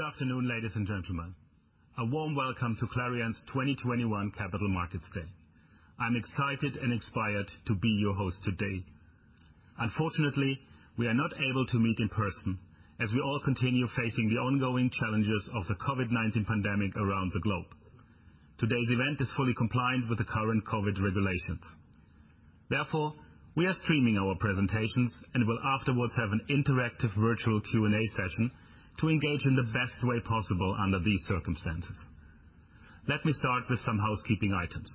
Good afternoon, ladies and gentlemen. A warm welcome to Clariant's 2021 Capital Markets Day. I'm excited and inspired to be your host today. Unfortunately, we are not able to meet in person, as we all continue facing the ongoing challenges of the COVID-19 pandemic around the globe. Today's event is fully compliant with the current COVID regulations. Therefore, we are streaming our presentations and will afterwards have an interactive virtual Q&A session to engage in the best way possible under these circumstances. Let me start with some housekeeping items.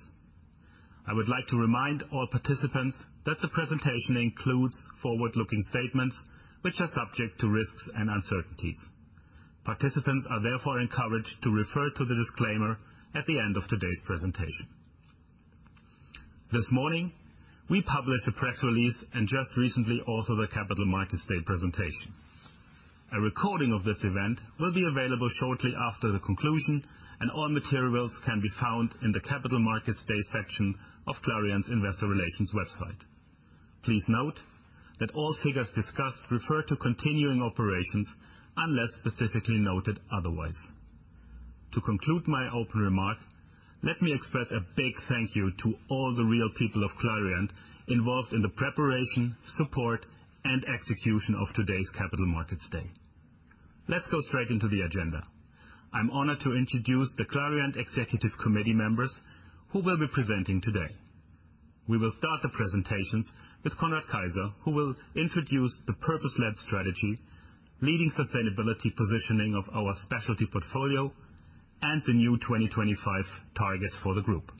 I would like to remind all participants that the presentation includes forward-looking statements which are subject to risks and uncertainties. Participants are therefore encouraged to refer to the disclaimer at the end of today's presentation. This morning, we published a press release and just recently also the Capital Markets Day presentation. A recording of this event will be available shortly after the conclusion, and all materials can be found in the Capital Markets Day section of Clariant's investor relations website. Please note that all figures discussed refer to continuing operations unless specifically noted otherwise. To conclude my opening remark, let me express a big thank you to all the real people of Clariant involved in the preparation, support, and execution of today's Capital Markets Day. Let's go straight into the agenda. I'm honored to introduce the Clariant executive committee members who will be presenting today. We will start the presentations with Conrad Keijzer, who will introduce the purpose-led strategy, leading sustainability positioning of our specialty portfolio, and the new 2025 targets for the group.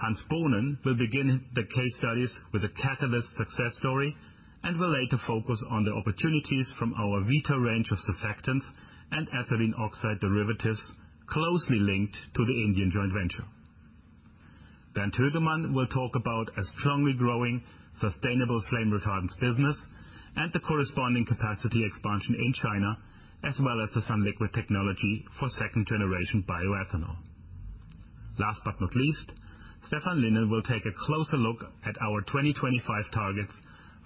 Hans Bohnen will begin the case studies with a catalyst success story and will later focus on the opportunities from our Vita range of surfactants and ethylene oxide derivatives closely linked to the Indian joint venture. Hoegemann will talk about a strongly growing sustainable flame retardants business and the corresponding capacity expansion in China, as well as the sunliquid technology for second generation bioethanol. Last but not least, Stephan Lynen will take a closer look at our 2025 targets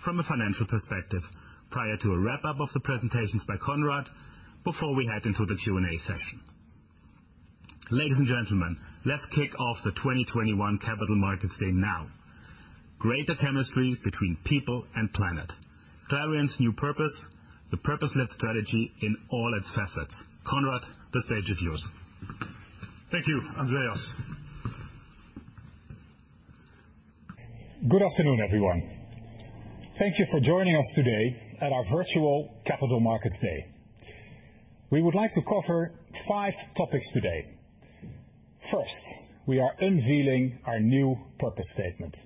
from a financial perspective prior to a wrap-up of the presentations by Conrad before we head into the Q&A session. Ladies and gentlemen, let's kick off the 2021 Capital Markets Day now. Greater chemistry between people and planet. Clariant's new purpose, the purpose-led strategy in all its facets. Conrad, the stage is yours. Thank you, Andreas. Good afternoon, everyone. Thank you for joining us today at our virtual Capital Markets Day. We would like to cover five topics today. First, we are unveiling our new purpose statement.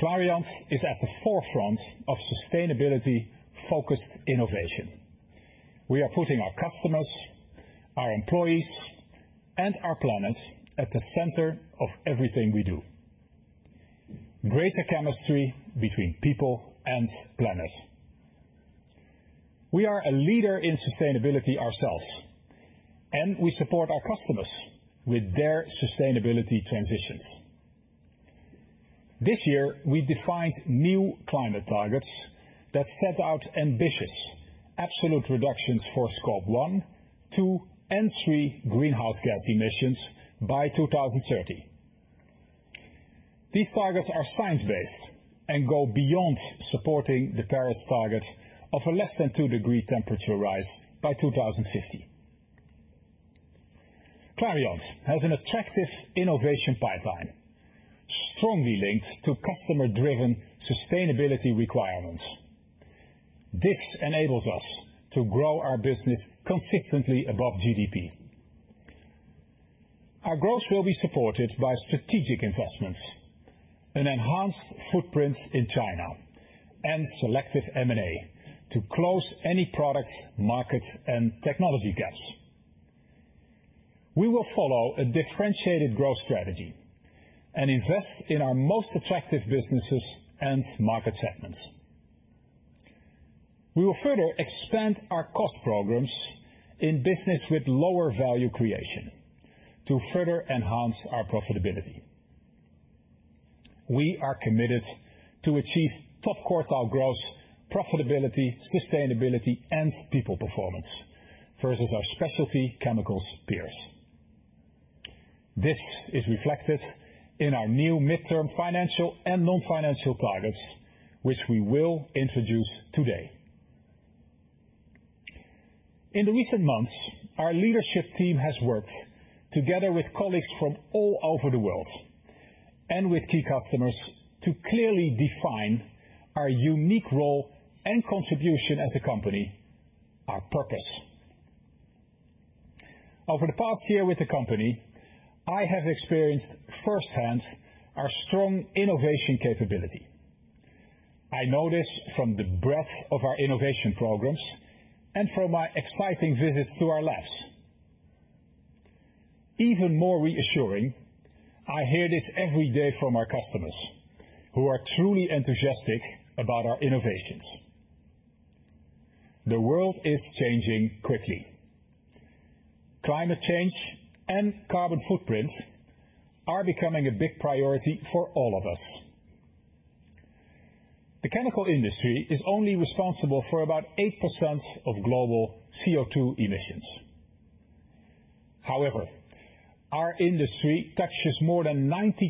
Clariant is at the forefront of sustainability-focused innovation. We are putting our customers, our employees, and our planet at the center of everything we do. Greater chemistry between people and planet. We are a leader in sustainability ourselves, and we support our customers with their sustainability transitions. This year, we defined new climate targets that set out ambitious absolute reductions for Scope 1, 2, and 3 greenhouse gas emissions by 2030. These targets are science-based and go beyond supporting the Paris target of a less than two degree temperature rise by 2050. Clariant has an attractive innovation pipeline strongly linked to customer-driven sustainability requirements. This enables us to grow our business consistently above GDP. Our growth will be supported by strategic investments, an enhanced footprint in China, and selective M&A to close any product, market, and technology gaps. We will follow a differentiated growth strategy and invest in our most attractive businesses and market segments. We will further expand our cost programs in business with lower value creation to further enhance our profitability. We are committed to achieve top quartile growth, profitability, sustainability, and people performance versus our specialty chemicals peers. This is reflected in our new midterm financial and non-financial targets, which we will introduce today. In the recent months, our leadership team has worked together with colleagues from all over the world and with key customers to clearly define our unique role and contribution as a company, our purpose. Over the past year with the company, I have experienced firsthand our strong innovation capability. I know this from the breadth of our innovation programs and from my exciting visits to our labs. Even more reassuring, I hear this every day from our customers who are truly enthusiastic about our innovations. The world is changing quickly. Climate change and carbon footprints are becoming a big priority for all of us. The chemical industry is only responsible for about 8% of global CO2 emissions. However, our industry touches more than 90%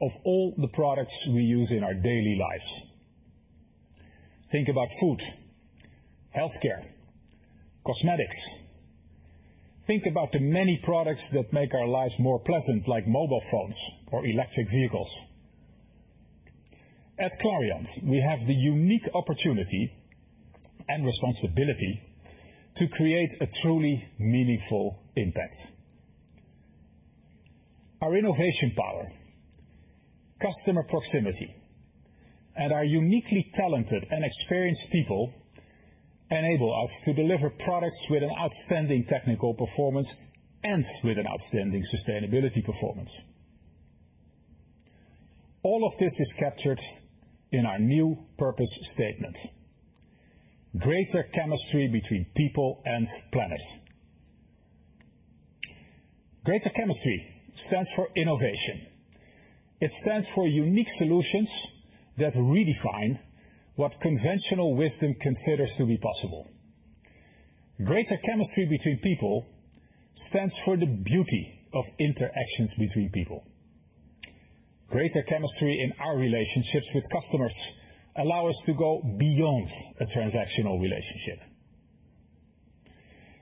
of all the products we use in our daily lives. Think about food, healthcare, cosmetics. Think about the many products that make our lives more pleasant, like mobile phones or electric vehicles. At Clariant, we have the unique opportunity and responsibility to create a truly meaningful impact. Our innovation power, customer proximity, and our uniquely talented and experienced people enable us to deliver products with an outstanding technical performance and with an outstanding sustainability performance. All of this is captured in our new purpose statement, Greater Chemistry Between People and Planet. Greater chemistry stands for innovation. It stands for unique solutions that redefine what conventional wisdom considers to be possible. Greater chemistry between people stands for the beauty of interactions between people. Greater chemistry in our relationships with customers allow us to go beyond a transactional relationship.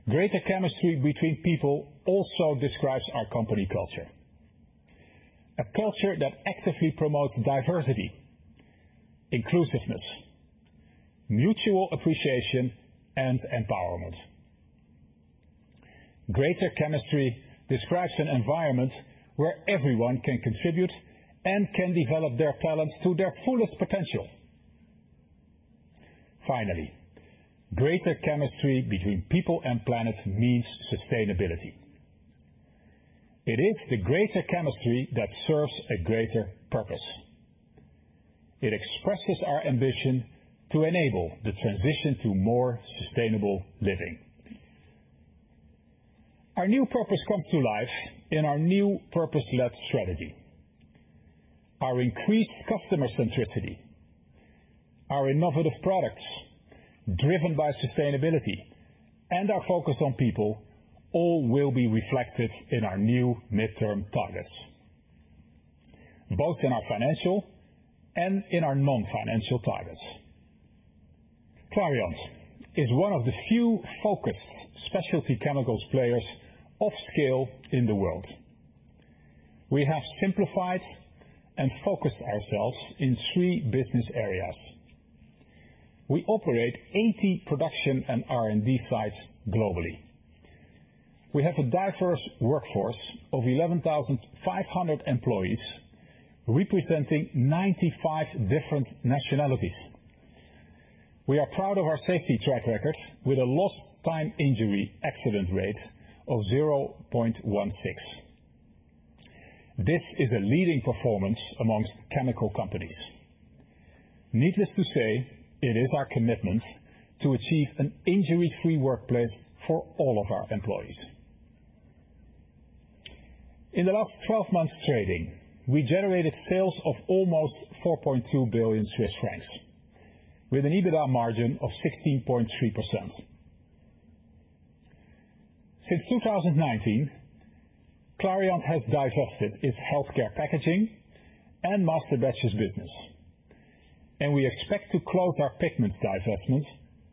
Greater chemistry between people also describes our company culture, a culture that actively promotes diversity, inclusiveness, mutual appreciation, and empowerment. Greater chemistry describes an environment where everyone can contribute and can develop their talents to their fullest potential. Finally, greater chemistry between people and planet means sustainability. It is the greater chemistry that serves a greater purpose. It expresses our ambition to enable the transition to more sustainable living. Our new purpose comes to life in our new purpose-led strategy. Our increased customer centricity, our innovative products driven by sustainability, and our focus on people all will be reflected in our new midterm targets, both in our financial and in our non-financial targets. Clariant is one of the few focused specialty chemicals players of scale in the world. We have simplified and focused ourselves in three business areas. We operate 80 production and R&D sites globally. We have a diverse workforce of 11,500 employees, representing 95 different nationalities. We are proud of our safety track record with a lost time injury accident rate of 0.16. This is a leading performance among chemical companies. Needless to say, it is our commitment to achieve an injury-free workplace for all of our employees. In the last 12 months trading, we generated sales of almost 4.2 billion Swiss francs with an EBITDA margin of 16.3%. Since 2019, Clariant has divested its healthcare packaging and masterbatches business, and we expect to close our pigments divestment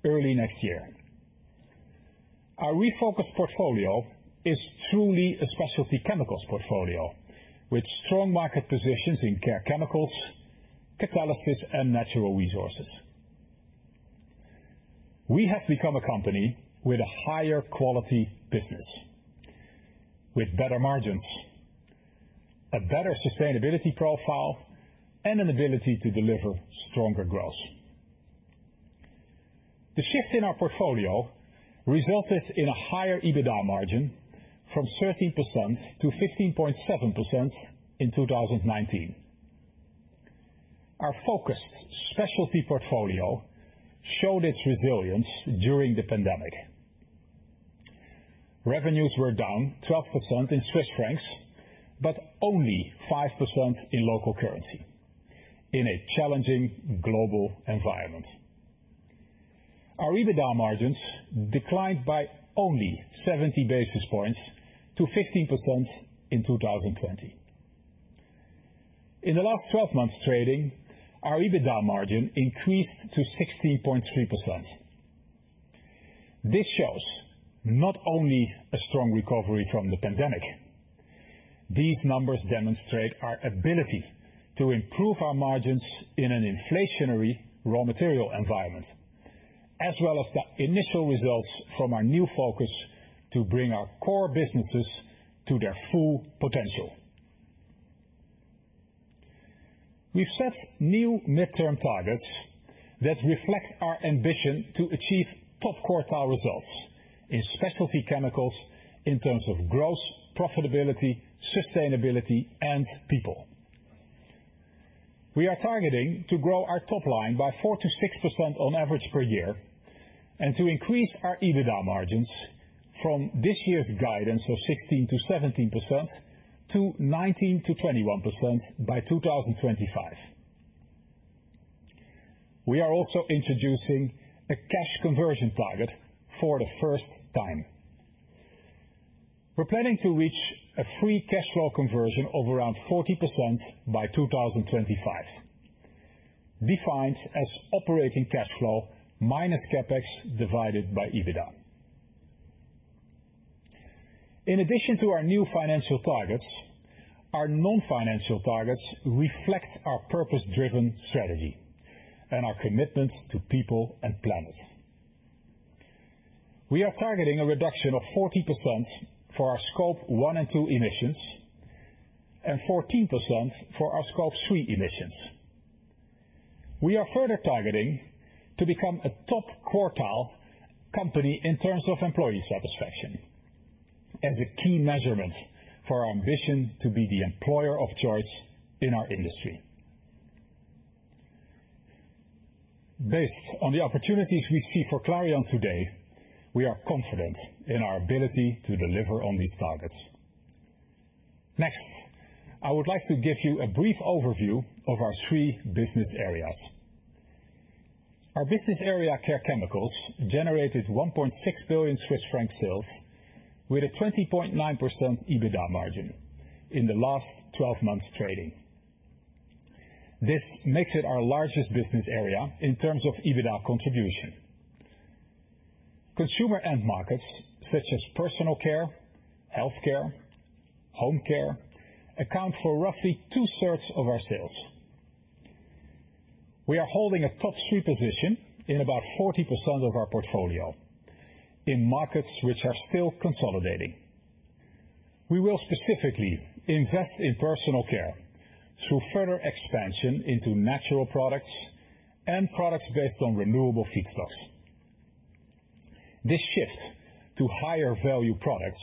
early next year. Our refocused portfolio is truly a specialty chemicals portfolio with strong market positions in Care Chemicals, Catalysis, and Natural Resources. We have become a company with a higher quality business, with better margins, a better sustainability profile, and an ability to deliver stronger growth. The shift in our portfolio resulted in a higher EBITDA margin from 13% to 15.7% in 2019. Our focused specialty portfolio showed its resilience during the pandemic. Revenues were down 12% in Swiss francs, but only 5% in local currency in a challenging global environment. Our EBITDA margins declined by only 70 basis points to 15% in 2020. In the last twelve months trading, our EBITDA margin increased to 16.3%. This shows not only a strong recovery from the pandemic. These numbers demonstrate our ability to improve our margins in an inflationary raw material environment, as well as the initial results from our new focus to bring our core businesses to their full potential. We've set new midterm targets that reflect our ambition to achieve top quartile results in specialty chemicals in terms of growth, profitability, sustainability, and people. We are targeting to grow our top line by 4%-6% on average per year. To increase our EBITDA margins from this year's guidance of 16%-17% to 19%-21% by 2025. We are also introducing a cash conversion target for the first time. We're planning to reach a free cash flow conversion of around 40% by 2025, defined as operating cash flow minus CapEx divided by EBITDA. In addition to our new financial targets, our non-financial targets reflect our purpose-driven strategy and our commitment to people and planet. We are targeting a reduction of 40% for our Scope 1 and 2 emissions and 14% for our Scope 3 emissions. We are further targeting to become a top quartile company in terms of employee satisfaction as a key measurement for our ambition to be the employer of choice in our industry. Based on the opportunities we see for Clariant today, we are confident in our ability to deliver on these targets. Next, I would like to give you a brief overview of our three business areas. Our business area, Care Chemicals, generated 1.6 billion Swiss franc sales with a 20.9% EBITDA margin in the last 12 months trading. This makes it our largest business area in terms of EBITDA contribution. Consumer end markets such as personal care, healthcare, home care, account for roughly two-thirds of our sales. We are holding a top three position in about 40% of our portfolio in markets which are still consolidating. We will specifically invest in personal care through further expansion into natural products and products based on renewable feedstocks. This shift to higher value products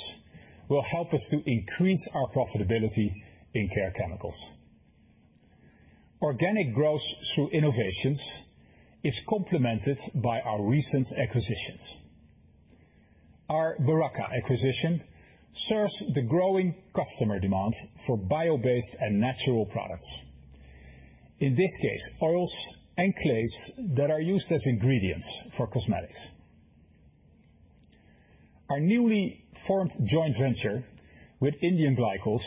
will help us to increase our profitability in Care Chemicals. Organic growth through innovations is complemented by our recent acquisitions. Our Beraca acquisition serves the growing customer demand for bio-based and natural products, in this case, oils and clays that are used as ingredients for cosmetics. Our newly formed joint venture with India Glycols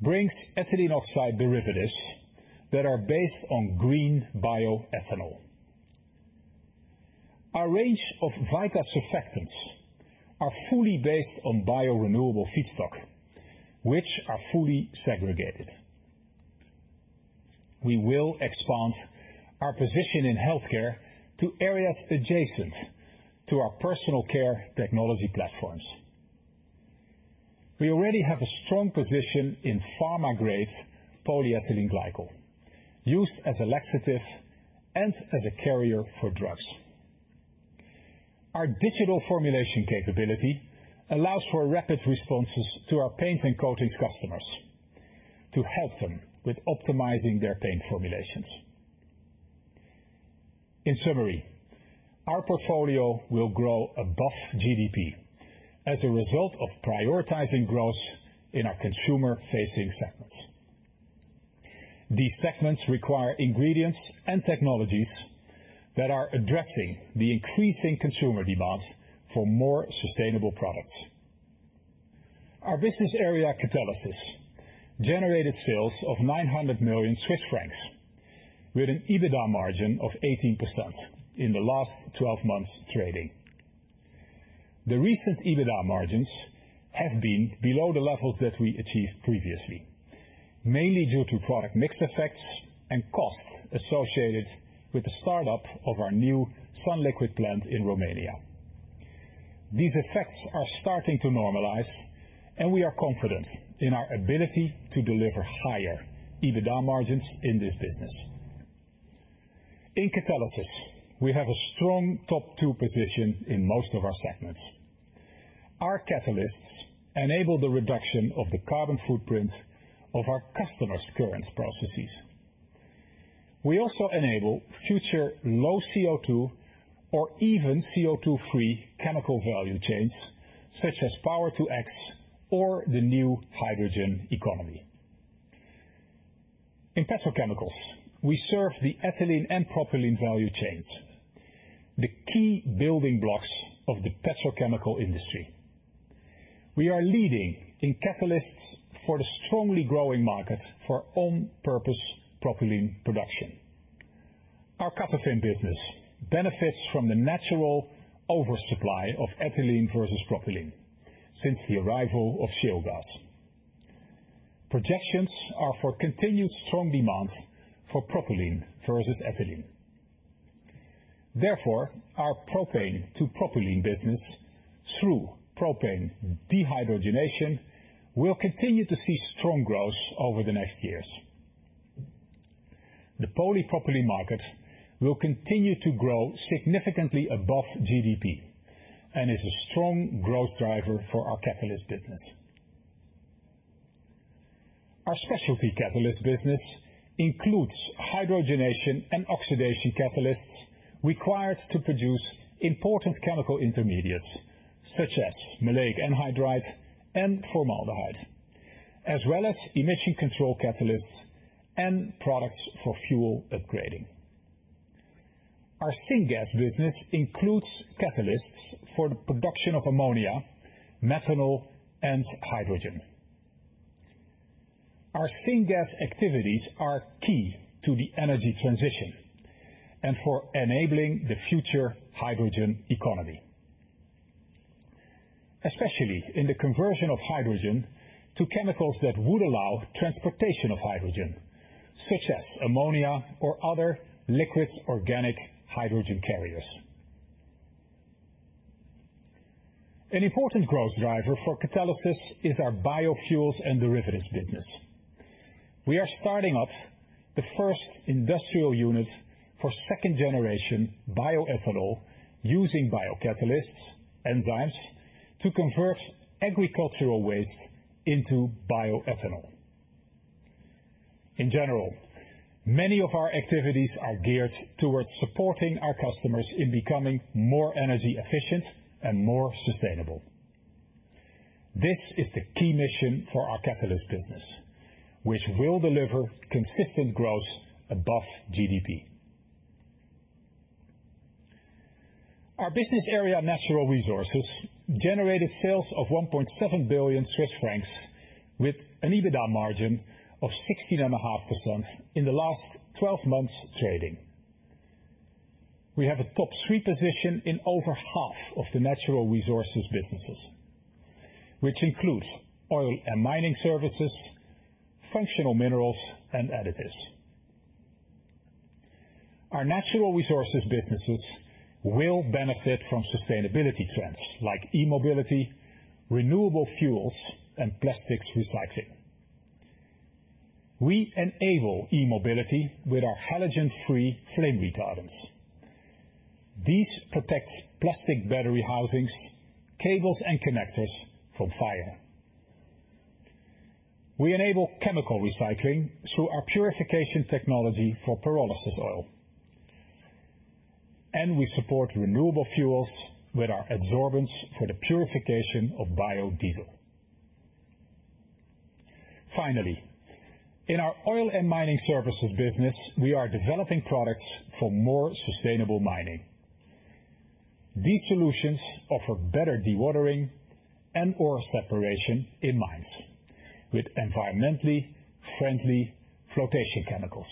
brings ethylene oxide derivatives that are based on green bioethanol. Our range of Vita surfactants are fully based on biorenewable feedstock, which are fully segregated. We will expand our position in healthcare to areas adjacent to our personal care technology platforms. We already have a strong position in pharma-grade polyethylene glycol, used as a laxative and as a carrier for drugs. Our digital formulation capability allows for rapid responses to our paints and coatings customers to help them with optimizing their paint formulations. In summary, our portfolio will grow above GDP as a result of prioritizing growth in our consumer-facing segments. These segments require ingredients and technologies that are addressing the increasing consumer demand for more sustainable products. Our business area, Catalysis, generated sales of 900 million Swiss francs with an EBITDA margin of 18% in the last 12 months trailing. The recent EBITDA margins have been below the levels that we achieved previously, mainly due to product mix effects and costs associated with the start-up of our new sunliquid plant in Romania. These effects are starting to normalize, and we are confident in our ability to deliver higher EBITDA margins in this business. In Catalysis, we have a strong top two position in most of our segments. Our catalysts enable the reduction of the carbon footprint of our customers' current processes. We also enable future low CO₂ or even CO₂-free chemical value chains such as Power-to-X or the new hydrogen economy. In Petrochemicals, we serve the ethylene and propylene value chains, the key building blocks of the petrochemical industry. We are leading in catalysts for the strongly growing market for on-purpose propylene production. Our Catalysis business benefits from the natural oversupply of ethylene versus propylene since the arrival of shale gas. Projections are for continued strong demand for propylene versus ethylene. Therefore, our propane to propylene business through propane dehydrogenation will continue to see strong growth over the next years. The polypropylene market will continue to grow significantly above GDP and is a strong growth driver for our catalyst business. Our specialty catalyst business includes hydrogenation and oxidation catalysts required to produce important chemical intermediates such as maleic anhydride and formaldehyde, as well as emission control catalysts and products for fuel upgrading. Our syngas business includes catalysts for the production of ammonia, methanol, and hydrogen. Our syngas activities are key to the energy transition and for enabling the future hydrogen economy, especially in the conversion of hydrogen to chemicals that would allow transportation of hydrogen such as ammonia or other liquid organic hydrogen carriers. An important growth driver for Catalysis is our biofuels and derivatives business. We are starting up the first industrial unit for second generation bioethanol using biocatalysts, enzymes, to convert agricultural waste into bioethanol. In general, many of our activities are geared towards supporting our customers in becoming more energy efficient and more sustainable. This is the key mission for our Catalysis business, which will deliver consistent growth above GDP. Our business area, Natural Resources, generated sales of 1.7 billion Swiss francs with an EBITDA margin of 16.5% in the trailing 12 months. We have a top three position in over half of the Natural Resources businesses, which includes oil and mining services, functional minerals and additives. Our Natural Resources businesses will benefit from sustainability trends like e-mobility, renewable fuels, and plastics recycling. We enable e-mobility with our halogen-free flame retardants. These protect plastic battery housings, cables and connectors from fire. We enable chemical recycling through our purification technology for pyrolysis oil, and we support renewable fuels with our absorbents for the purification of biodiesel. Finally, in our oil and mining services business, we are developing products for more sustainable mining. These solutions offer better dewatering and ore separation in mines with environmentally friendly flotation chemicals.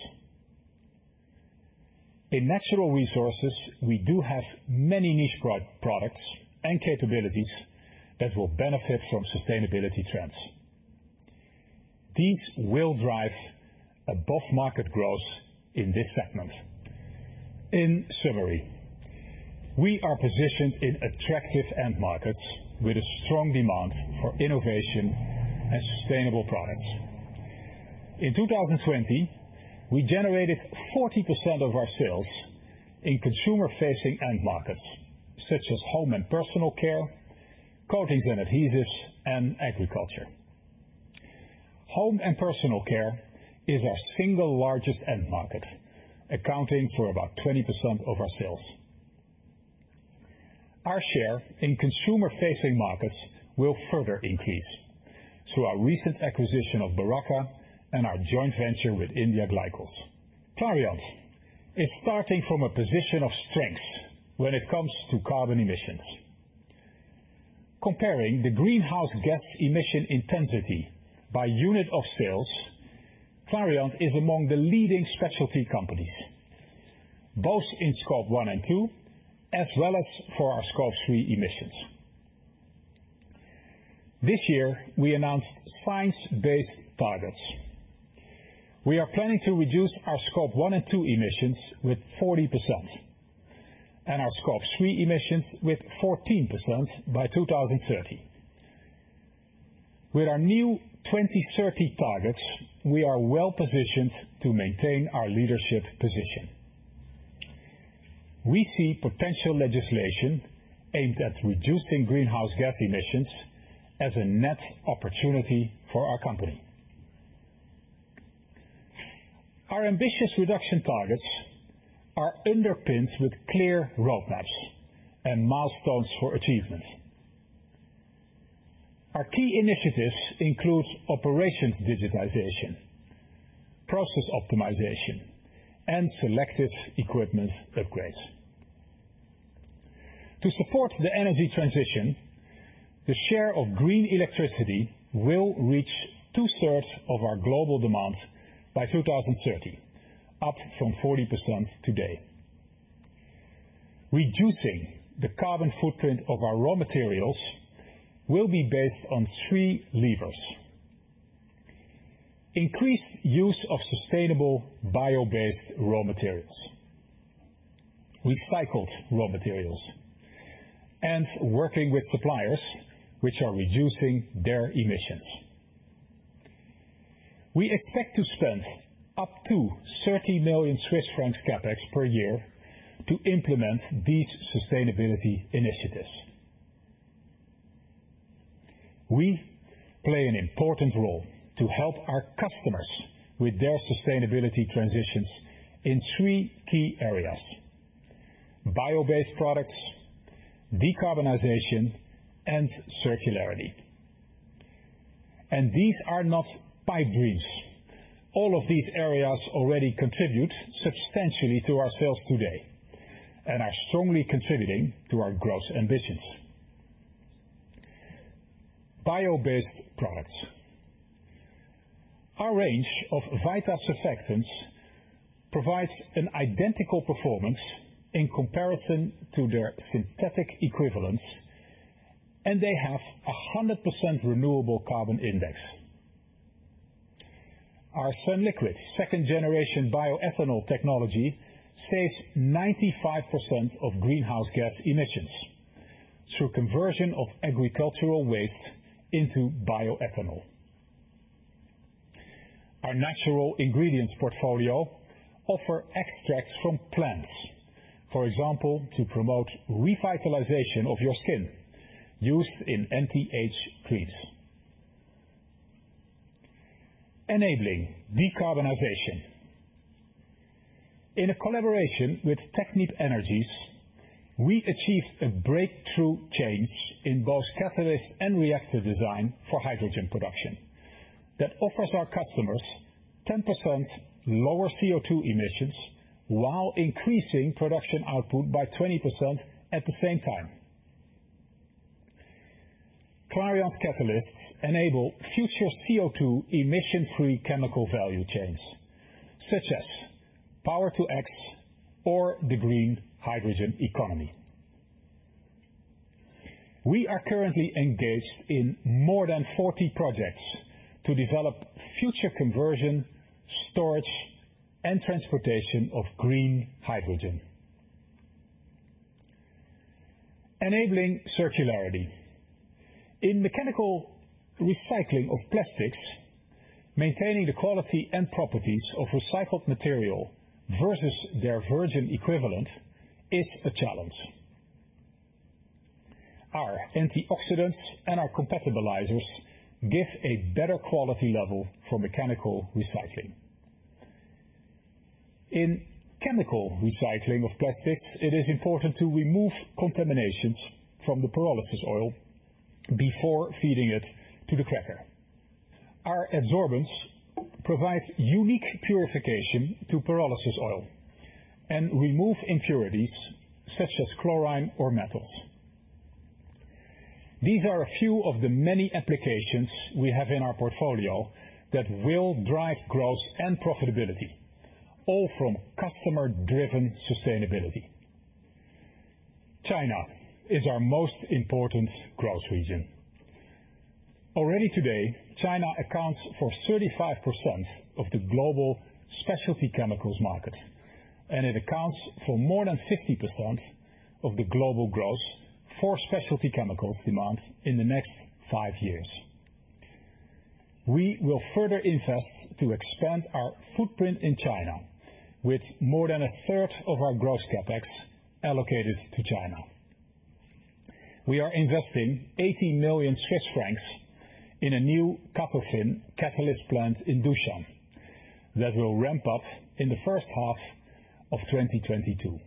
In Natural Resources, we do have many niche products and capabilities that will benefit from sustainability trends. These will drive above market growth in this segment. In summary, we are positioned in attractive end markets with a strong demand for innovation and sustainable products. In 2020, we generated 40% of our sales in consumer-facing end markets such as home and personal care, coatings and adhesives, and agriculture. Home and personal care is our single largest end market, accounting for about 20% of our sales. Our share in consumer facing markets will further increase through our recent acquisition of Beraca and our joint venture with India Glycols. Clariant is starting from a position of strength when it comes to carbon emissions. Comparing the greenhouse gas emission intensity by unit of sales, Clariant is among the leading specialty companies, both in Scope 1 and 2, as well as for our Scope 3 emissions. This year, we announced science-based targets. We are planning to reduce our Scope 1 and 2 emissions with 40% and our Scope 3 emissions with 14% by 2030. With our new 2030 targets, we are well positioned to maintain our leadership position. We see potential legislation aimed at reducing greenhouse gas emissions as a net opportunity for our company. Our ambitious reduction targets are underpinned with clear roadmaps and milestones for achievement. Our key initiatives include operations digitization, process optimization, and selective equipment upgrades. To support the energy transition, the share of green electricity will reach two-thirds of our global demand by 2030, up from 40% today. Reducing the carbon footprint of our raw materials will be based on three levers, increased use of sustainable bio-based raw materials, recycled raw materials, and working with suppliers which are reducing their emissions. We expect to spend up to 30 million Swiss francs CapEx per year to implement these sustainability initiatives. We play an important role to help our customers with their sustainability transitions in three key areas, bio-based products, decarbonization, and circularity. These are not pipe dreams. All of these areas already contribute substantially to our sales today and are strongly contributing to our growth ambitions. Bio-based products. Our range of Vita surfactants provides an identical performance in comparison to their synthetic equivalents, and they have a 100% renewable carbon index. Our sunliquid second generation bioethanol technology saves 95% of greenhouse gas emissions through conversion of agricultural waste into bioethanol. Our natural ingredients portfolio offer extracts from plants, for example, to promote revitalization of your skin used in anti-age creams. Enabling decarbonization. In a collaboration with Technip Energies, we achieved a breakthrough change in both catalyst and reactor design for hydrogen production that offers our customers 10% lower CO2 emissions while increasing production output by 20% at the same time. Clariant catalysts enable future CO2 emission-free chemical value chains such as Power-to-X or the green hydrogen economy. We are currently engaged in more than 40 projects to develop future conversion, storage, and transportation of green hydrogen. Enabling circularity. In mechanical recycling of plastics, maintaining the quality and properties of recycled material versus their virgin equivalent is a challenge. Our antioxidants and our compatibilizers give a better quality level for mechanical recycling. In chemical recycling of plastics, it is important to remove contaminations from the pyrolysis oil before feeding it to the cracker. Our adsorbents provide unique purification to pyrolysis oil and remove impurities such as chlorine or metals. These are a few of the many applications we have in our portfolio that will drive growth and profitability, all from customer-driven sustainability. China is our most important growth region. Already today, China accounts for 35% of the global specialty chemicals market, and it accounts for more than 50% of the global growth for specialty chemicals demand in the next five years. We will further invest to expand our footprint in China with more than a third of our growth CapEx allocated to China. We are investing 80 million Swiss francs in a new CATOFIN catalyst plant in Du Shan that will ramp up in the first half of 2022.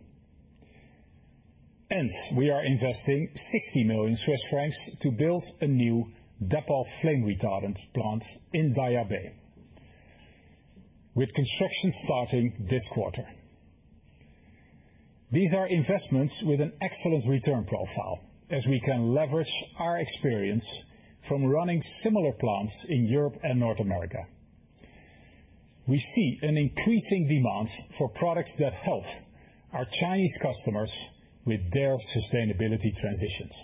We are investing 60 million Swiss francs to build a new Exolit flame retardant plant in Daya Bay, with construction starting this quarter. These are investments with an excellent return profile as we can leverage our experience from running similar plants in Europe and North America. We see an increasing demand for products that help our Chinese customers with their sustainability transitions.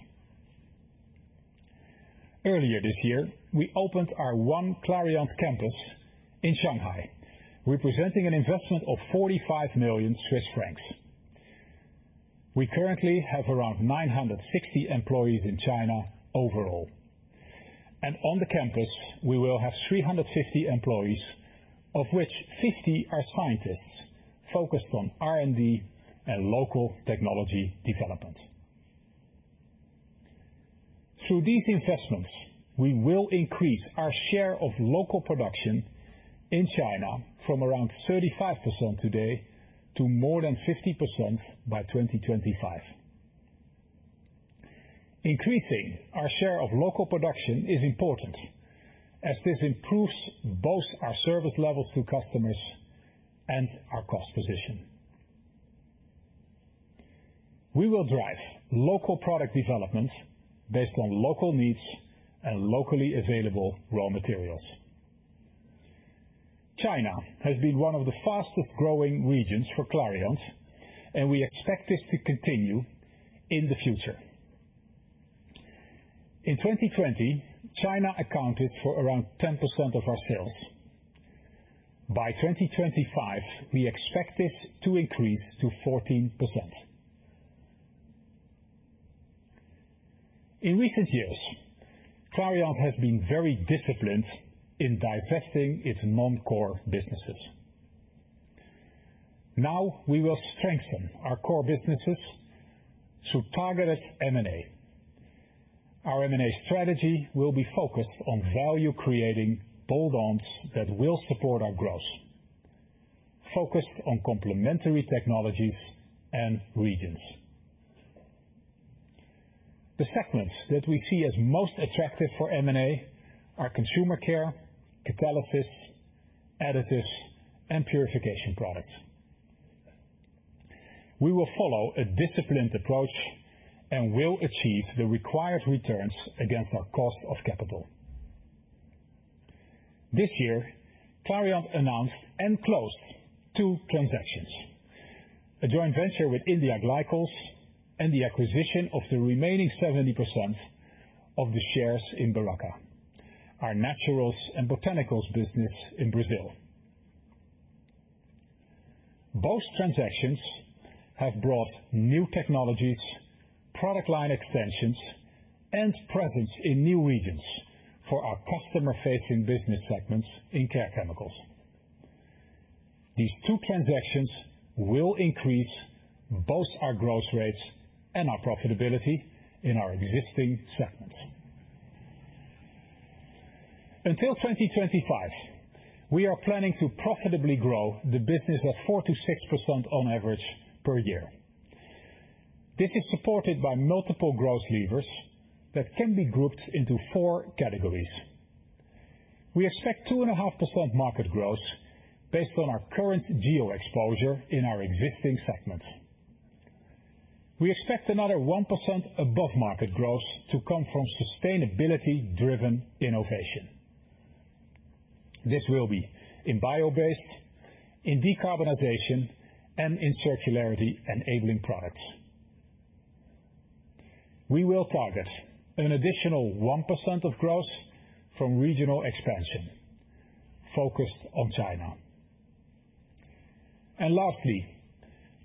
Earlier this year, we opened our one Clariant campus in Shanghai, representing an investment of 45 million Swiss francs. We currently have around 960 employees in China overall. On the campus, we will have 350 employees, of which 50 are scientists focused on R&D and local technology development. Through these investments, we will increase our share of local production in China from around 35% today to more than 50% by 2025. Increasing our share of local production is important as this improves both our service levels to customers and our cost position. We will drive local product development based on local needs and locally available raw materials. China has been one of the fastest-growing regions for Clariant, and we expect this to continue in the future. In 2020, China accounted for around 10% of our sales. By 2025, we expect this to increase to 14%. In recent years, Clariant has been very disciplined in divesting its non-core businesses. Now we will strengthen our core businesses through targeted M&A. Our M&A strategy will be focused on value creating build-ons that will support our growth. Focused on complementary technologies and regions. The segments that we see as most attractive for M&A are Consumer Care, Catalysis, Additives, and Purification Products. We will follow a disciplined approach and will achieve the required returns against our cost of capital. This year, Clariant announced and closed two transactions. A joint venture with India Glycols and the acquisition of the remaining 70% of the shares in Beraca, our naturals and botanicals business in Brazil. Both transactions have brought new technologies, product line extensions, and presence in new regions for our customer-facing business segments in Care Chemicals. These two transactions will increase both our growth rates and our profitability in our existing segments. Until 2025, we are planning to profitably grow the business 4%-6% on average per year. This is supported by multiple growth levers that can be grouped into four categories. We expect 2.5% market growth based on our current geo-exposure in our existing segments. We expect another 1% above market growth to come from sustainability-driven innovation. This will be in bio-based, in decarbonization, and in circularity-enabling products. We will target an additional 1% of growth from regional expansion focused on China. Lastly,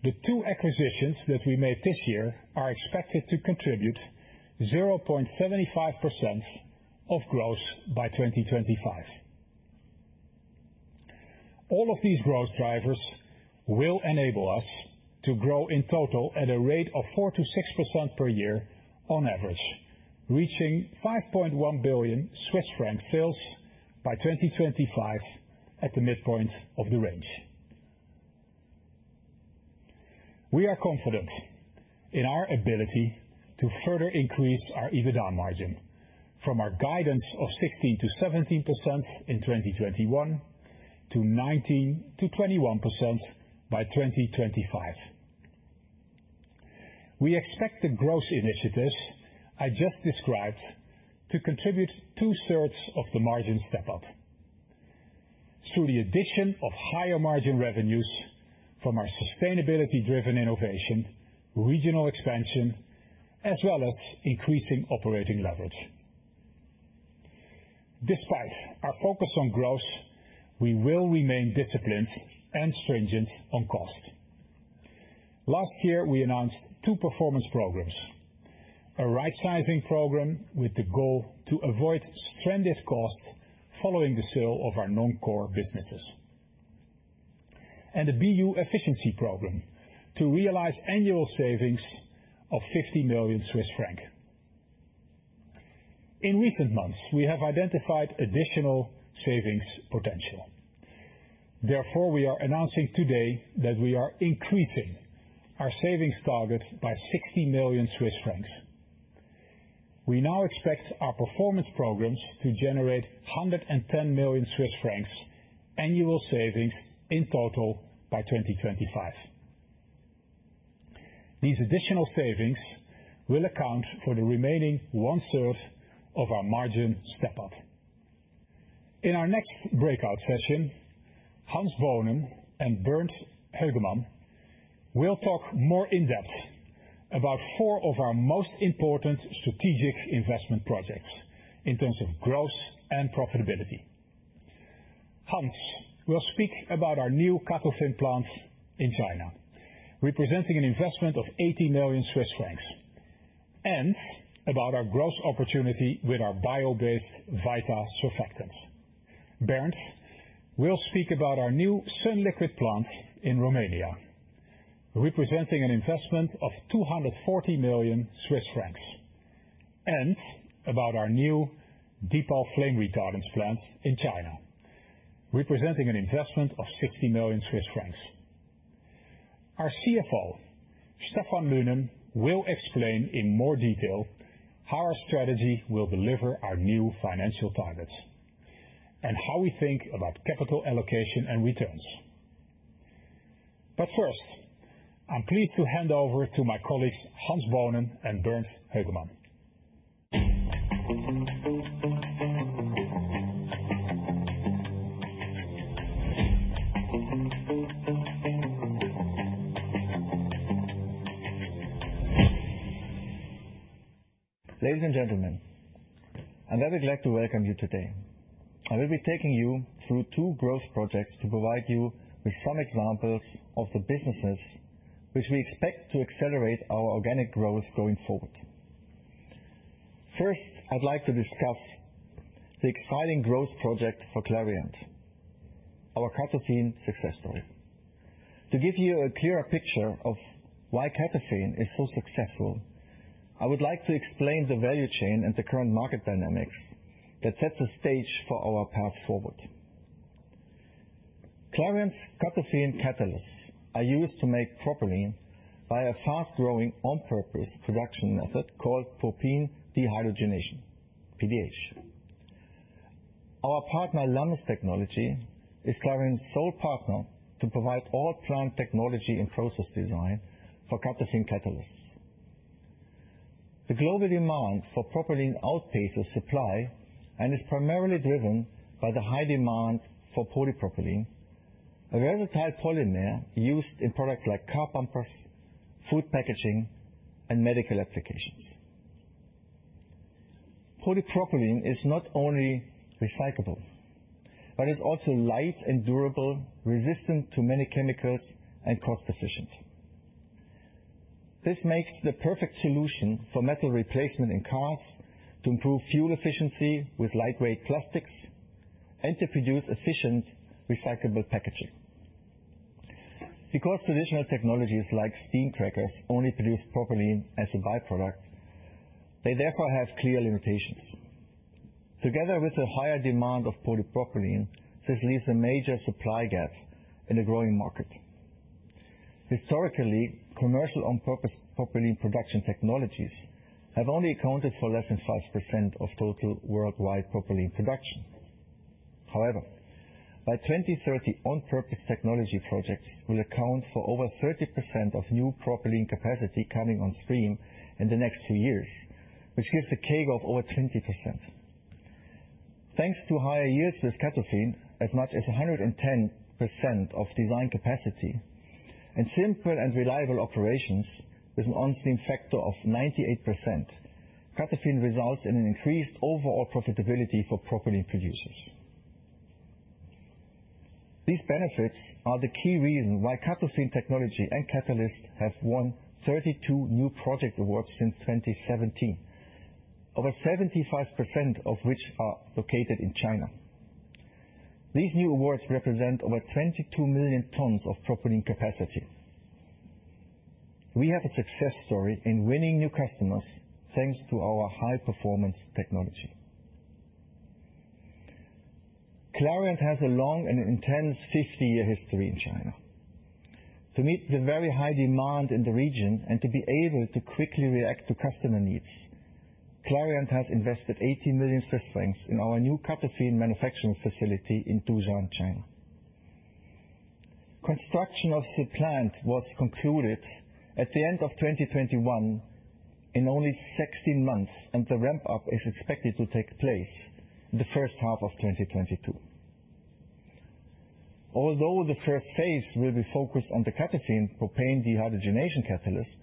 the two acquisitions that we made this year are expected to contribute 0.75% of growth by 2025. All of these growth drivers will enable us to grow in total at a rate of 4%-6% per year on average, reaching 5.1 billion Swiss franc sales by 2025 at the midpoint of the range. We are confident in our ability to further increase our EBITDA margin from our guidance of 16%-17% in 2021 to 19%-21% by 2025. We expect the growth initiatives I just described to contribute two-thirds of the margin step up through the addition of higher margin revenues from our sustainability-driven innovation, regional expansion, as well as increasing operating leverage. Despite our focus on growth, we will remain disciplined and stringent on cost. Last year, we announced two performance programs. A rightsizing program with the goal to avoid stranded costs following the sale of our non-core businesses. A BU efficiency program to realize annual savings of 50 million Swiss francs. In recent months, we have identified additional savings potential. Therefore, we are announcing today that we are increasing our savings target by 60 million Swiss francs. We now expect our performance programs to generate 110 million Swiss francs annual savings in total by 2025. These additional savings will account for the remaining one-third of our margin step up. In our next breakout session, Hans Bohnen and Bernd Hoegemann will talk more in depth about four of our most important strategic investment projects in terms of growth and profitability. Hans Bohnen will speak about our new CATOFIN plant in China, representing an investment of 80 million Swiss francs, and about our growth opportunity with our bio-based Vita surfactant. Bernd Hoegemann will speak about our new sunliquid plant in Romania, representing an investment of 240 million Swiss francs, and about our new Exolit flame retardants plant in China, representing an investment of 60 million Swiss francs. Our CFO, Stephan Lynen, will explain in more detail how our strategy will deliver our new financial targets and how we think about capital allocation and returns. First, I'm pleased to hand over to my colleagues, Hans Bohnen and Bernd Hoegemann. Ladies and gentlemen, I'm very glad to welcome you today. I will be taking you through two growth projects to provide you with some examples of the businesses which we expect to accelerate our organic growth going forward. First, I'd like to discuss the exciting growth project for Clariant, our CATOFIN success story. To give you a clearer picture of why CATOFIN is so successful, I would like to explain the value chain and the current market dynamics that sets the stage for our path forward. Clariant's CATOFIN catalysts are used to make propylene by a fast-growing on-purpose production method called propane dehydrogenation, PDH. Our partner, Lummus Technology, is Clariant's sole partner to provide all plant technology and process design for CATOFIN catalysts. The global demand for propylene outpaces supply and is primarily driven by the high demand for polypropylene, a versatile polymer used in products like car bumpers, food packaging, and medical applications. Polypropylene is not only recyclable, but it's also light and durable, resistant to many chemicals, and cost efficient. This makes the perfect solution for metal replacement in cars to improve fuel efficiency with lightweight plastics and to produce efficient, recyclable packaging. Because traditional technologies like steam crackers only produce propylene as a by-product, they therefore have clear limitations. Together with the higher demand of polypropylene, this leaves a major supply gap in a growing market. Historically, commercial on-purpose propylene production technologies have only accounted for less than 5% of total worldwide propylene production. However, by 2030, on-purpose technology projects will account for over 30% of new propylene capacity coming on stream in the next few years, which gives a CAGR of over 20%. Thanks to higher yields with CATOFIN, as much as 110% of design capacity, and simpler and reliable operations with an on-stream factor of 98%, CATOFIN results in an increased overall profitability for propylene producers. These benefits are the key reason why CATOFIN technology and catalysts have won 32 new project awards since 2017. Over 75% of which are located in China. These new awards represent over 22 million tons of propylene capacity. We have a success story in winning new customers, thanks to our high performance technology. Clariant has a long and intense 50-year history in China. To meet the very high demand in the region and to be able to quickly react to customer needs, Clariant has invested 80 million Swiss francs in our new CATOFIN manufacturing facility in Jiaxing. Construction of said plant was concluded at the end of 2021 in only 16 months, and the ramp up is expected to take place in the first half of 2022. Although the first phase will be focused on the CATOFIN propane dehydrogenation catalyst,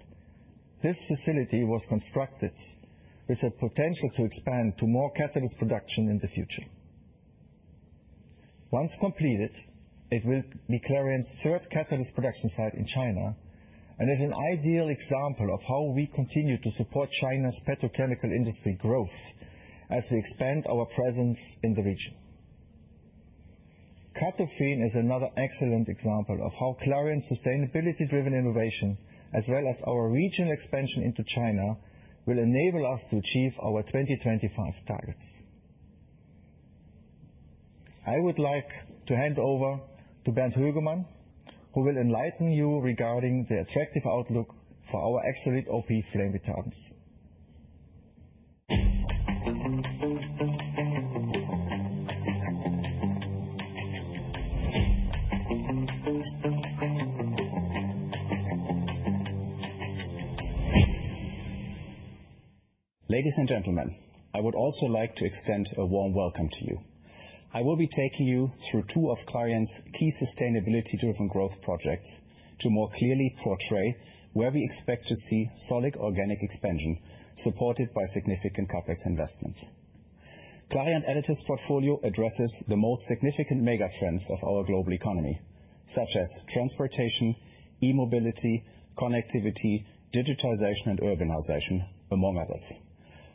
this facility was constructed with the potential to expand to more catalyst production in the future. Once completed, it will be Clariant's third catalyst production site in China, and is an ideal example of how we continue to support China's petrochemical industry growth as we expand our presence in the region. CATOFIN is another excellent example of how Clariant's sustainability-driven innovation, as well as our region expansion into China, will enable us to achieve our 2025 targets. I would like to hand over to Bernd Hoegemann, who will enlighten you regarding the attractive outlook for our Exolit OP flame retardants. Ladies and gentlemen, I would also like to extend a warm welcome to you. I will be taking you through two of Clariant's key sustainability-driven growth projects to more clearly portray where we expect to see solid organic expansion, supported by significant CapEx investments. Clariant's additives portfolio addresses the most significant mega trends of our global economy, such as transportation, e-mobility, connectivity, digitization and urbanization, among others.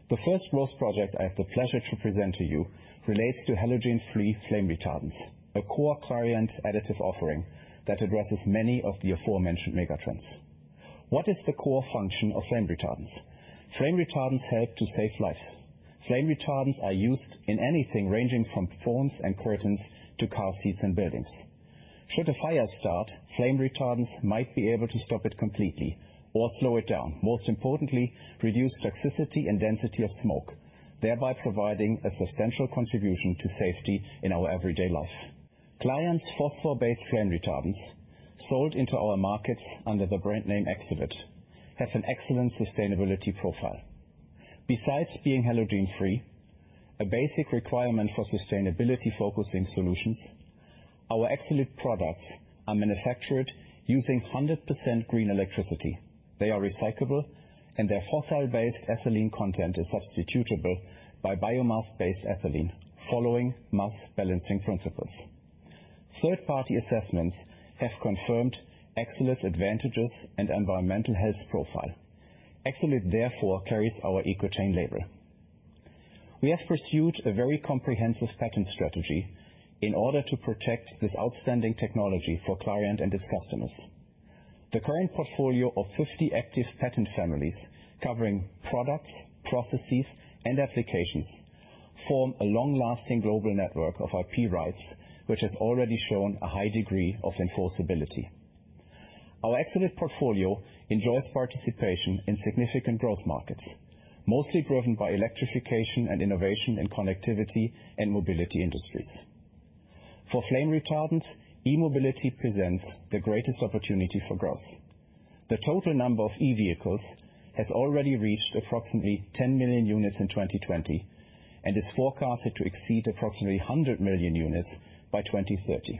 The first growth project I have the pleasure to present to you relates to halogen-free flame retardants, a core Clariant additive offering that addresses many of the aforementioned mega trends. What is the core function of flame retardants? Flame retardants help to save lives. Flame retardants are used in anything ranging from foams and curtains to car seats and buildings. Should a fire start, flame retardants might be able to stop it completely or slow it down. Most importantly, reduce toxicity and density of smoke, thereby providing a substantial contribution to safety in our everyday life. Clariant's phosphorus-based flame retardants, sold into our markets under the brand name Exolit, has an excellent sustainability profile. Besides being halogen-free, a basic requirement for sustainability-focused solutions, our Exolit products are manufactured using 100% green electricity. They are recyclable, and their fossil-based ethylene content is substitutable by biomass-based ethylene, following mass balancing principles. Third-party assessments have confirmed Exolit's advantages and environmental health profile. Exolit therefore carries our EcoTain label. We have pursued a very comprehensive patent strategy in order to protect this outstanding technology for Clariant and its customers. The current portfolio of 50 active patent families covering products, processes, and applications form a long-lasting global network of IP rights, which has already shown a high degree of enforceability. Our Exolit portfolio enjoys participation in significant growth markets, mostly driven by electrification and innovation in connectivity and mobility industries. For flame retardants, e-mobility presents the greatest opportunity for growth. The total number of e-vehicles has already reached approximately 10 million units in 2020 and is forecasted to exceed approximately 100 million units by 2030.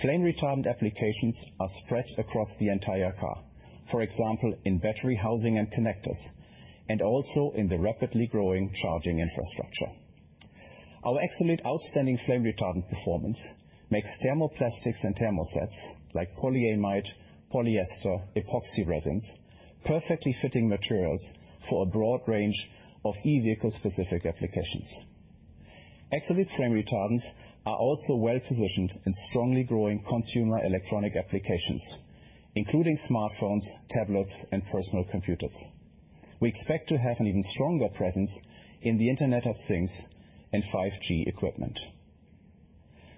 Flame retardant applications are spread across the entire car, for example, in battery housing and connectors, and also in the rapidly growing charging infrastructure. Our Exolit's outstanding flame retardant performance makes thermoplastics and thermosets, like polyamide, polyester, epoxy resins, perfectly fitting materials for a broad range of e-vehicle specific applications. Exolit flame retardants are also well-positioned in strongly growing consumer electronic applications, including smartphones, tablets, and personal computers. We expect to have an even stronger presence in the Internet of Things and 5G equipment.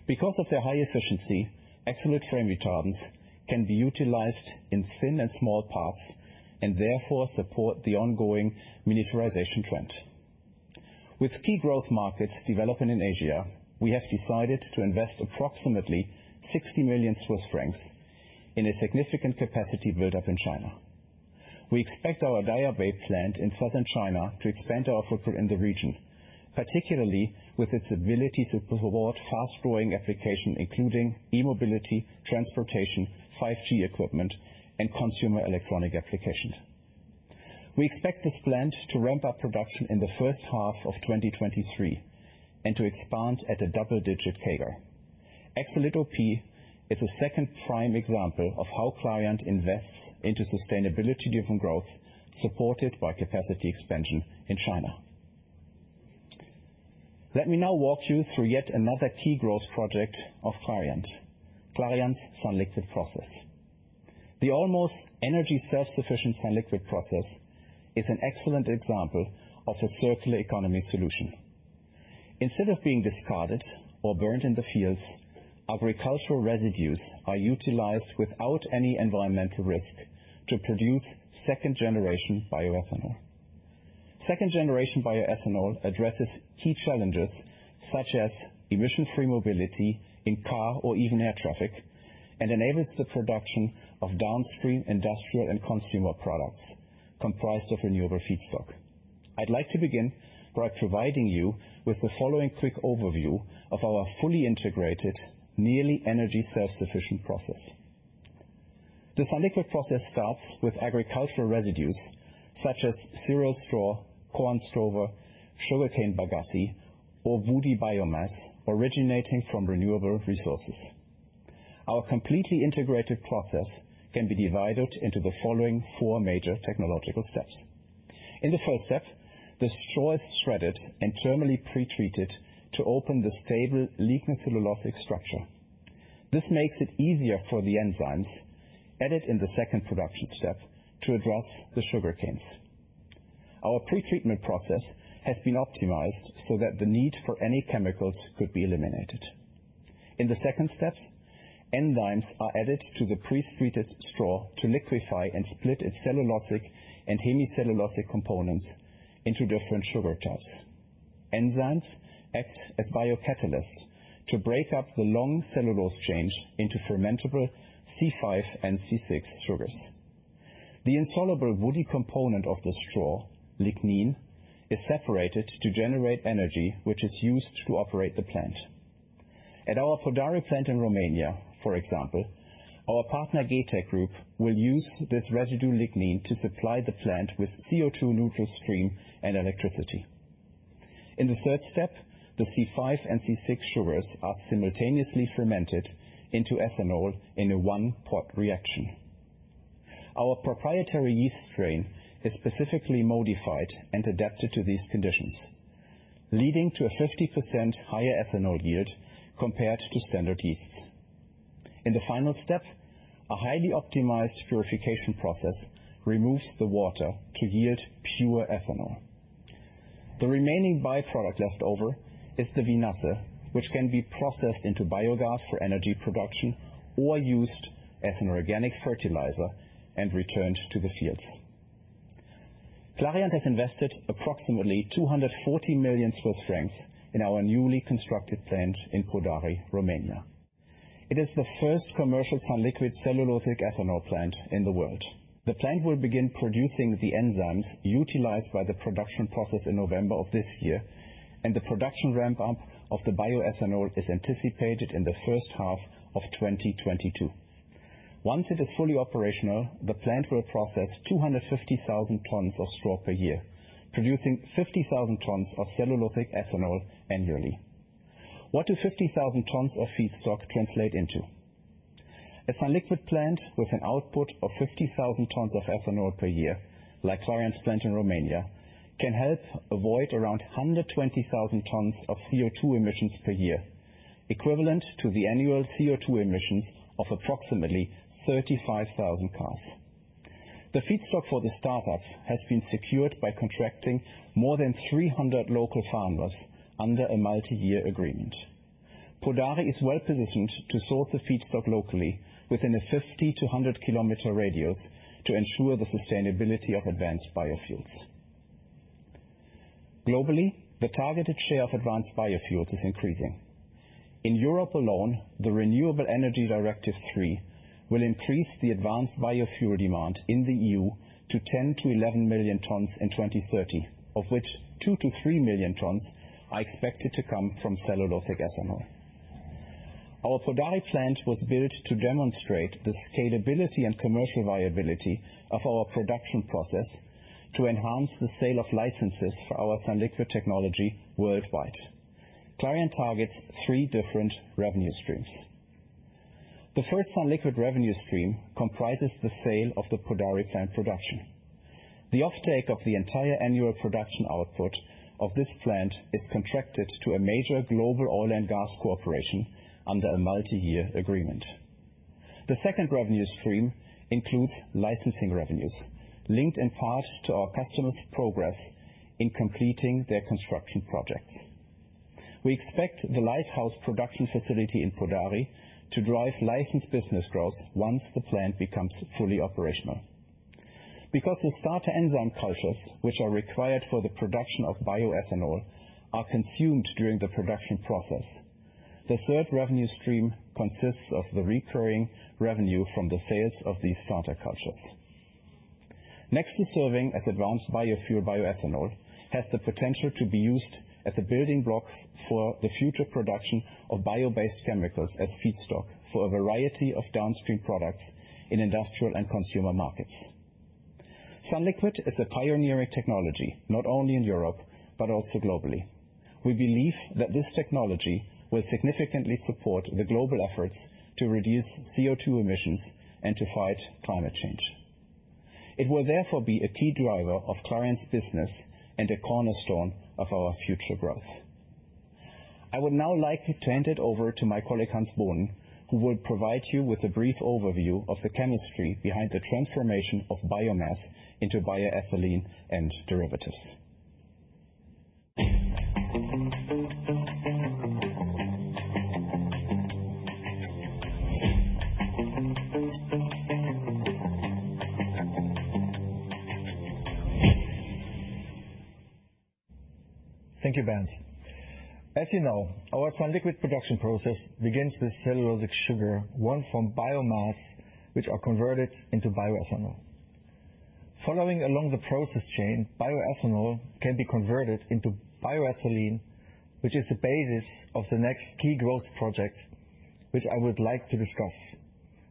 Because of their high efficiency, Exolit flame retardants can be utilized in thin and small parts, and therefore support the ongoing miniaturization trend. With key growth markets developing in Asia, we have decided to invest approximately 60 million Swiss francs in a significant capacity build-up in China. We expect our Daya Bay plant in Southern China to expand our footprint in the region, particularly with its ability to support fast-growing application, including e-mobility, transportation, 5G equipment, and consumer electronic applications. We expect this plant to ramp up production in the first half of 2023 and to expand at a double-digit CAGR. Exolit OP is a second prime example of how Clariant invests into sustainability-driven growth, supported by capacity expansion in China. Let me now walk you through yet another key growth project of Clariant sunliquid process. The almost energy self-sufficient sunliquid process is an excellent example of a circular economy solution. Instead of being discarded or burned in the fields, agricultural residues are utilized without any environmental risk to produce second-generation bioethanol. Second-generation bioethanol addresses key challenges, such as emission-free mobility in car or even air traffic, and enables the production of downstream industrial and consumer products comprised of renewable feedstock. I'd like to begin by providing you with the following quick overview of our fully integrated, nearly energy self-sufficient process. The sunliquid process starts with agricultural residues such as cereal straw, corn stover, sugarcane bagasse, or woody biomass originating from renewable resources. Our completely integrated process can be divided into the following four major technological steps. In the first step, the straw is shredded and thermally pretreated to open the stable lignocellulosic structure. This makes it easier for the enzymes added in the second production step to address the sugar chains. Our pretreatment process has been optimized so that the need for any chemicals could be eliminated. In the second step, enzymes are added to the pretreated straw to liquefy and split its cellulosic and hemicellulosic components into different sugar types. Enzymes act as biocatalysts to break up the long cellulose chains into fermentable C5 and C6 sugars. The insoluble woody component of the straw, lignin, is separated to generate energy which is used to operate the plant. At our Podari plant in Romania, for example, our partner GETEC Group will use this residue lignin to supply the plant with CO2-neutral steam and electricity. In the third step, the C5 and C6 sugars are simultaneously fermented into ethanol in a one-pot reaction. Our proprietary yeast strain is specifically modified and adapted to these conditions, leading to a 50% higher ethanol yield compared to standard yeasts. In the final step, a highly optimized purification process removes the water to yield pure ethanol. The remaining byproduct left over is the vinasse, which can be processed into biogas for energy production or used as an organic fertilizer and returned to the fields. Clariant has invested approximately 240 million Swiss francs in our newly constructed plant in Podari, Romania. It is the first commercial sunliquid cellulosic ethanol plant in the world. The plant will begin producing the enzymes utilized by the production process in November of this year, and the production ramp up of the bioethanol is anticipated in the first half of 2022. Once it is fully operational, the plant will process 250,000 tons of straw per year, producing 50,000 tons of cellulosic ethanol annually. What do 50,000 tons of feedstock translate into? A sunliquid plant with an output of 50,000 tons of ethanol per year, like Clariant's plant in Romania, can help avoid around 120,000 tons of CO2 emissions per year, equivalent to the annual CO2 emissions of approximately 35,000 cars. The feedstock for the startup has been secured by contracting more than 300 local farmers under a multi-year agreement. Podari is well-positioned to source the feedstock locally within a 50-100 km radius to ensure the sustainability of advanced biofuels. Globally, the targeted share of advanced biofuels is increasing. In Europe alone, the Renewable Energy Directive III will increase the advanced biofuel demand in the EU to 10-11 million tons in 2030, of which 2-3 million tons are expected to come from cellulosic ethanol. Our Podari plant was built to demonstrate the scalability and commercial viability of our production process to enhance the sale of licenses for our sunliquid technology worldwide. Clariant targets three different revenue streams. The first sunliquid revenue stream comprises the sale of the Podari plant production. The offtake of the entire annual production output of this plant is contracted to a major global oil and gas corporation under a multi-year agreement. The second revenue stream includes licensing revenues linked in part to our customers' progress in completing their construction projects. We expect the lighthouse production facility in Podari to drive license business growth once the plant becomes fully operational. Because the starter enzyme cultures which are required for the production of bioethanol are consumed during the production process, the third revenue stream consists of the recurring revenue from the sales of these starter cultures. Next to serving as advanced biofuel, bioethanol has the potential to be used as a building block for the future production of bio-based chemicals as feedstock for a variety of downstream products in industrial and consumer markets. sunliquid is a pioneering technology, not only in Europe, but also globally. We believe that this technology will significantly support the global efforts to reduce CO2 emissions and to fight climate change. It will therefore be a key driver of Clariant's business and a cornerstone of our future growth. I would now like to hand it over to my colleague, Hans Bohnen, who will provide you with a brief overview of the chemistry behind the transformation of biomass into bioethylene and derivatives. Thank you, Bernd. As you know, our sunliquid production process begins with cellulosic sugars won from biomass, which are converted into bioethanol. Following along the process chain, bioethanol can be converted into bioethylene, which is the basis of the next key growth project, which I would like to discuss,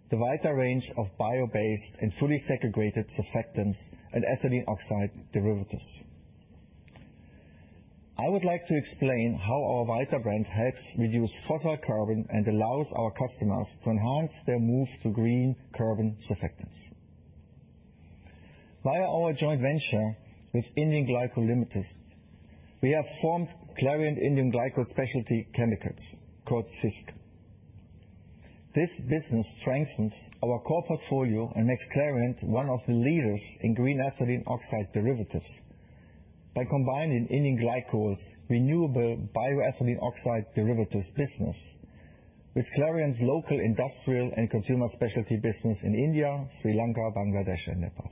the wider range of bio-based and fully segregated surfactants and ethylene oxide derivatives. I would like to explain how our Vita brand helps reduce fossil carbon and allows our customers to enhance their move to green carbon surfactants. Via our joint venture with India Glycols Limited, we have formed Clariant IGL Specialty Chemicals, called CISC. This business strengthens our core portfolio and makes Clariant one of the leaders in green ethylene oxide derivatives. By combining India Glycols' renewable bioethylene oxide derivatives business with Clariant's local, industrial, and consumer specialty business in India, Sri Lanka, Bangladesh, and Nepal.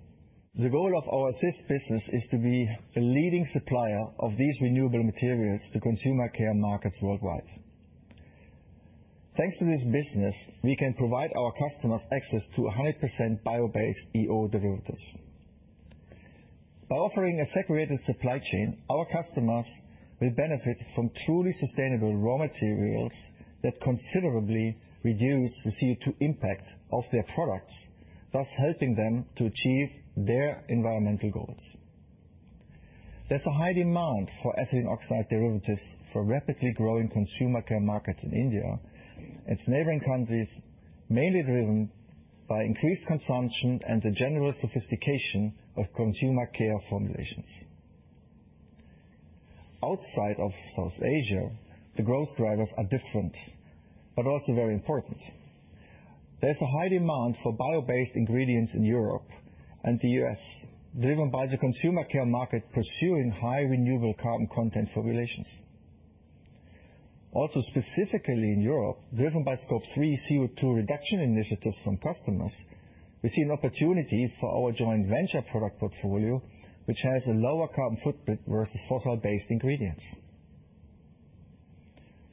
The goal of our CISC business is to be the leading supplier of these renewable materials to consumer care markets worldwide. Thanks to this business, we can provide our customers access to 100% bio-based EO derivatives. By offering a segregated supply chain, our customers will benefit from truly sustainable raw materials that considerably reduce the CO2 impact of their products, thus helping them to achieve their environmental goals. There's a high demand for ethylene oxide derivatives for rapidly growing consumer care markets in India and neighboring countries, mainly driven by increased consumption and the general sophistication of consumer care formulations. Outside of South Asia, the growth drivers are different, but also very important. There's a high demand for bio-based ingredients in Europe and the U.S., driven by the consumer care market pursuing high renewable carbon content formulations. Specifically in Europe, driven by Scope 3 CO2 reduction initiatives from customers, we see an opportunity for our joint venture product portfolio, which has a lower carbon footprint versus fossil-based ingredients.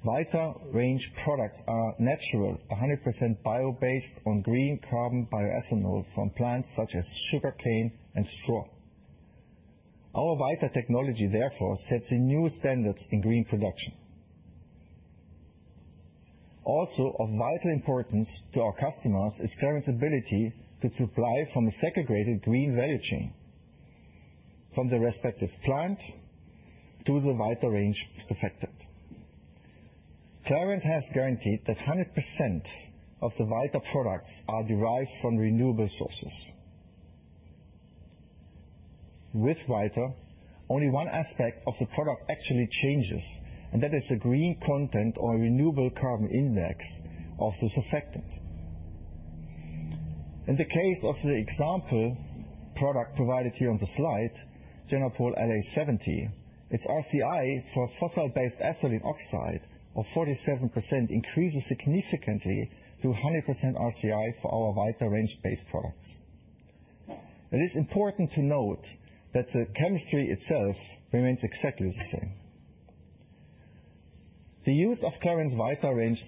Vita range products are natural, 100% bio-based on green carbon bioethanol from plants such as sugarcane and straw. Our Vita technology, therefore, sets a new standard in green production. Of vital importance to our customers is Clariant's ability to supply from a segregated green value chain, from the respective plant to the Vita range surfactant. Clariant has guaranteed that 100% of the Vita products are derived from renewable sources. With Vita, only one aspect of the product actually changes, and that is the green content or renewable carbon index of the surfactant. In the case of the example product provided to you on the slide, Genapol LA 070, its RCI for fossil-based ethylene oxide of 47% increases significantly to a 100% RCI for our Vita range-based products. It is important to note that the chemistry itself remains exactly the same. The use of Clariant's Vita range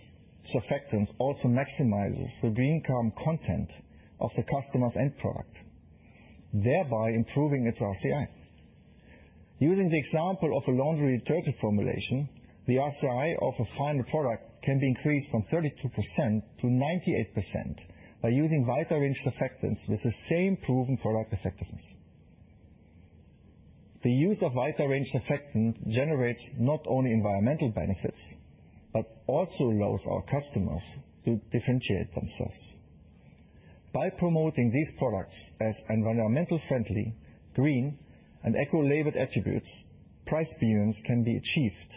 surfactants also maximizes the green carbon content of the customer's end product, thereby improving its RCI. Using the example of a laundry detergent formulation, the RCI of a final product can be increased from 32% to 98% by using Vita range surfactants with the same proven product effectiveness. The use of Vita range surfactant generates not only environmental benefits, but also allows our customers to differentiate themselves. By promoting these products as environmentally friendly, green, and eco-labeled attributes, price premiums can be achieved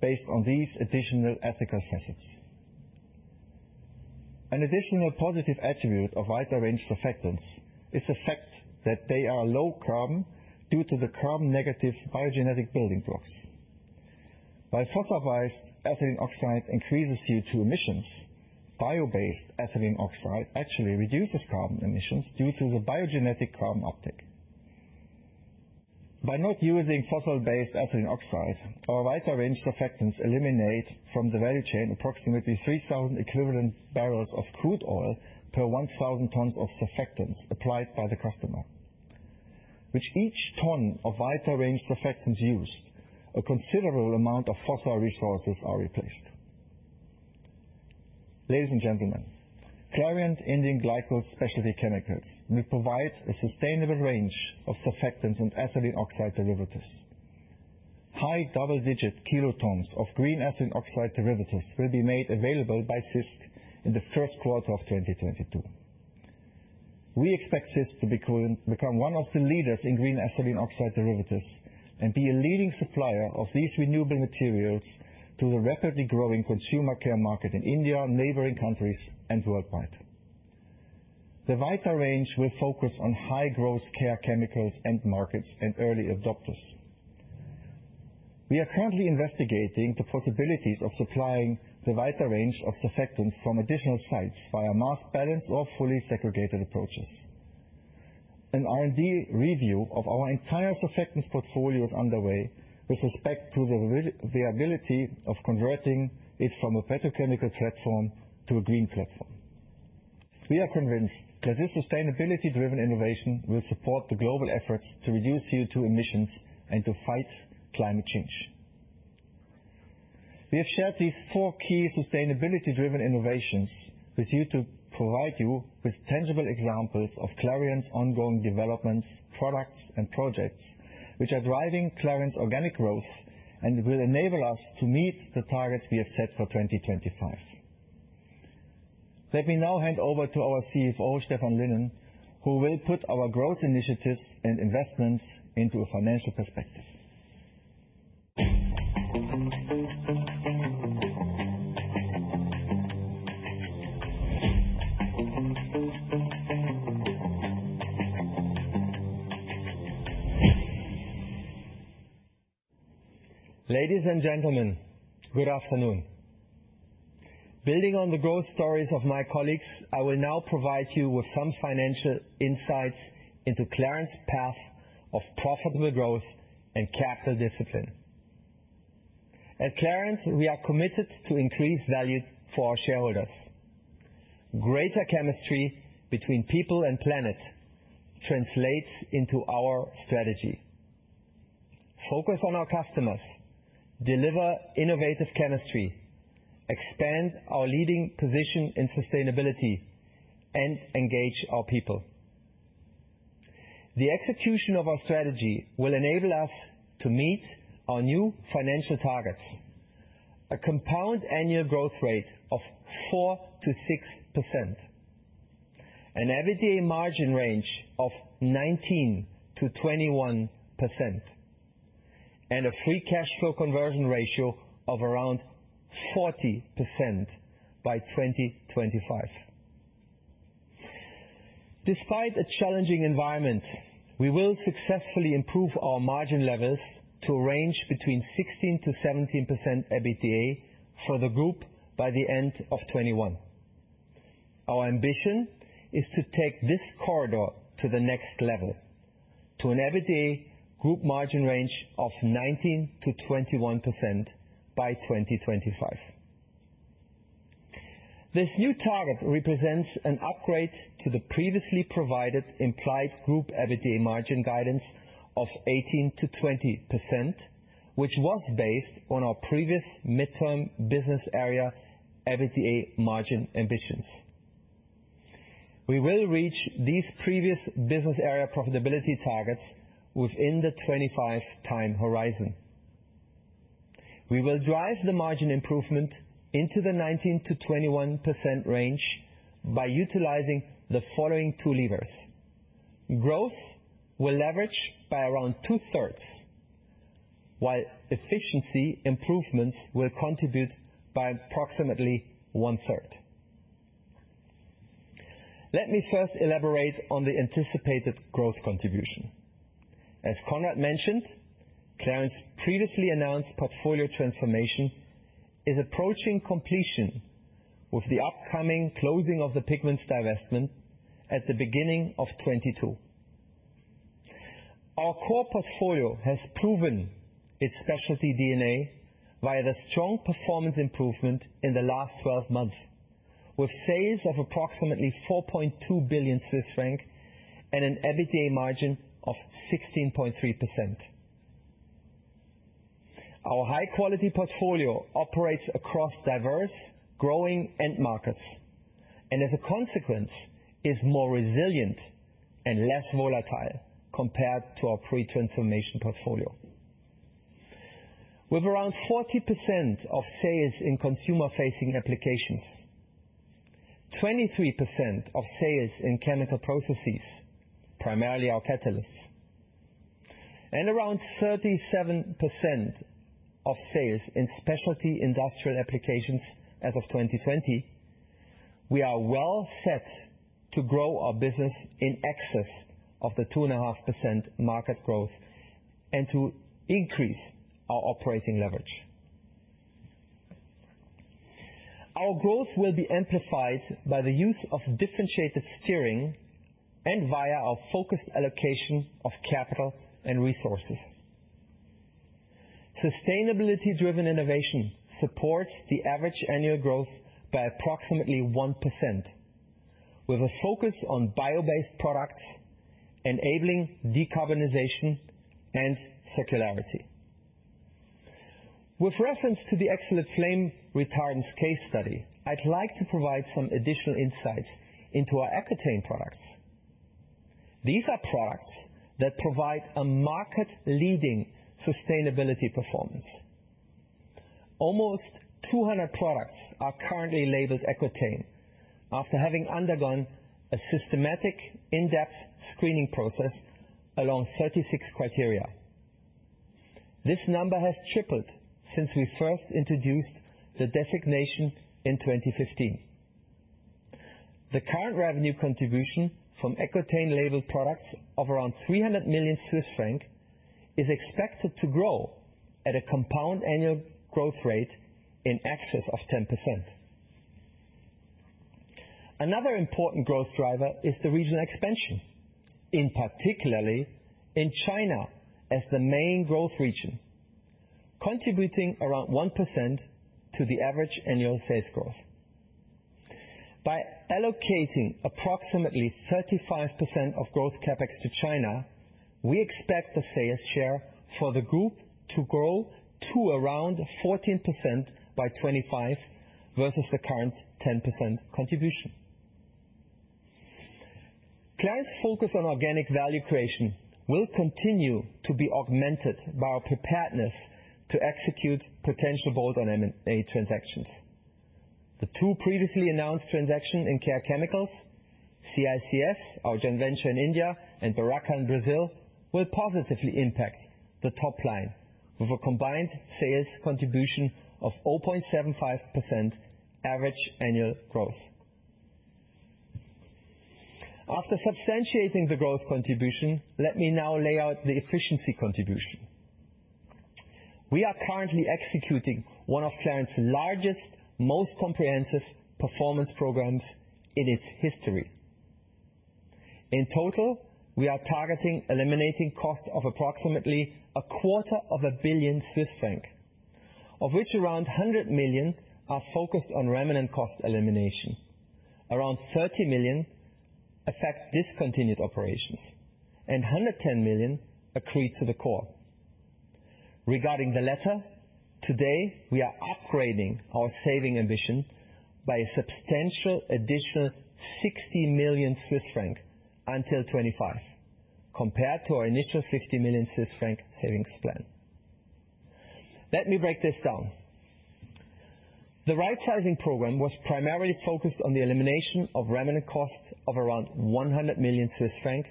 based on these additional ethical assets. An additional positive attribute of Vita range surfactants is the fact that they are low carbon due to the carbon negative biogenetic building blocks. While fossil-based ethylene oxide increases CO2 emissions, bio-based ethylene oxide actually reduces carbon emissions due to the biogenetic carbon uptake. By not using fossil-based ethylene oxide, our Vita range surfactants eliminate from the value chain approximately 3,000 equivalent barrels of crude oil per 1,000 tons of surfactants applied by the customer. With each ton of Vita range surfactants used, a considerable amount of fossil resources are replaced. Ladies and gentlemen, Clariant India Glycols Specialty Chemicals will provide a sustainable range of surfactants and ethylene oxide derivatives. High double-digit kilotons of green ethylene oxide derivatives will be made available by CISC in the first quarter of 2022. We expect CISC to become one of the leaders in green ethylene oxide derivatives and be a leading supplier of these renewable materials to the rapidly growing consumer care market in India, neighboring countries, and worldwide. The Vita range will focus on high growth Care Chemicals end markets, and early adopters. We are currently investigating the possibilities of supplying the Vita range of surfactants from additional sites via mass balance or fully segregated approaches. An R&D review of our entire surfactants portfolio is underway with respect to the ability of converting it from a petrochemical platform to a green platform. We are convinced that this sustainability-driven innovation will support the global efforts to reduce CO2 emissions and to fight climate change. We have shared these four key sustainability-driven innovations with you to provide you with tangible examples of Clariant's ongoing developments, products, and projects which are driving Clariant's organic growth and will enable us to meet the targets we have set for 2025. Let me now hand over to our CFO, Stephan Lynen, who will put our growth initiatives and investments into a financial perspective. Ladies and gentlemen, good afternoon. Building on the growth stories of my colleagues, I will now provide you with some financial insights into Clariant's path of profitable growth and capital discipline. At Clariant, we are committed to increase value for our shareholders. Greater chemistry between people and planet translates into our strategy. Focus on our customers, deliver innovative chemistry, expand our leading position in sustainability, and engage our people. The execution of our strategy will enable us to meet our new financial targets, a compound annual growth rate of 4%-6%, an EBITDA margin range of 19%-21%, and a free cash flow conversion ratio of around 40% by 2025. Despite a challenging environment, we will successfully improve our margin levels to a range between 16%-17% EBITDA for the group by the end of 2021. Our ambition is to take this corridor to the next level, to an EBITDA group margin range of 19%-21% by 2025. This new target represents an upgrade to the previously provided implied group EBITDA margin guidance of 18%-20%, which was based on our previous midterm business area EBITDA margin ambitions. We will reach these previous business area profitability targets within the 2025 time horizon. We will drive the margin improvement into the 19%-21% range by utilizing the following two levers. Growth will leverage by around two-thirds, while efficiency improvements will contribute by approximately 1/3. Let me first elaborate on the anticipated growth contribution. As Conrad mentioned, Clariant previously announced portfolio transformation is approaching completion with the upcoming closing of the pigments divestment at the beginning of 2022. Our core portfolio has proven its specialty DNA via the strong performance improvement in the last 12 months, with sales of approximately 4.2 billion Swiss franc and an EBITDA margin of 16.3%. Our high quality portfolio operates across diverse growing end markets, and as a consequence, is more resilient and less volatile compared to our pre-transformation portfolio. With around 40% of sales in consumer-facing applications, 23% of sales in chemical processes, primarily our catalysts, and around 37% of sales in specialty industrial applications as of 2020, we are well set to grow our business in excess of the 2.5% market growth and to increase our operating leverage. Our growth will be amplified by the use of differentiated steering and via our focused allocation of capital and resources. Sustainability-driven innovation supports the average annual growth by approximately 1%, with a focus on bio-based products enabling decarbonization and circularity. With reference to the excellent flame retardant case study, I'd like to provide some additional insights into our Exolit products. These are products that provide a market-leading sustainability performance. Almost 200 products are currently labeled EcoTain after having undergone a systematic in-depth screening process along 36 criteria. This number has tripled since we first introduced the designation in 2015. The current revenue contribution from EcoTain labeled products of around 300 million Swiss francs is expected to grow at a compound annual growth rate in excess of 10%. Another important growth driver is the regional expansion, in particular in China as the main growth region, contributing around 1% to the average annual sales growth. By allocating approximately 35% of growth CapEx to China, we expect the sales share for the group to grow to around 14% by 2025 versus the current 10% contribution. Clariant focus on organic value creation will continue to be augmented by our preparedness to execute potential bolt-on M&A transactions. The two previously announced transactions in Care Chemicals, CISC, our joint venture in India and Beraca in Brazil, will positively impact the top line of a combined sales contribution of 0.75% average annual growth. After substantiating the growth contribution, let me now lay out the efficiency contribution. We are currently executing one of science's largest, most comprehensive performance programs in its history. In total, we are targeting eliminating costs of approximately a quarter of a billion CHF, of which around 100 million are focused on remnant cost elimination. Around 30 million affect discontinued operations, and 110 million accrete to the core. Regarding the latter, today, we are upgrading our saving ambition by a substantial additional 60 million Swiss francs until 2025, compared to our initial 50 million Swiss franc savings plan. Let me break this down. The rightsizing program was primarily focused on the elimination of remnant costs of around 100 million Swiss francs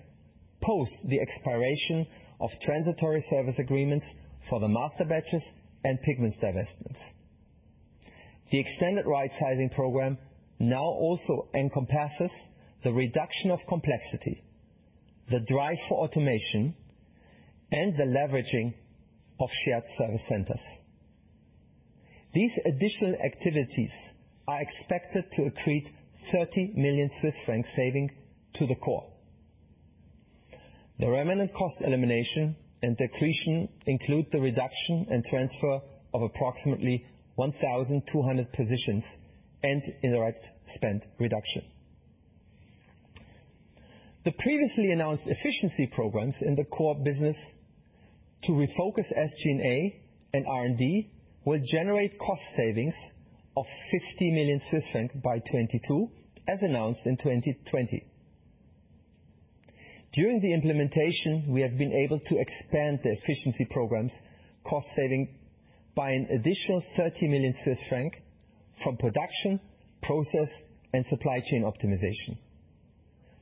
post the expiration of transitory service agreements for the master batches and pigments divestments. The extended rightsizing program now also encompasses the reduction of complexity, the drive for automation, and the leveraging of shared service centers. These additional activities are expected to accrete 30 million Swiss francs savings to the core. The remnant cost elimination and accretion include the reduction and transfer of approximately 1,200 positions and indirect spend reduction. The previously announced efficiency programs in the core business to refocus SG&A and R&D will generate cost savings of 50 million Swiss francs by 2022, as announced in 2020. During the implementation, we have been able to expand the efficiency programs cost savings by an additional 30 million Swiss francs from production, process, and supply chain optimization.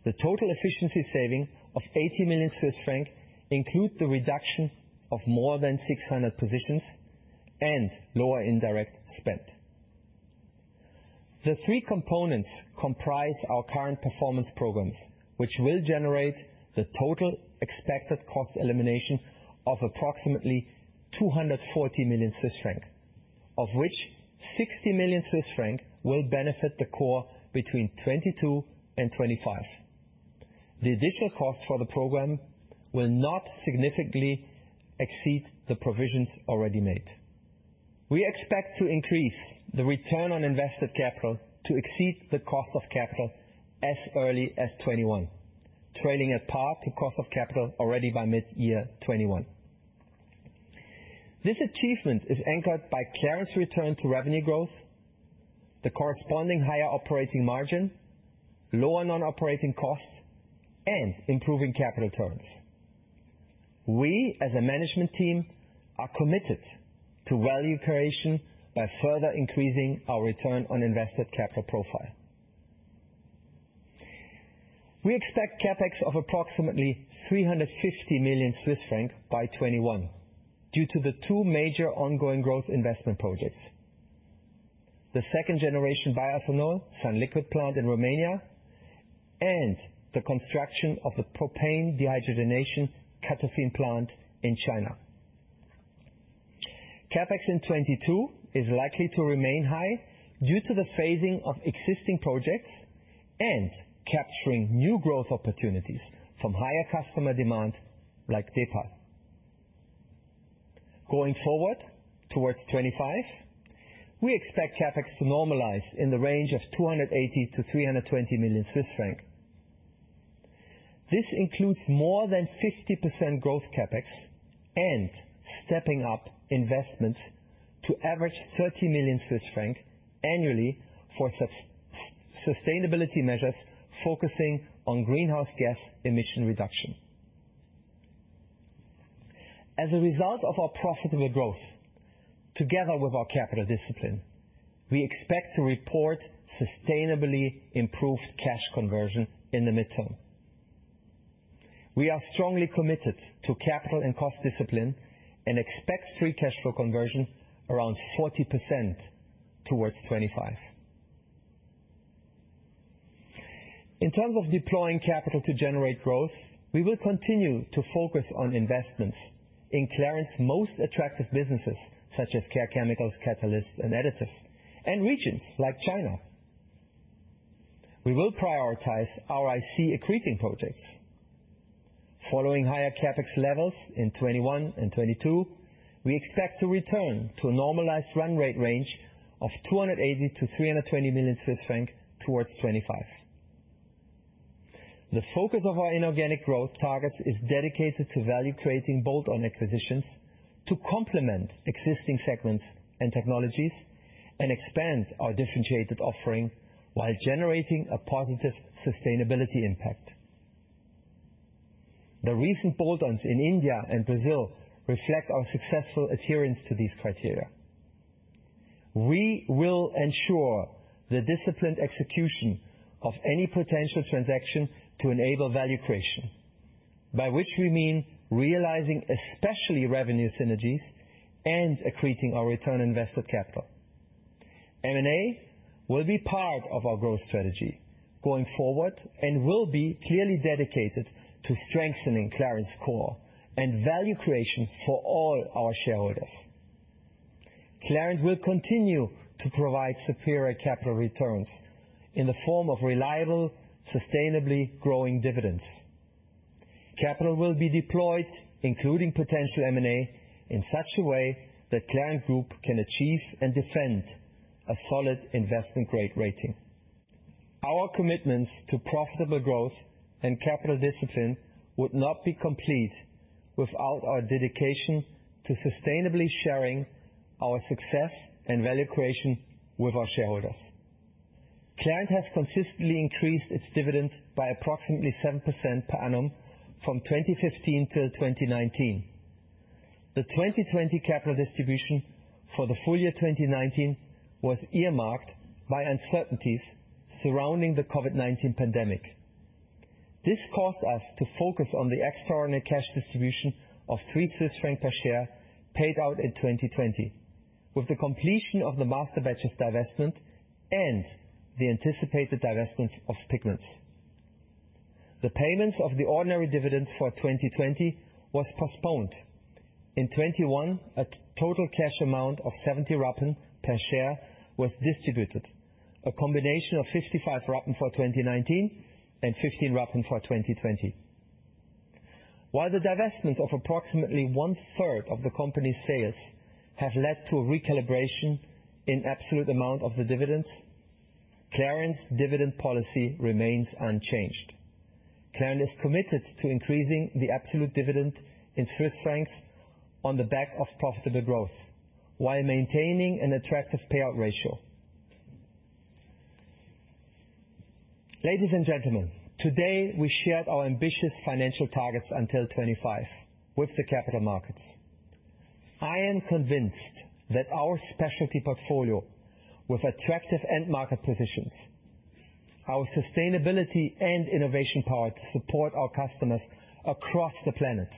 The total efficiency saving of 80 million Swiss francs include the reduction of more than 600 positions and lower indirect spend. The three components comprise our current performance programs, which will generate the total expected cost elimination of approximately 240 million Swiss francs, of which 60 million Swiss francs will benefit the core between 2022 and 2025. The additional cost for the program will not significantly exceed the provisions already made. We expect to increase the return on invested capital to exceed the cost of capital as early as 2021, trading at par to cost of capital already by mid-2021. This achievement is anchored by Clariant's return to revenue growth, the corresponding higher operating margin, lower non-operating costs, and improving capital returns. We, as a management team, are committed to value creation by further increasing our return on invested capital profile. We expect CapEx of approximately 350 million Swiss francs by 2021 due to the two major ongoing growth investment projects, the second-generation bioethanol sunliquid plant in Romania and the construction of the propane dehydrogenation CATOFIN plant in China. CapEx in 2022 is likely to remain high due to the phasing of existing projects and capturing new growth opportunities from higher customer demand like Depal. Going forward towards 2025, we expect CapEx to normalize in the range of 280 million-320 million Swiss francs. This includes more than 50% growth CapEx and stepping up investments to average 30 million Swiss francs annually for sustainability measures focusing on greenhouse gas emission reduction. As a result of our profitable growth, together with our capital discipline, we expect to report sustainably improved cash conversion in the midterm. We are strongly committed to capital and cost discipline and expect free cash flow conversion around 40% toward 2025. In terms of deploying capital to generate growth, we will continue to focus on investments in Clariant's most attractive businesses such as Care Chemicals, catalysts, and additives, and regions like China. We will prioritize ROIC-accreting projects. Following higher CapEx levels in 2021 and 2022, we expect to return to a normalized run rate range of 280 million-320 million Swiss francs toward 2025. The focus of our inorganic growth targets is dedicated to value creating bolt-on acquisitions to complement existing segments and technologies and expand our differentiated offering while generating a positive sustainability impact. The recent bolt-ons in India and Brazil reflect our successful adherence to these criteria. We will ensure the disciplined execution of any potential transaction to enable value creation, by which we mean realizing especially revenue synergies and accreting our return on invested capital. M&A will be part of our growth strategy going forward and will be clearly dedicated to strengthening Clariant's core and value creation for all our shareholders. Clariant will continue to provide superior capital returns in the form of reliable, sustainably growing dividends. Capital will be deployed, including potential M&A, in such a way that Clariant Group can achieve and defend a solid investment-grade rating. Our commitments to profitable growth and capital discipline would not be complete without our dedication to sustainably sharing our success and value creation with our shareholders. Clariant has consistently increased its dividends by approximately 7% per annum from 2015 till 2019. The 2020 capital distribution for the full year 2019 was earmarked by uncertainties surrounding the COVID-19 pandemic. This caused us to focus on the extraordinary cash distribution of 3 Swiss francs per share paid out in 2020. With the completion of the Masterbatches divestment and the anticipated divestment of Pigments, the payments of the ordinary dividends for 2020 was postponed. In 2021, a total cash amount of 70 rappen per share was distributed, a combination of 55 rappen for 2019 and 15 rappen for 2020. While the divestments of approximately 1/3 of the company's sales have led to a recalibration in absolute amount of the dividends, Clariant's dividend policy remains unchanged. Clariant is committed to increasing the absolute dividend in Swiss francs on the back of profitable growth while maintaining an attractive payout ratio. Ladies and gentlemen, today, we shared our ambitious financial targets until 2025 with the capital markets. I am convinced that our specialty portfolio with attractive end market positions, our sustainability and innovation power to support our customers across the planet,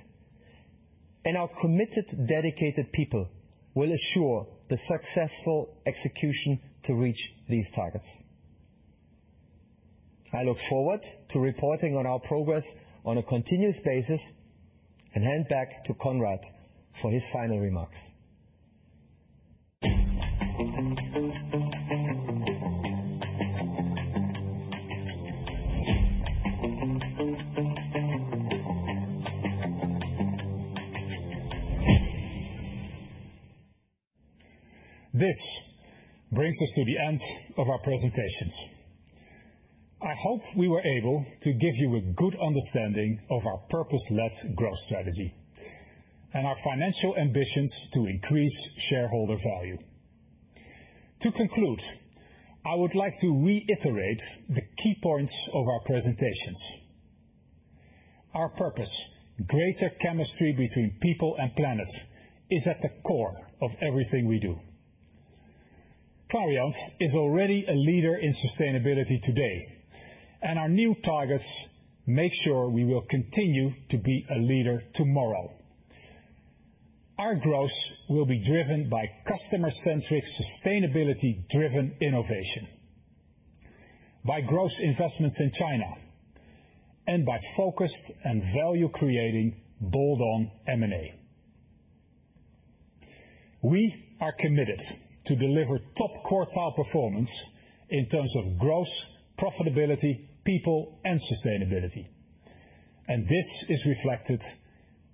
and our committed, dedicated people will assure the successful execution to reach these targets. I look forward to reporting on our progress on a continuous basis and hand back to Conrad for his final remarks. This brings us to the end of our presentations. I hope we were able to give you a good understanding of our purpose-led growth strategy and our financial ambitions to increase shareholder value. To conclude, I would like to reiterate the key points of our presentations. Our purpose, greater chemistry between people and planet, is at the core of everything we do. Clariant is already a leader in sustainability today, and our new targets make sure we will continue to be a leader tomorrow. Our growth will be driven by customer-centric, sustainability-driven innovation, by growth investments in China, and by focused and value-creating bolt-on M&A. We are committed to deliver top quartile performance in terms of growth, profitability, people, and sustainability, and this is reflected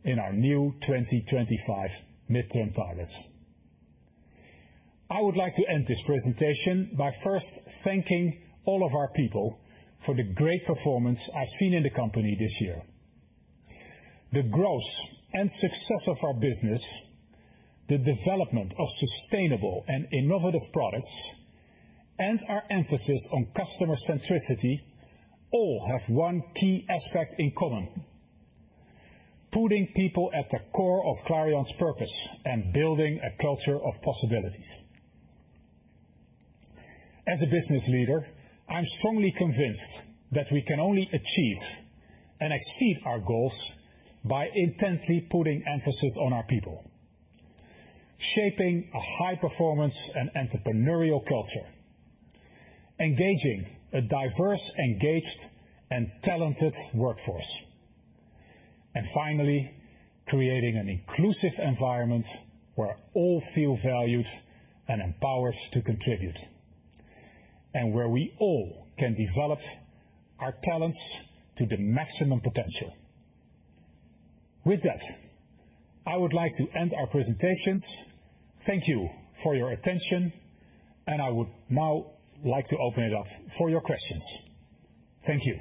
in our new 2025 midterm targets. I would like to end this presentation by first thanking all of our people for the great performance I've seen in the company this year. The growth and success of our business, the development of sustainable and innovative products, and our emphasis on customer centricity all have one key aspect in common, putting people at the core of Clariant's purpose and building a culture of possibilities. As a business leader, I'm strongly convinced that we can only achieve and exceed our goals by intently putting emphasis on our people, shaping a high performance and entrepreneurial culture, engaging a diverse, engaged, and talented workforce. Finally, creating an inclusive environment where all feel valued and empowered to contribute, and where we all can develop our talents to the maximum potential. With that, I would like to end our presentations. Thank you for your attention, and I would now like to open it up for your questions. Thank you.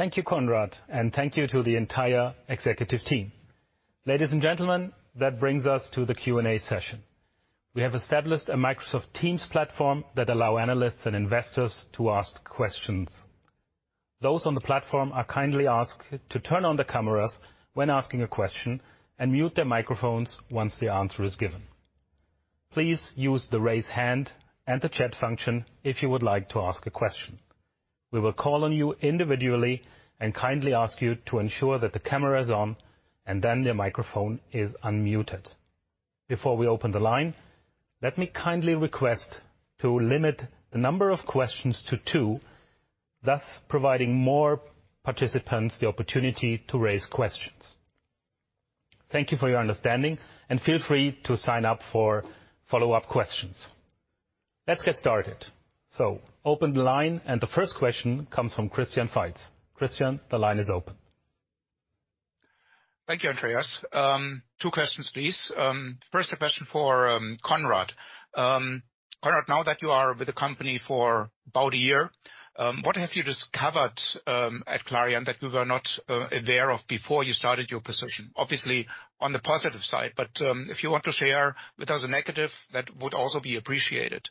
Thank you, Conrad, and thank you to the entire executive team. Ladies and gentlemen, that brings us to the Q&A session. We have established a Microsoft Teams platform that allow analysts and investors to ask questions. Those on the platform are kindly asked to turn on their cameras when asking a question and mute their microphones once the answer is given. Please use the raise hand and the chat function if you would like to ask a question. We will call on you individually and kindly ask you to ensure that the camera is on, and then your microphone is unmuted. Before we open the line, let me kindly request to limit the number of questions to two, thus providing more participants the opportunity to raise questions. Thank you for your understanding, and feel free to sign up for follow-up questions. Let's get started. Open the line, and the first question comes from Christian Faitz. Christian, the line is open. Thank you, Andreas. Two questions, please. First a question for Conrad. Conrad, now that you are with the company for about a year, what have you discovered at Clariant that you were not aware of before you started your position? Obviously, on the positive side, but if you want to share with us a negative, that would also be appreciated.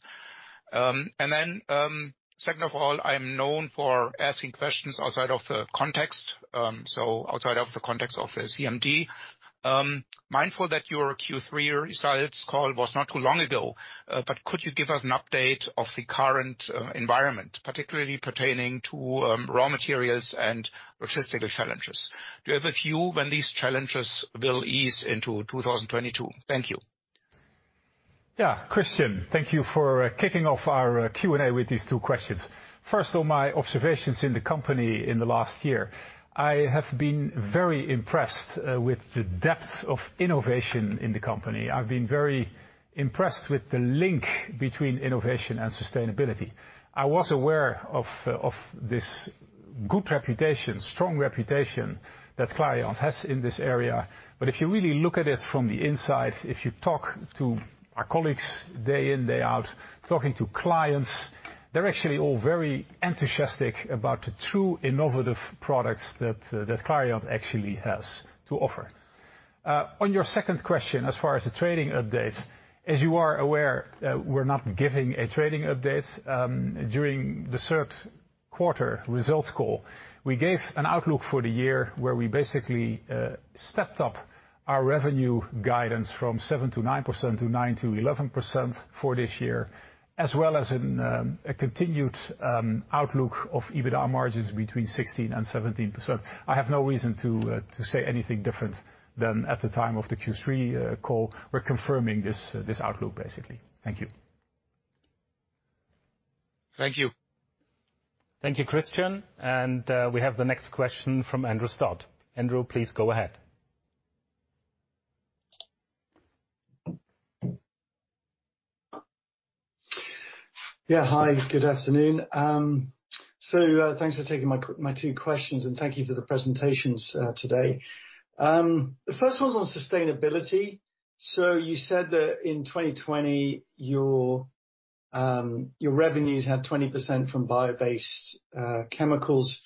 Second of all, I am known for asking questions outside of the context, so outside of the context of a CMD. Mindful that your Q3 results call was not too long ago, but could you give us an update of the current environment, particularly pertaining to raw materials and logistical challenges? Do you have a view when these challenges will ease into 2022? Thank you. Yeah. Christian, thank you for kicking off our Q&A with these two questions. First, on my observations in the company in the last year. I have been very impressed with the depth of innovation in the company. I've been very impressed with the link between innovation and sustainability. I was aware of this good reputation, strong reputation that Clariant has in this area. If you really look at it from the inside, if you talk to our colleagues day in, day out, talking to clients, they're actually all very enthusiastic about the two innovative products that Clariant actually has to offer. On your second question, as far as the trading update, as you are aware, we're not giving a trading update. During the third quarter results call, we gave an outlook for the year where we basically stepped up our revenue guidance from 7%-9% to 9%-11% for this year, as well as a continued outlook of EBITDA margins between 16%-17%. I have no reason to say anything different than at the time of the Q3 call. We're confirming this outlook, basically. Thank you. Thank you. Thank you, Christian. We have the next question from Andrew Stott. Andrew, please go ahead. Yeah, hi. Good afternoon. Thanks for taking my two questions, and thank you for the presentations today. The first one's on sustainability. You said that in 2020 your revenues had 20% from bio-based chemicals.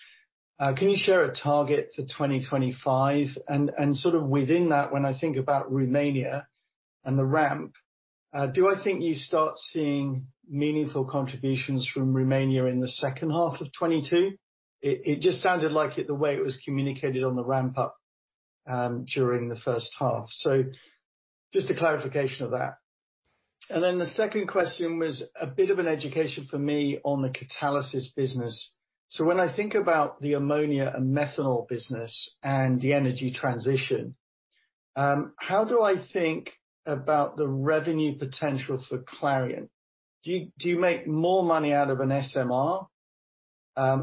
Can you share a target for 2025? And sort of within that, when I think about Romania and the ramp, do I think you start seeing meaningful contributions from Romania in the second half of 2022? It just sounded like it, the way it was communicated on the ramp up during the first half. Just a clarification of that. The second question was a bit of an education for me on the Catalysis business. When I think about the ammonia and methanol business and the energy transition, how do I think about the revenue potential for Clariant? Do you make more money out of an SMR,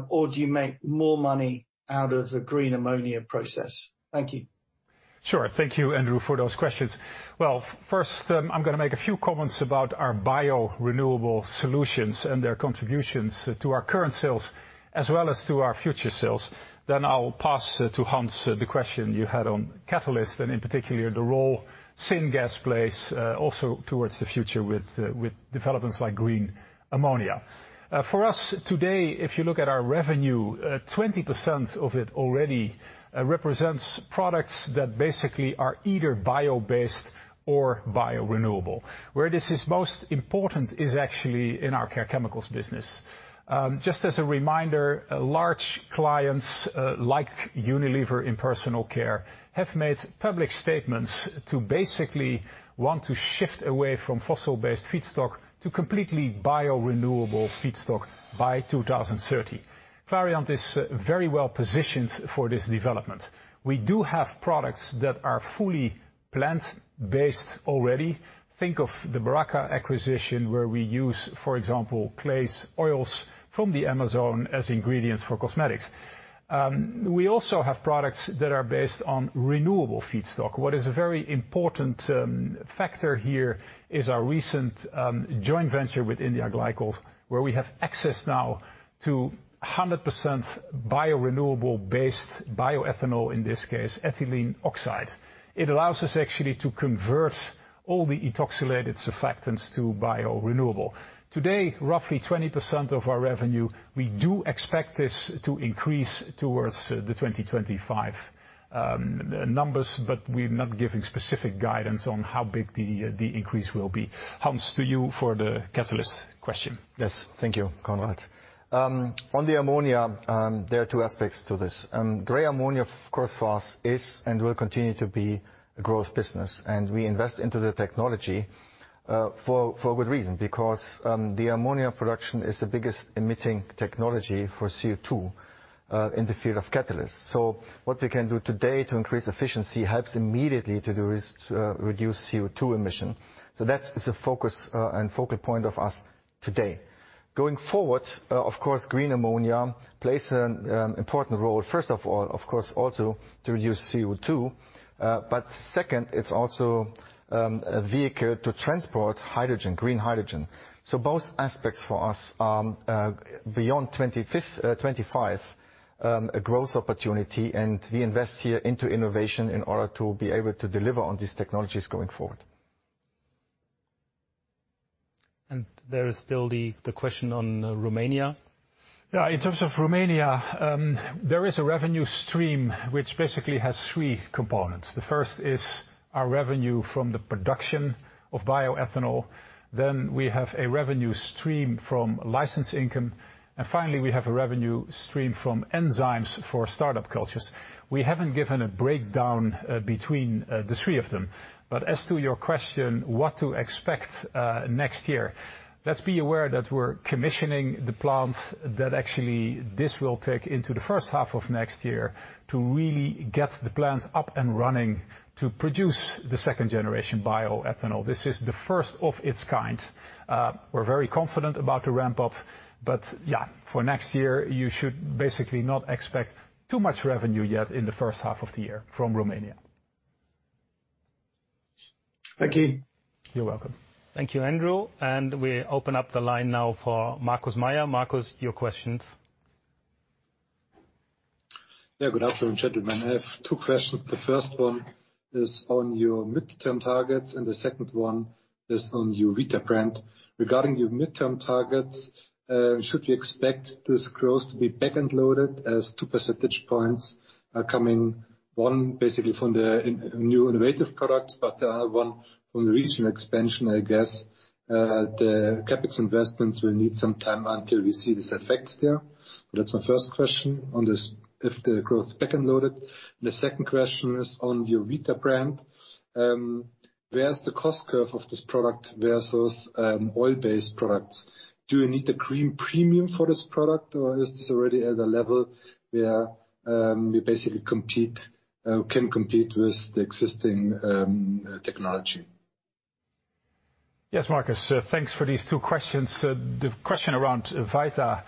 or do you make more money out of the green ammonia process? Thank you. Sure. Thank you, Andrew, for those questions. Well, first, I'm gonna make a few comments about our bio-renewable solutions and their contributions to our current sales as well as to our future sales. Then I'll pass to Hans the question you had on catalyst, and in particular, the role syngas plays, also towards the future with developments like green ammonia. For us today, if you look at our revenue, 20% of it already represents products that basically are either bio-based or bio-renewable. Where this is most important is actually in our Care Chemicals business. Just as a reminder, large clients like Unilever in personal care have made public statements to basically want to shift away from fossil-based feedstock to completely bio-renewable feedstock by 2030. Clariant is very well positioned for this development. We do have products that are fully plant-based already. Think of the Beraca acquisition, where we use, for example, clays, oils from the Amazon as ingredients for cosmetics. We also have products that are based on renewable feedstock. What is a very important factor here is our recent joint venture with India Glycols, where we have access now to 100% bio-renewable based bioethanol, in this case, ethylene oxide. It allows us actually to convert all the ethoxylated surfactants to bio-renewable. Today, roughly 20% of our revenue, we do expect this to increase towards the 2025 numbers, but we're not giving specific guidance on how big the increase will be. Hans, to you for the catalyst question. Yes. Thank you, Conrad. On the ammonia, there are two aspects to this. Gray ammonia, of course, for us is and will continue to be a growth business, and we invest into the technology, for good reason, because the ammonia production is the biggest emitting technology for CO2 in the field of catalysts. What we can do today to increase efficiency helps immediately to reduce CO2 emission. That is a focus and focal point of us today. Going forward, of course, green ammonia plays an important role, first of all, of course, also to reduce CO2. Second, it's also a vehicle to transport hydrogen, green hydrogen. Both aspects for us are beyond 25%, a growth opportunity, and we invest here into innovation in order to be able to deliver on these technologies going forward. There is still the question on Romania. Yeah, in terms of Romania, there is a revenue stream which basically has three components. The first is our revenue from the production of bioethanol. We have a revenue stream from license income, and finally, we have a revenue stream from enzymes for start-up cultures. We haven't given a breakdown between the three of them. As to your question, what to expect next year, let's be aware that we're commissioning the plants, that actually this will take into the first half of next year to really get the plants up and running to produce the second-generation bioethanol. This is the first of its kind. We're very confident about the ramp-up, but yeah, for next year you should basically not expect too much revenue yet in the first half of the year from Romania. Thank you. You're welcome. Thank you, Andrew. We open up the line now for Markus Mayer. Markus, your questions. Yeah, good afternoon, gentlemen. I have two questions. The first one is on your midterm targets, and the second one is on your Vita brand. Regarding your midterm targets, should we expect this growth to be back-end loaded, as two percentage points are coming, one basically from new innovative products, but the other one from the regional expansion, I guess. The CapEx investments will need some time until we see these effects there. That's my first question on this, if the growth is back-end loaded. The second question is on your Vita brand. Where is the cost curve of this product versus oil-based products? Do you need a green premium for this product, or is this already at a level where you basically can compete with the existing technology? Yes, Markus, thanks for these two questions. The question around Vita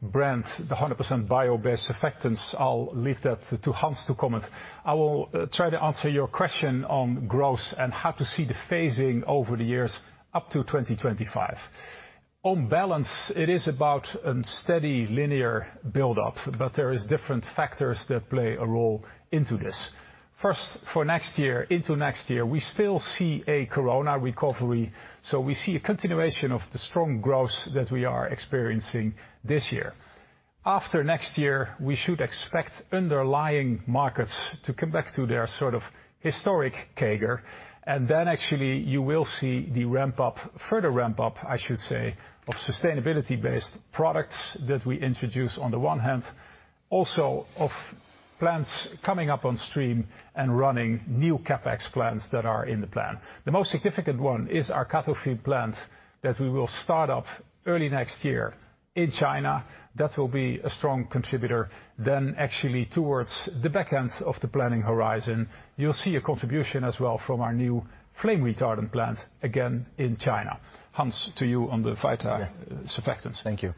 brand, the 100% bio-based surfactants, I'll leave that to Hans to comment. I will try to answer your question on growth and how to see the phasing over the years up to 2025. On balance, it is about a steady linear build-up, but there is different factors that play a role into this. First, for next year, into next year, we still see a Corona recovery. We see a continuation of the strong growth that we are experiencing this year. After next year, we should expect underlying markets to come back to their sort of historic CAGR. Actually you will see the ramp-up, further ramp-up I should say, of sustainability-based products that we introduce on the one hand, also of plants coming up on stream and running new CapEx plants that are in the plan. The most significant one is our cathode feed plant that we will start up early next year in China. That will be a strong contributor. Actually towards the back end of the planning horizon, you'll see a contribution as well from our new flame retardant plant, again in China. Hans, to you on the Vita surfactants. Thank you.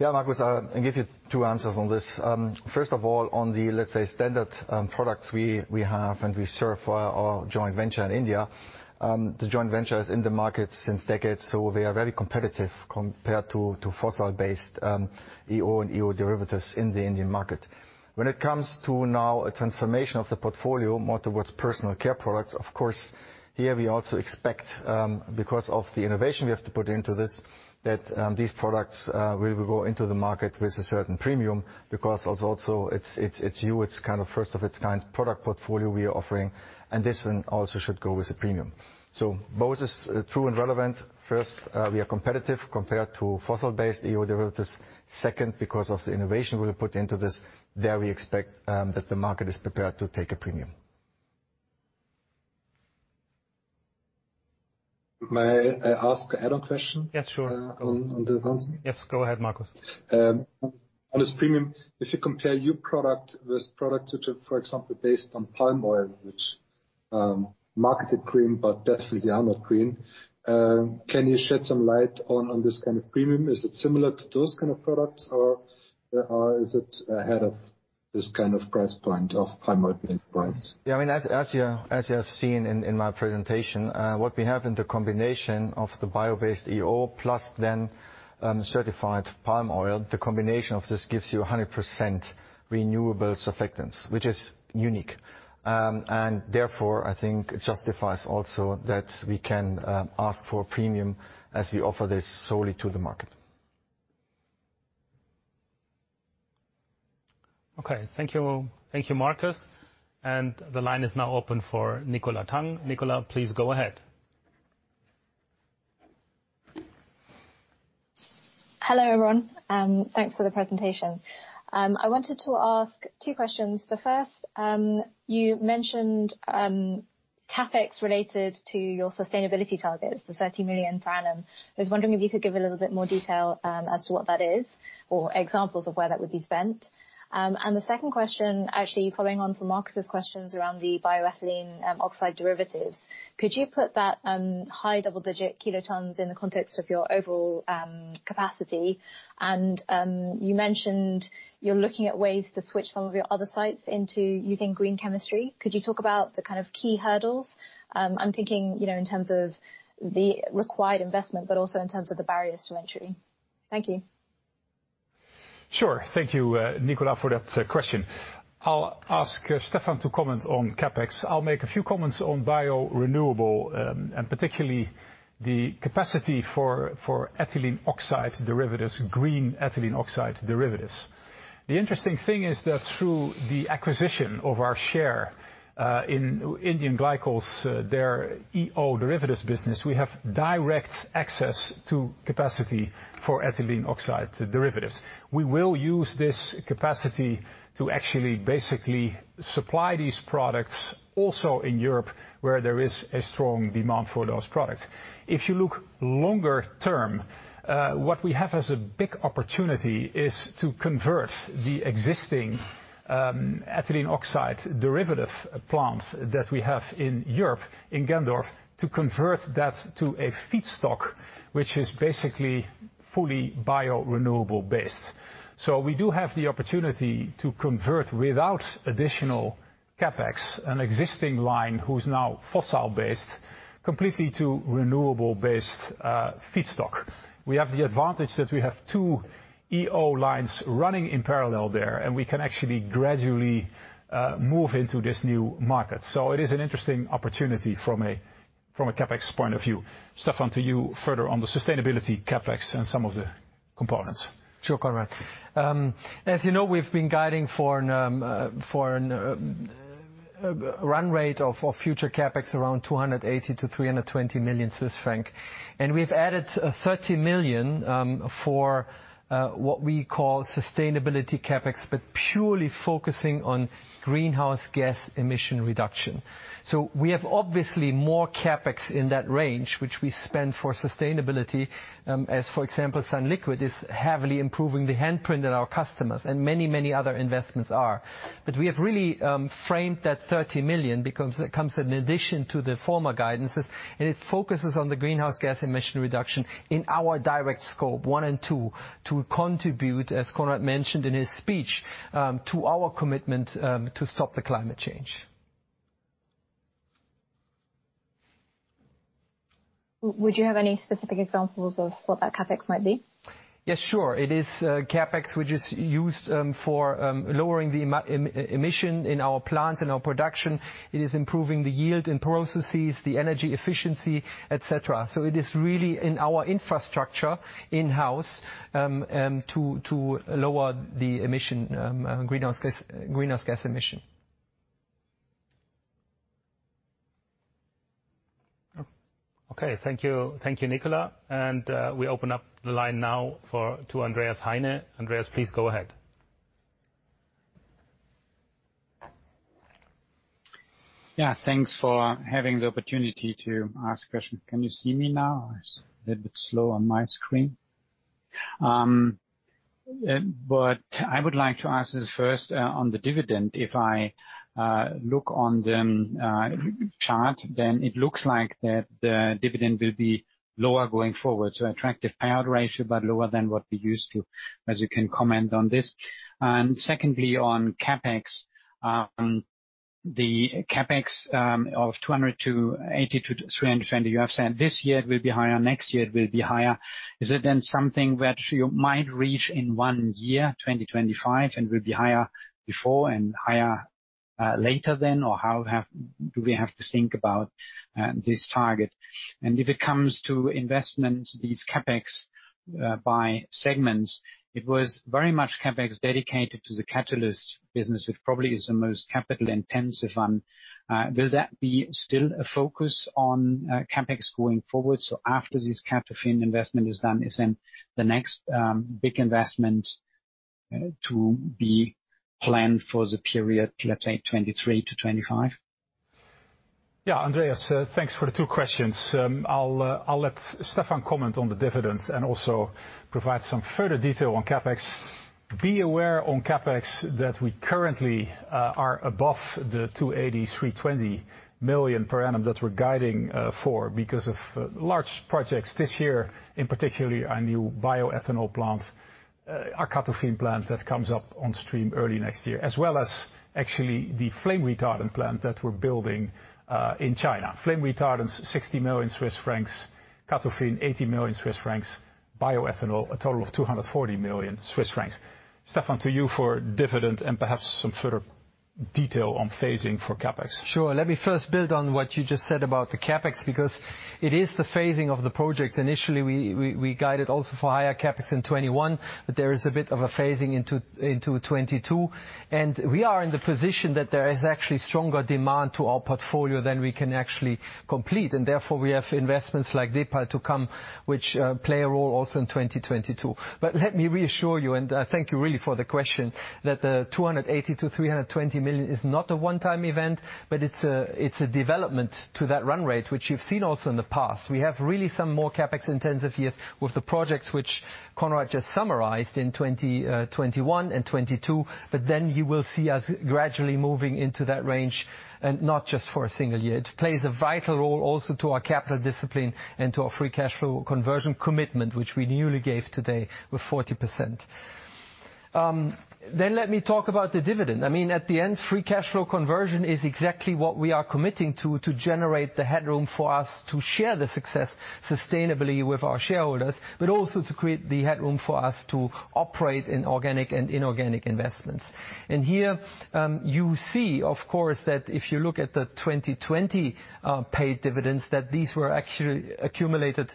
Yeah, Markus, I'll give you two answers on this. First of all, on the, let's say, standard products we have and we serve our joint venture in India, the joint venture is in the market since decades, so they are very competitive compared to fossil-based EO and EO derivatives in the Indian market. When it comes to now a transformation of the portfolio more towards personal care products, of course, here we also expect, because of the innovation we have to put into this, that these products will go into the market with a certain premium because as also it's new, it's kind of first of its kind product portfolio we are offering, and this one also should go with a premium. Both is true and relevant. First, we are competitive compared to fossil-based EO derivatives. Second, because of the innovation we'll put into this, there we expect, that the market is prepared to take a premium. May I ask add-on question? Yes, sure. On the answer? Yes, go ahead, Markus. On this premium, if you compare your products with products which are, for example, based on palm oil, which are marketed green but definitely are not green, can you shed some light on this kind of premium? Is it similar to those kind of products or is it ahead of this kind of price point of palm oil-based products? Yeah. I mean, as you have seen in my presentation, what we have in the combination of the bio-based EO plus the certified palm oil, the combination of this gives you 100% renewable surfactants, which is unique. Therefore, I think it justifies also that we can ask for a premium as we offer this solely to the market. Okay. Thank you. Thank you, Markus. The line is now open for Nicola Tang. Nicola, please go ahead. Hello, everyone, and thanks for the presentation. I wanted to ask two questions. The first, you mentioned, CapEx related to your sustainability targets, the 30 million per annum. I was wondering if you could give a little bit more detail, as to what that is or examples of where that would be spent. And the second question, actually following on from Markus' questions around the bioethylene, oxide derivatives, could you put that, high double-digit kilotons in the context of your overall, capacity? And, you mentioned you're looking at ways to switch some of your other sites into using green chemistry. Could you talk about the kind of key hurdles? I'm thinking, you know, in terms of the required investment, but also in terms of the barriers to entry. Thank you. Sure. Thank you, Nicola for that question. I'll ask Stephan to comment on CapEx. I'll make a few comments on bio-renewable, and particularly the capacity for ethylene oxide derivatives, green ethylene oxide derivatives. The interesting thing is that through the acquisition of our share in India Glycols, their EO derivatives business, we have direct access to capacity for ethylene oxide derivatives. We will use this capacity to actually basically supply these products also in Europe, where there is a strong demand for those products. If you look longer term, what we have as a big opportunity is to convert the existing ethylene oxide derivative plants that we have in Europe, in Gendorf, to convert that to a feedstock which is basically fully bio-renewable based. We do have the opportunity to convert without additional CapEx an existing line who's now fossil based completely to renewable based feedstock. We have the advantage that we have two EO lines running in parallel there, and we can actually gradually move into this new market. It is an interesting opportunity from a CapEx point of view. Stephan, to you further on the sustainability CapEx and some of the components. Sure, Conrad. As you know, we've been guiding for a run rate of our future CapEx around 280 million-320 million Swiss franc. We've added 30 million for what we call sustainability CapEx, but purely focusing on greenhouse gas emission reduction. We have obviously more CapEx in that range, which we spend for sustainability, as for example, sunliquid is heavily improving the handprint of our customers, and many other investments are. We have really framed that 30 million because it comes in addition to the former guidances, and it focuses on the greenhouse gas emission reduction in our direct Scope 1 and 2, to contribute, as Conrad mentioned in his speech, to our commitment to stop the climate change. Would you have any specific examples of what that CapEx might be? Yes, sure. It is CapEx which is used for lowering the emission in our plants and our production. It is improving the yield in processes, the energy efficiency, et cetera. It is really in our infrastructure in-house to lower the emission, greenhouse gas emission. Okay. Thank you. Thank you, Nicola. We open up the line now to Andreas Heine. Andreas, please go ahead. Thanks for having the opportunity to ask a question. Can you see me now? It's a little bit slow on my screen. But I would like to ask this first, on the dividend. If I look on the chart, then it looks like that the dividend will be lower going forward. Attractive payout ratio, but lower than what we're used to, as you can comment on this. Secondly, on CapEx, the CapEx of 280-320 you have said this year it will be higher, next year it will be higher. Is it then something which you might reach in one year, 2025, and will be higher before and higher later then? Or how do we have to think about this target? If it comes to investments, these CapEx by segments, it was very much CapEx dedicated to the catalyst business, which probably is the most capital intensive one. Will that be still a focus on CapEx going forward? After this CATOFIN investment is done, is then the next big investment to be planned for the period, let's say 2023 to 2025? Yeah, Andreas, thanks for the two questions. I'll let Stefan comment on the dividend and also provide some further detail on CapEx. Be aware on CapEx that we currently are above the 280 million-320 million per annum that we're guiding for because of large projects this year, in particular our new bioethanol plant, our CATOFIN plant that comes on stream early next year, as well as actually the flame retardant plant that we're building in China. Flame retardant, 60 million Swiss francs, CATOFIN 80 million Swiss francs, bioethanol a total of 240 million Swiss francs. Stefan, to you for dividend and perhaps some further detail on phasing for CapEx. Sure. Let me first build on what you just said about the CapEx, because it is the phasing of the projects. Initially, we guided also for higher CapEx in 2021, but there is a bit of a phasing into 2022. We are in the position that there is actually stronger demand to our portfolio than we can actually complete, and therefore we have investments like Depal to come, which play a role also in 2022. Let me reassure you, and thank you really for the question, that the 280 million-320 million is not a one-time event, but it's a development to that run rate, which you've seen also in the past. We have really some more CapEx intensive years with the projects which Conrad just summarized in 2021 and 2022, but then you will see us gradually moving into that range, and not just for a single year. It plays a vital role also to our capital discipline and to our free cash flow conversion commitment, which we newly gave today with 40%. Let me talk about the dividend. I mean, at the end, free cash flow conversion is exactly what we are committing to generate the headroom for us to share the success sustainably with our shareholders, but also to create the headroom for us to operate in organic and inorganic investments. Here, you see, of course, that if you look at the 2020 paid dividends, that these were actually accumulated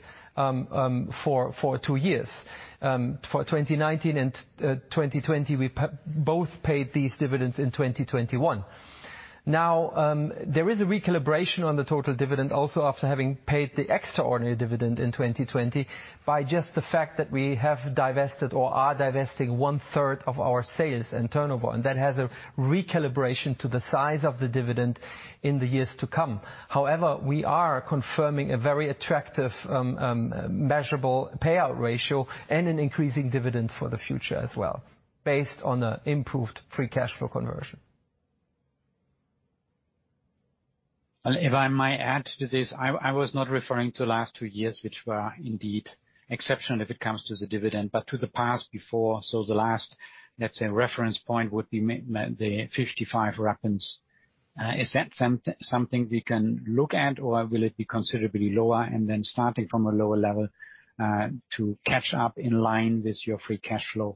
for two years. For 2019 and 2020, we both paid these dividends in 2021. Now, there is a recalibration on the total dividend also after having paid the extraordinary dividend in 2020 by just the fact that we have divested or are divesting one third of our sales and turnover, and that has a recalibration to the size of the dividend in the years to come. However, we are confirming a very attractive, measurable payout ratio and an increasing dividend for the future as well, based on an improved free cash flow conversion. I might add to this, I was not referring to last two years, which were indeed exceptional when it comes to the dividend, but to the past before, so the last, let's say, reference point would be the 0.55. Is that something we can look at or will it be considerably lower and then starting from a lower level to catch up in line with your free cash flow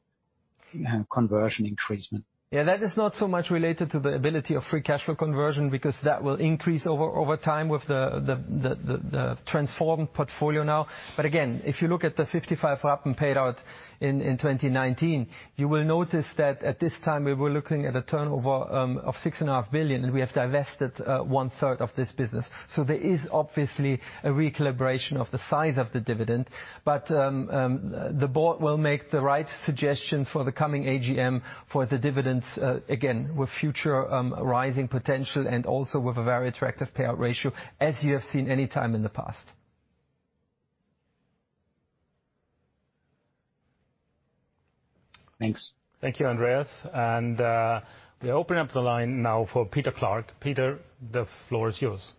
conversion increasement? Yeah, that is not so much related to the ability of free cash flow conversion because that will increase over time with the transformed portfolio now. Again, if you look at the 55 rappen paid out in 2019, you will notice that at this time, we were looking at a turnover of 6.5 billion, and we have divested one third of this business. There is obviously a recalibration of the size of the dividend. The board will make the right suggestions for the coming AGM for the dividends, again, with future rising potential and also with a very attractive payout ratio as you have seen any time in the past. Thanks. Thank you, Andreas. We open up the line now for Peter Clark. Peter, the floor is yours.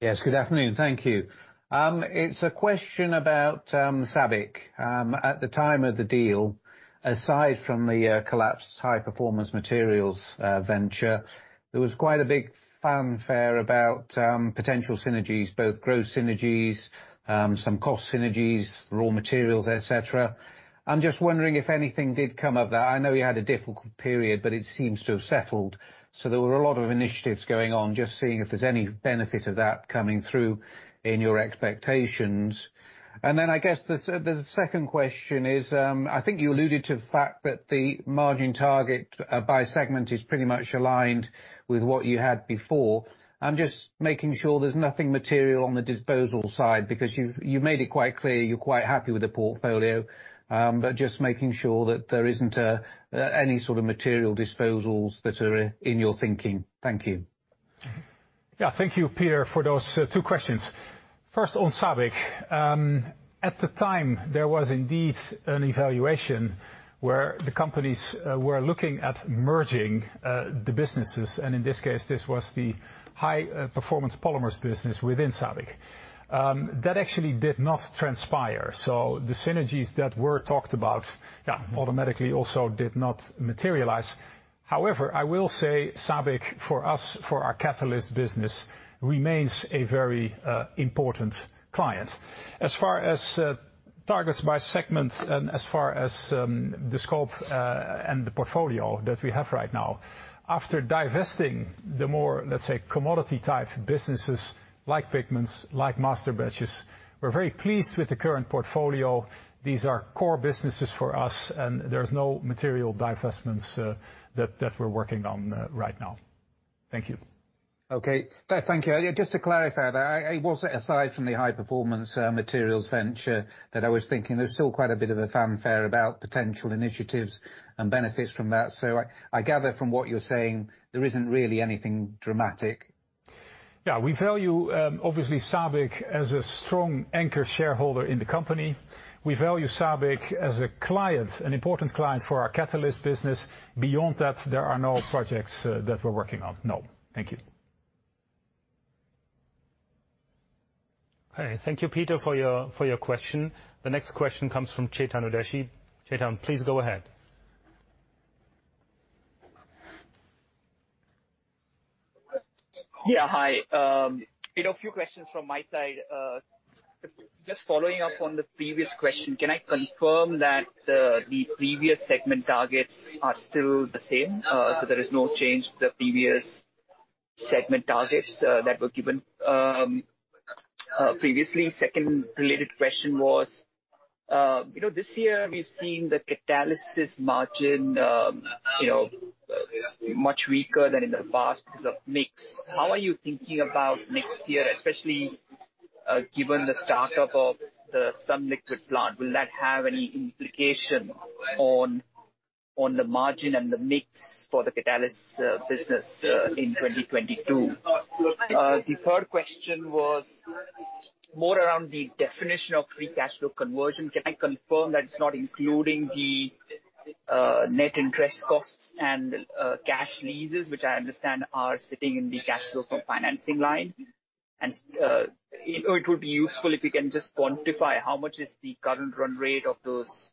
Yes, good afternoon. Thank you. It's a question about SABIC. At the time of the deal, aside from the collapsed high performance materials venture, there was quite a big fanfare about potential synergies, both growth synergies, some cost synergies, raw materials, et cetera. I'm just wondering if anything did come up that I know you had a difficult period, but it seems to have settled. There were a lot of initiatives going on. Just seeing if there's any benefit of that coming through in your expectations. I guess the second question is, I think you alluded to the fact that the margin target by segment is pretty much aligned with what you had before. I'm just making sure there's nothing material on the disposal side because you've made it quite clear you're quite happy with the portfolio. Just making sure that there isn't any sort of material disposals that are in your thinking. Thank you. Yeah. Thank you, Peter, for those two questions. First, on SABIC. At the time, there was indeed an evaluation where the companies were looking at merging the businesses, and in this case, this was the high performance polymers business within SABIC. That actually did not transpire. The synergies that were talked about automatically also did not materialize. However, I will say SABIC, for us, for our catalyst business, remains a very important client. As far as targets by segment and as far as the scope and the portfolio that we have right now, after divesting the more, let's say, commodity type businesses like pigments, like master batches, we're very pleased with the current portfolio. These are core businesses for us, and there is no material divestments that we're working on right now. Thank you. Okay. Thank you. Just to clarify that, I was aside from the high performance materials venture that I was thinking there's still quite a bit of a fanfare about potential initiatives and benefits from that. I gather from what you're saying, there isn't really anything dramatic. Yeah. We value, obviously, SABIC as a strong anchor shareholder in the company. We value SABIC as a client, an important client for our catalyst business. Beyond that, there are no projects that we're working on. No. Thank you. Okay. Thank you, Peter, for your question. The next question comes from Chetan Udeshi. Chetan, please go ahead. Yeah. Hi. You know, a few questions from my side. Just following up on the previous question, can I confirm that the previous segment targets are still the same? There is no change to the previous segment targets that were given previously. Second related question was, you know, this year we've seen the catalyst margin, you know, much weaker than in the past because of mix. How are you thinking about next year, especially, given the start-up of the sunliquid plant, will that have any implication on the margin and the mix for the catalyst business in 2022? The third question was more around the definition of free cash flow conversion. Can I confirm that it's not including the Net interest costs and cash leases, which I understand are sitting in the cash flow from financing line. You know, it would be useful if you can just quantify how much is the current run rate of those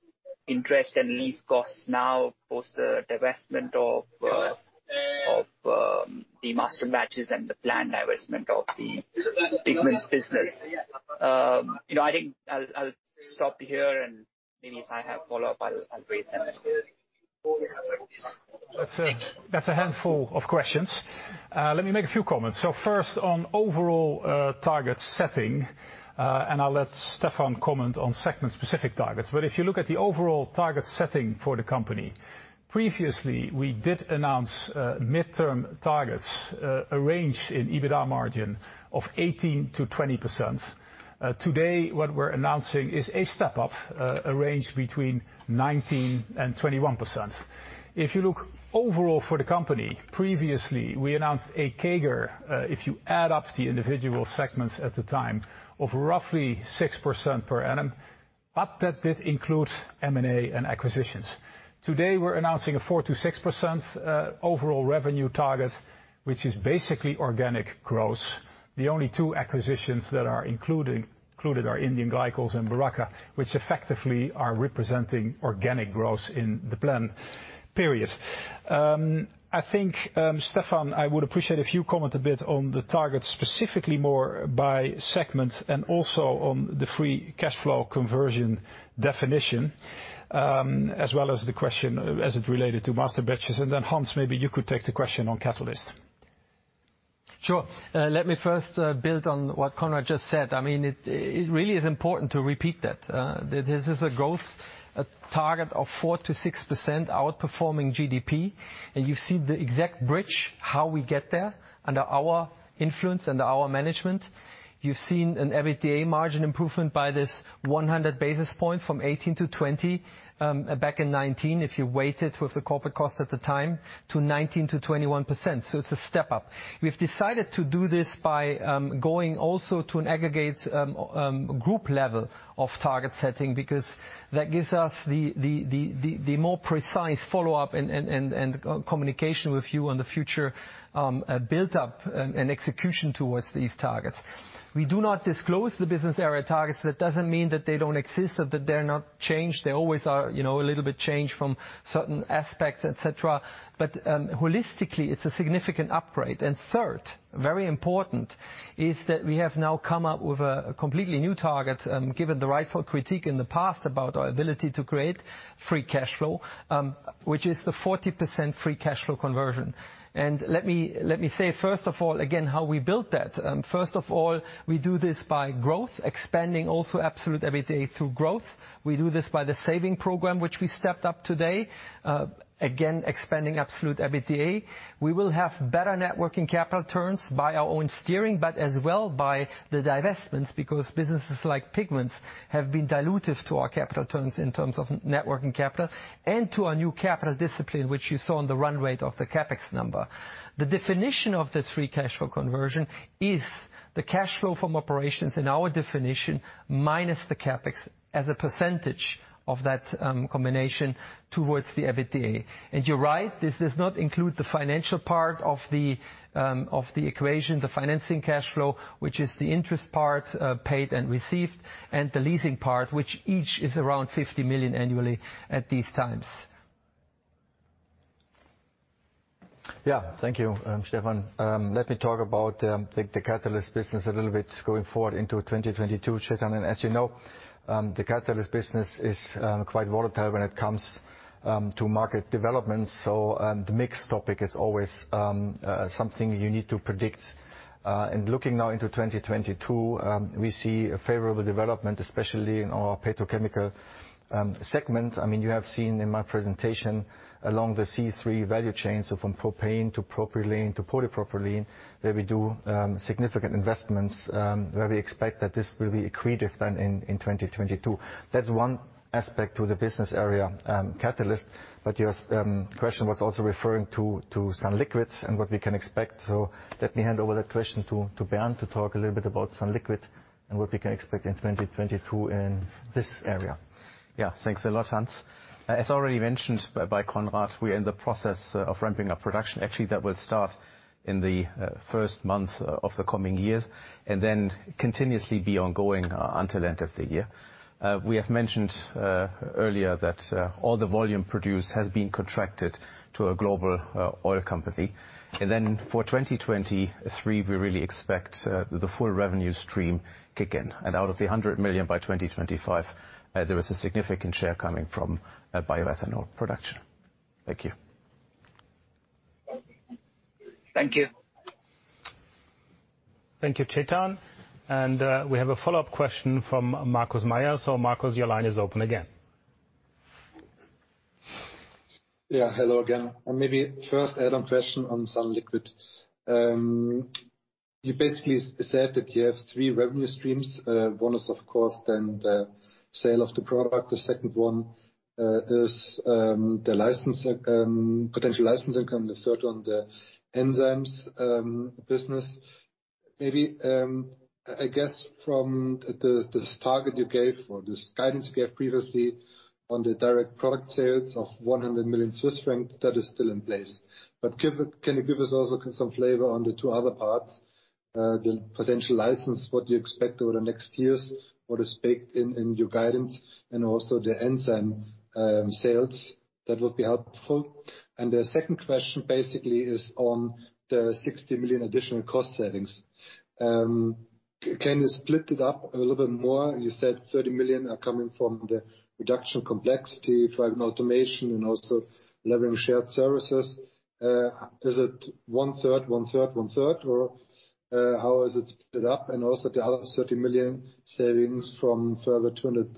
interest and lease costs now, post the divestment of the Masterbatches and the planned divestment of the Pigments business. You know, I think I'll stop here, and maybe if I have follow-up I'll just queue up then. That's a handful of questions. Let me make a few comments. First, on overall target setting, and I'll let Stephan comment on segment specific targets. If you look at the overall target setting for the company, previously we did announce midterm targets, a range in EBITDA margin of 18%-20%. Today what we're announcing is a step up, a range between 19%-21%. If you look overall for the company, previously we announced a CAGR, if you add up the individual segments at the time, of roughly 6% per annum, but that did include M&A and acquisitions. Today, we're announcing a 4%-6% overall revenue target, which is basically organic growth. The only two acquisitions that are included are India Glycols and Beraca, which effectively are representing organic growth in the planned period. I think, Stephan, I would appreciate if you comment a bit on the targets, specifically more by segment, and also on the free cash flow conversion definition, as well as the question as it related to Masterbatches. Hans, maybe you could take the question on catalyst. Sure. Let me first build on what Conrad just said. I mean, it really is important to repeat that. This is a growth target of 4%-6% outperforming GDP. You see the exact bridge, how we get there under our influence, under our management. You've seen an EBITDA margin improvement by this 100 basis points from 18%-20% back in 2019, if you weighed it with the corporate cost at the time, to 19%-21%, so it's a step up. We've decided to do this by going also to an aggregate group level of target setting, because that gives us the more precise follow-up and communication with you on the future build-up and execution towards these targets. We do not disclose the business area targets. That doesn't mean that they don't exist or that they're not changed. They always are, you know, a little bit changed from certain aspects, et cetera. Holistically it's a significant upgrade. Third, very important, is that we have now come up with a completely new target, given the rightful critique in the past about our ability to create free cash flow, which is the 40% free cash flow conversion. Let me say first of all, again, how we built that. First of all, we do this by growth, expanding also absolute EBITDA through growth. We do this by the saving program, which we stepped up today, again, expanding absolute EBITDA. We will have better net working capital turns by our own steering, but as well by the divestments, because businesses like Pigments have been dilutive to our capital turns in terms of net working capital, and to our new capital discipline, which you saw on the run rate of the CapEx number. The definition of this free cash flow conversion is the cash flow from operations in our definition, minus the CapEx as a percentage of that combination towards the EBITDA. You're right, this does not include the financial part of the equation, the financing cash flow, which is the interest part paid and received, and the leasing part, which each is around 50 million annually at these times. Yeah. Thank you, Stephan. Let me talk about the catalyst business a little bit going forward into 2022. Chetan, and as you know, the catalyst business is quite volatile when it comes to market development, so the mix topic is always something you need to predict. Looking now into 2022, we see a favorable development, especially in our petrochemical segment. I mean, you have seen in my presentation along the C3 value chain, so from propane to propylene to polypropylene, that we do significant investments where we expect that this will be accretive then in 2022. That's one aspect to the business area catalyst. But your question was also referring to sunliquid and what we can expect. Let me hand over that question to Bernd to talk a little bit about sunliquid and what we can expect in 2022 in this area. Yeah. Thanks a lot, Hans. As already mentioned by Conrad, we're in the process of ramping up production. Actually, that will start in the first month of the coming years, and then continuously be ongoing until end of the year. We have mentioned earlier that all the volume produced has been contracted to a global oil company. Then for 2023, we really expect the full revenue stream kick in. Out of the 100 million by 2025, there is a significant share coming from bioethanol production. Thank you. Thank you. Thank you, Chetan. We have a follow-up question from Markus Mayer. Markus, your line is open again. Hello again. Maybe first add-on question on sunliquid. You basically said that you have three revenue streams. One is of course the sale of the product. The second one is the license potential license income. The third one, the enzymes business. I guess from this target you gave or this guidance you gave previously on the direct product sales of 100 million Swiss francs, that is still in place. Can you give us also some flavor on the two other parts, the potential license, what you expect over the next years? What is baked in your guidance? Also the enzyme sales. That would be helpful. The second question basically is on the 60 million additional cost savings. Can you split it up a little bit more? You said 30 million are coming from the reduction complexity, driving automation, and also leveraging shared services. Is it one-third, one-third, one-third? Or how is it split up? The other 30 million savings from further 200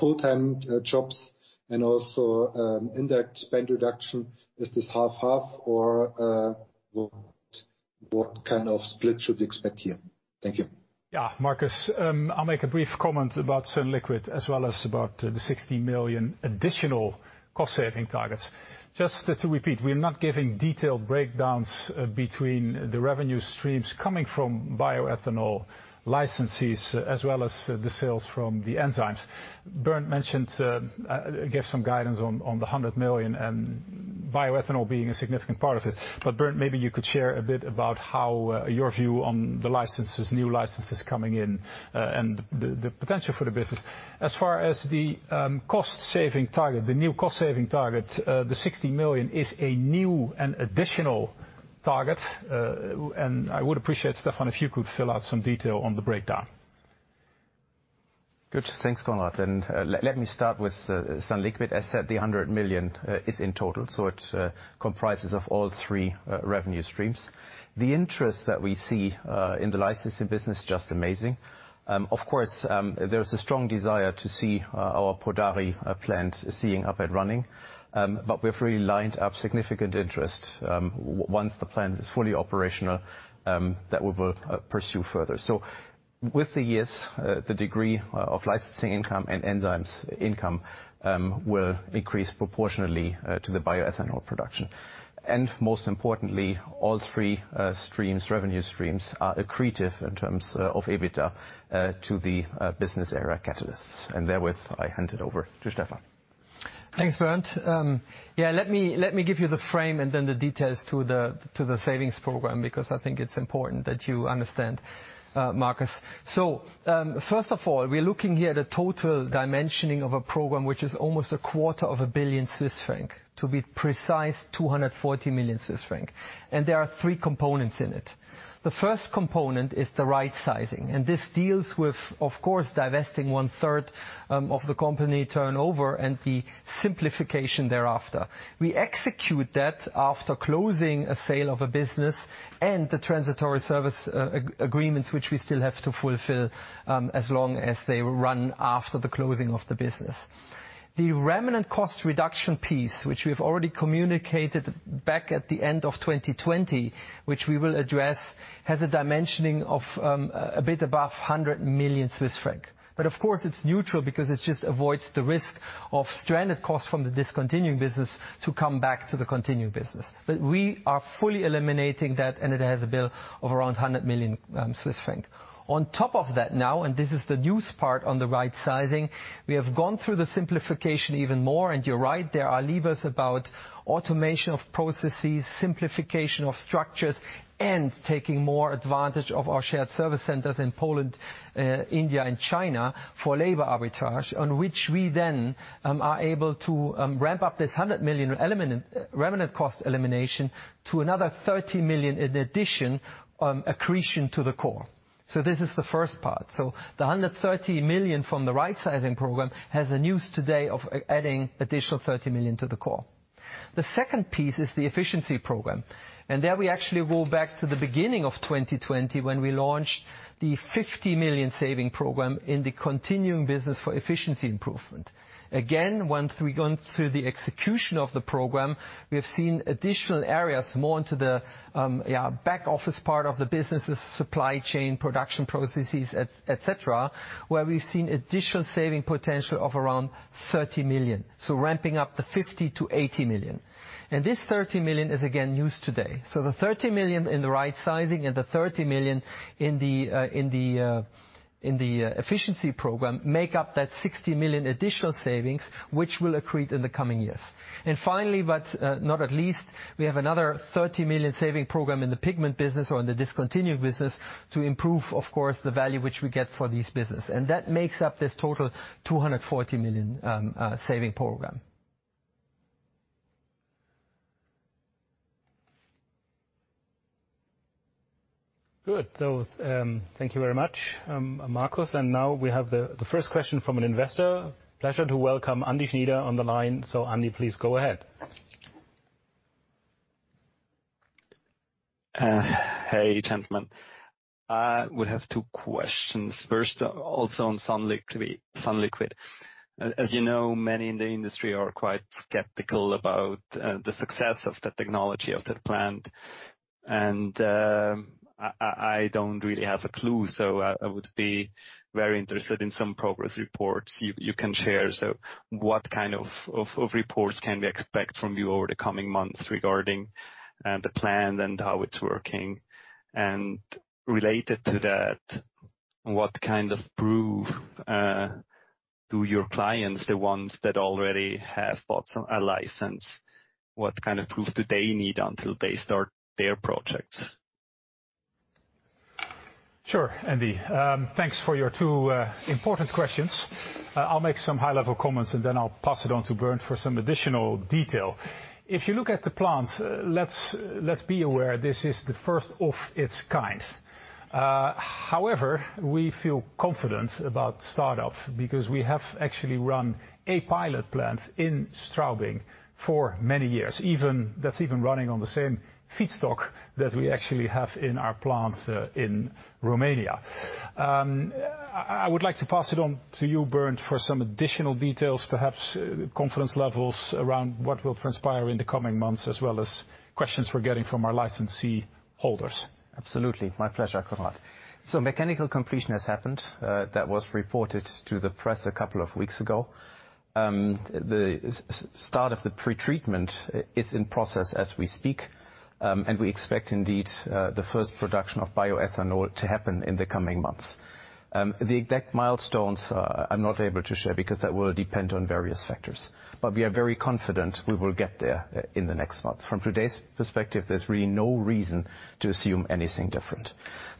full-time jobs and also indirect spend reduction. Is this 50/50 or what kind of split should we expect here? Thank you. Yeah, Markus, I'll make a brief comment about sunliquid as well as about the 60 million additional cost-saving targets. Just to repeat, we're not giving detailed breakdowns between the revenue streams coming from bioethanol licensees as well as the sales from the enzymes. Bernd gave some guidance on the 100 million and bioethanol being a significant part of it. Bernd, maybe you could share a bit about how your view on the licenses, new licenses coming in, and the potential for the business. As far as the new cost-saving target, the 60 million is a new and additional target. I would appreciate, Stefan, if you could fill out some detail on the breakdown. Good. Thanks, Conrad. Let me start with sunliquid. As said, the 100 million is in total, so it comprises of all three revenue streams. The interest that we see in the licensing business is just amazing. Of course, there is a strong desire to see our Podari plant up and running. But we've really lined up significant interest once the plant is fully operational that we will pursue further. So over the years, the degree of licensing income and enzymes income will increase proportionally to the bioethanol production. Most importantly, all three revenue streams are accretive in terms of EBITDA to the business area Catalysis. With that, I hand it over to Stephan. Thanks, Bernd. Yeah, let me give you the frame and then the details to the savings program, because I think it's important that you understand, Markus. First of all, we're looking here at a total dimensioning of a program which is almost a quarter of a billion Swiss francs. To be precise, 240 million Swiss franc. There are three components in it. The first component is the right sizing, and this deals with, of course, divesting one-third of the company turnover and the simplification thereafter. We execute that after closing a sale of a business and the transitory service agreements which we still have to fulfill as long as they run after the closing of the business. The remnant cost reduction piece, which we have already communicated back at the end of 2020, which we will address, has a dimensioning of a bit above 100 million Swiss francs. Of course it's neutral because it just avoids the risk of stranded costs from the discontinuing business to come back to the continuing business. We are fully eliminating that, and it has a bill of around 100 million Swiss franc. On top of that now, and this is the new part on the right sizing, we have gone through the simplification even more. You're right, there are levers about automation of processes, simplification of structures, and taking more advantage of our shared service centers in Poland, India and China for labor arbitrage, on which we then are able to ramp up this 100 million element, run-rate cost elimination to another 30 million in addition, accretion to the core. This is the first part. The underlying 30 million from the Right Sizing Program has news today of adding additional 30 million to the core. The second piece is the Efficiency Program. There we actually go back to the beginning of 2020 when we launched the 50 million savings program in the continuing business for efficiency improvement. Again, once we've gone through the execution of the program, we have seen additional areas more into the back office part of the business' supply chain, production processes, et cetera, where we've seen additional saving potential of around 30 million. Ramping up the 50 million-80 million. This 30 million is again news today. The 30 million in the right sizing and the 30 million in the efficiency program make up that 60 million additional savings, which will accrete in the coming years. Finally, not least, we have another 30 million saving program in the pigment business or in the discontinued business to improve, of course, the value which we get for this business. That makes up this total 240 million saving program. Good. Thank you very much, Markus. Now we have the first question from an investor. It's a pleasure to welcome Andy Schwarzwälder on the line. Andy, please go ahead. Hey, gentlemen. I would have two questions. First, also on sunliquid. As you know, many in the industry are quite skeptical about the success of the technology of that plant. I don't really have a clue, so I would be very interested in some progress reports you can share. What kind of reports can we expect from you over the coming months regarding the plant and how it's working? Related to that What kind of proof do your clients, the ones that already have bought a license, what kind of proofs do they need until they start their projects? Sure, Andy. Thanks for your two important questions. I'll make some high-level comments, and then I'll pass it on to Bernd for some additional detail. If you look at the plants, let's be aware this is the first of its kind. However, we feel confident about startup because we have actually run a pilot plant in Straubing for many years, even that's even running on the same feedstock that we actually have in our plant in Romania. I would like to pass it on to you, Bernd, for some additional details, perhaps confidence levels around what will transpire in the coming months, as well as questions we're getting from our licensee holders. Absolutely. My pleasure, Conrad. Mechanical completion has happened. That was reported to the press a couple of weeks ago. The start of the pretreatment is in process as we speak. We expect indeed, the first production of bioethanol to happen in the coming months. The exact milestones, I'm not able to share because that will depend on various factors, but we are very confident we will get there in the next month. From today's perspective, there's really no reason to assume anything different.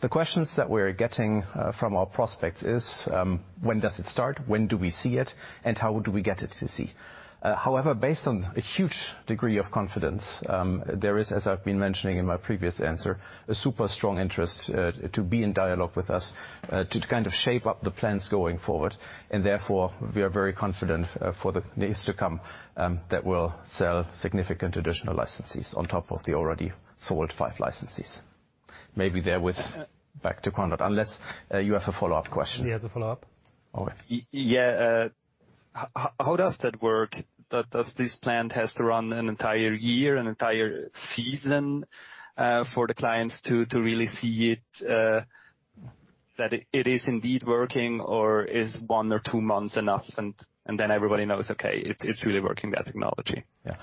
The questions that we're getting from our prospects is, when does it start? When do we see it? And how do we get to see it? However, based on a huge degree of confidence, there is, as I've been mentioning in my previous answer, a super strong interest to be in dialogue with us to kind of shape up the plans going forward. Therefore, we are very confident for the days to come that we'll sell significant additional licenses on top of the already sold 5 licenses. Maybe hand it back to Conrad, unless you have a follow-up question. He has a follow-up. Okay. Yeah. How does that work? Does this plant has to run an entire year, an entire season, for the clients to really see it that it is indeed working? Or is one or two months enough, and then everybody knows, okay, it's really working, that technology? Yeah.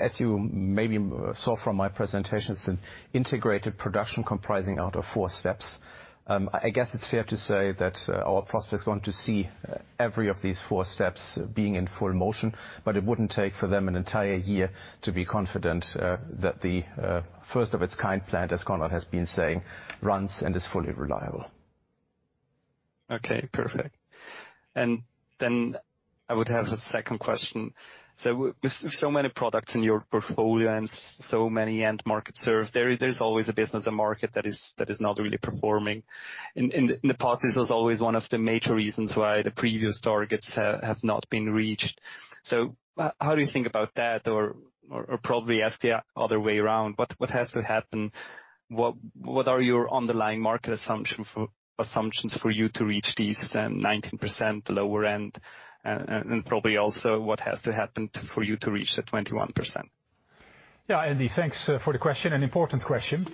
As you maybe saw from my presentations, an integrated production comprising out of four steps. I guess it's fair to say that our prospects want to see every of these four steps being in full motion, but it wouldn't take for them an entire year to be confident that the first of its kind plant, as Conrad has been saying, runs and is fully reliable. Okay, perfect. I would have a second question. With so many products in your portfolio and so many end markets served, there's always a business, a market that is not really performing. In the past, this was always one of the major reasons why the previous targets have not been reached. How do you think about that? Or probably ask the other way around, what has to happen? What are your underlying market assumptions for you to reach these then 19% lower end? Probably also what has to happen for you to reach the 21%? Yeah, Andy, thanks for the question. An important question.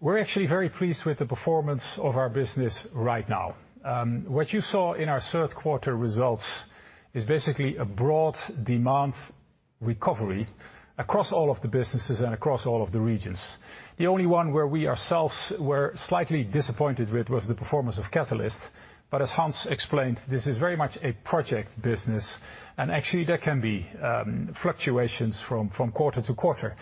We're actually very pleased with the performance of our business right now. What you saw in our third quarter results is basically a broad demand recovery across all of the businesses and across all of the regions. The only one where we ourselves were slightly disappointed with was the performance of Catalysis. As Hans explained, this is very much a project business, and actually there can be fluctuations from quarter to quarter.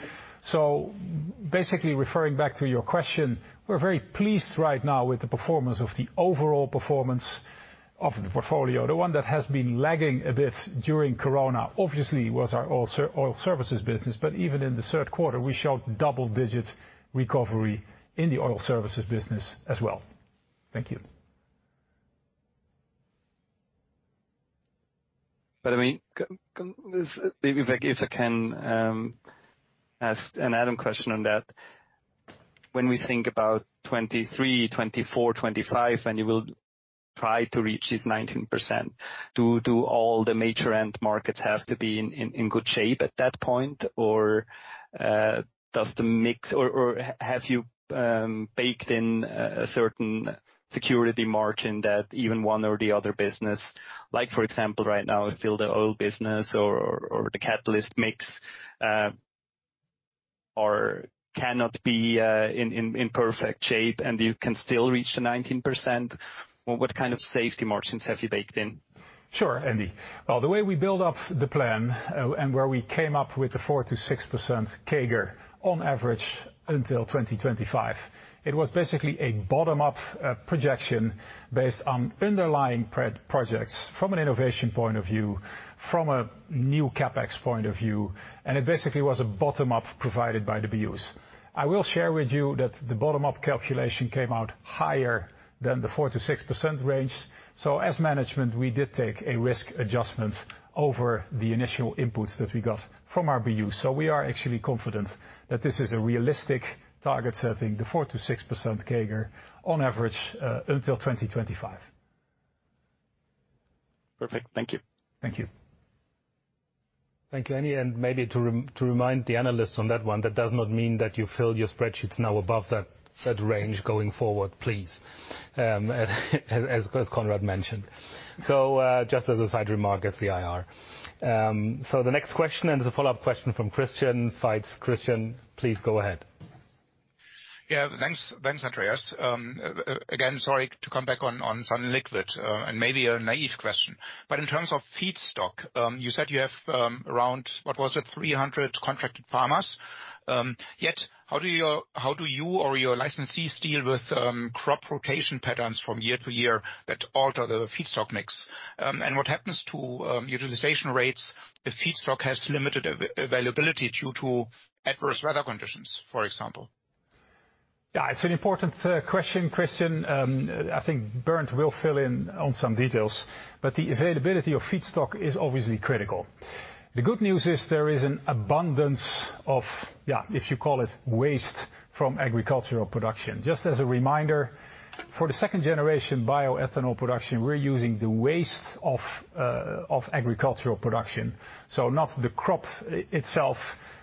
Basically, referring back to your question, we're very pleased right now with the performance of the overall performance of the portfolio. The one that has been lagging a bit during Corona, obviously, was our oil services business. Even in the third quarter, we showed double-digit recovery in the oil services business as well. Thank you. I mean, can If I can ask an add-on question on that. When we think about 2023, 2024, 2025, and you will try to reach this 19%, do all the major end markets have to be in good shape at that point? Or does the mix or have you baked in a certain security margin that even one or the other business, like for example right now, still the oil business or the catalyst mix cannot be in perfect shape and you can still reach the 19%? What kind of safety margins have you baked in? Sure, Andy. Well, the way we build up the plan and where we came up with the 4%-6% CAGR on average until 2025, it was basically a bottom-up projection based on underlying projects from an innovation point of view, from a new CapEx point of view, and it basically was a bottom up provided by the BUs. I will share with you that the bottom-up calculation came out higher than the 4%-6% range. As management, we did take a risk adjustment over the initial inputs that we got from our BUs. We are actually confident that this is a realistic target setting, the 4%-6% CAGR on average until 2025. Perfect. Thank you. Thank you. Thank you, Andy. Maybe to remind the analysts on that one, that does not mean that you fill your spreadsheets now above that range going forward, please. As Conrad mentioned. Just as a side remark as the IR. The next question, and it's a follow-up question from Christian Faitz. Christian, please go ahead. Yeah, thanks, Andreas. Again, sorry to come back on sunliquid, and maybe a naive question. In terms of feedstock, you said you have around 300 contracted farmers. Yet how do you or your licensees deal with crop rotation patterns from year to year that alter the feedstock mix? And what happens to utilization rates if feedstock has limited availability due to adverse weather conditions, for example? It's an important question, Christian. I think Bernd will fill in on some details. The availability of feedstock is obviously critical. The good news is there is an abundance of, if you call it waste from agricultural production. Just as a reminder, for the second generation bioethanol production, we're using the waste of agricultural production. Not the crop itself,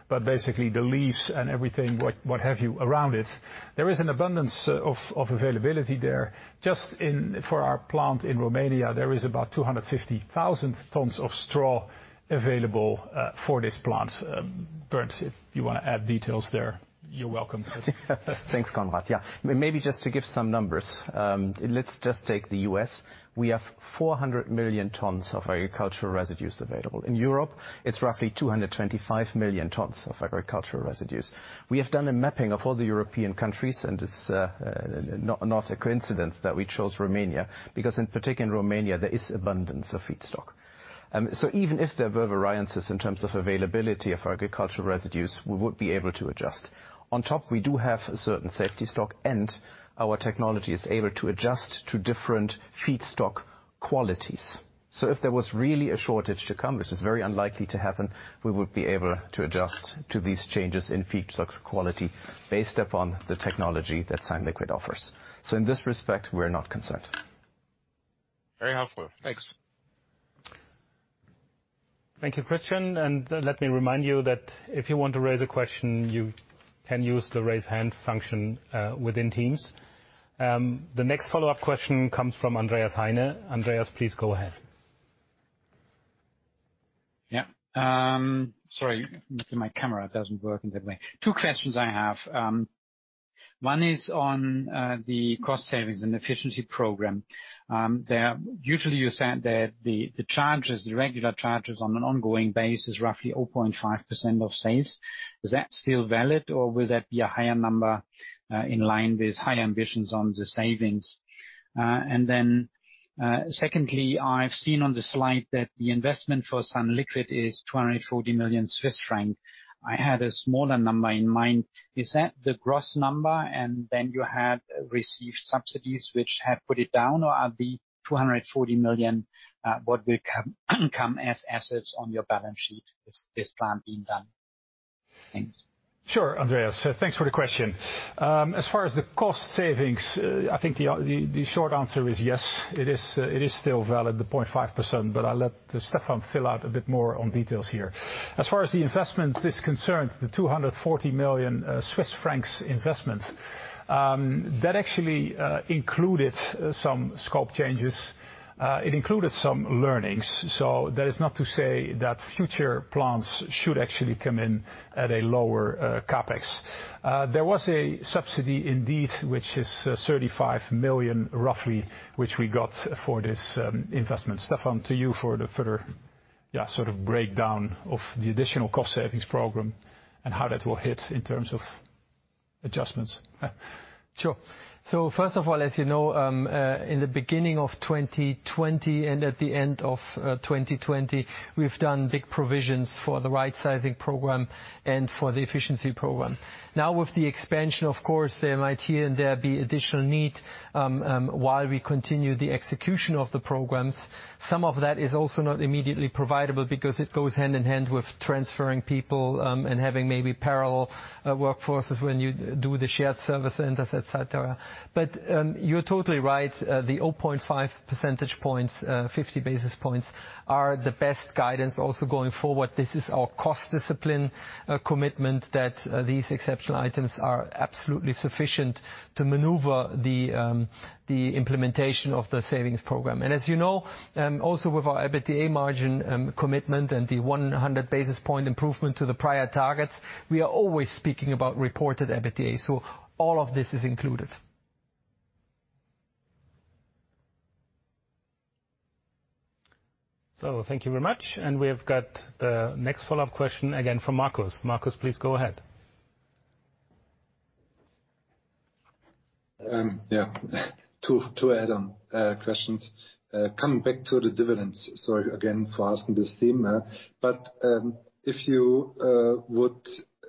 but basically the leaves and everything, what have you around it. There is an abundance of availability there. For our plant in Romania, there is about 250,000 tons of straw available for this plant. Bernd, if you wanna add details there, you're welcome. Thanks, Conrad. Maybe just to give some numbers. Let's just take the U.S. We have 400 million tons of agricultural residues available. In Europe, it's roughly 225 million tons of agricultural residues. We have done a mapping of all the European countries, and it's not a coincidence that we chose Romania because in particular in Romania, there is abundance of feedstock. Even if there were variances in terms of availability of agricultural residues, we would be able to adjust. On top, we do have a certain safety stock, and our technology is able to adjust to different feedstock qualities. If there was really a shortage to come, which is very unlikely to happen, we would be able to adjust to these changes in feedstock quality based upon the technology that sunliquid offers. In this respect, we're not concerned. Very helpful. Thanks. Thank you, Christian. Let me remind you that if you want to raise a question, you can use the Raise Hand function within Teams. The next follow-up question comes from Andreas Heine. Andreas, please go ahead. Yeah. Sorry, my camera doesn't work in that way. Two questions I have. One is on the cost savings and efficiency program. There usually you said that the charges, the regular charges on an ongoing basis, roughly 0.5% of sales. Is that still valid, or will that be a higher number in line with high ambitions on the savings? And then, secondly, I've seen on the slide that the investment for sunliquid is 240 million Swiss francs. I had a smaller number in mind. Is that the gross number, and then you had received subsidies which have put it down, or are the 240 million what will come as assets on your balance sheet with this plan being done? Thanks. Sure, Andreas. Thanks for the question. As far as the cost savings, I think the short answer is yes, it is still valid, the 0.5%, but I'll let Stephan fill out a bit more on details here. As far as the investment is concerned, the 240 million Swiss francs investment, that actually included some scope changes. It included some learnings. That is not to say that future plants should actually come in at a lower CapEx. There was a subsidy indeed, which is 35 million, roughly, which we got for this investment. Stephan, to you for the further sort of breakdown of the additional cost savings program and how that will hit in terms of adjustments. Sure. First of all, as you know, in the beginning of 2020 and at the end of 2020, we've done big provisions for the right sizing program and for the efficiency program. Now, with the expansion, of course, there might here and there be additional need while we continue the execution of the programs. Some of that is also not immediately providable because it goes hand in hand with transferring people and having maybe parallel workforces when you do the shared service centers, et cetera. You're totally right. The 0.5 percentage points, 50 basis points are the best guidance also going forward. This is our cost discipline commitment that these exceptional items are absolutely sufficient to maneuver the implementation of the savings program. As you know, also with our EBITDA margin commitment and the 100 basis points improvement to the prior targets, we are always speaking about reported EBITDA, so all of this is included. Thank you very much. We have got the next follow-up question again from Markus. Markus, please go ahead. Yeah. Two add-on questions. Coming back to the dividends, sorry again for asking this theme. If you would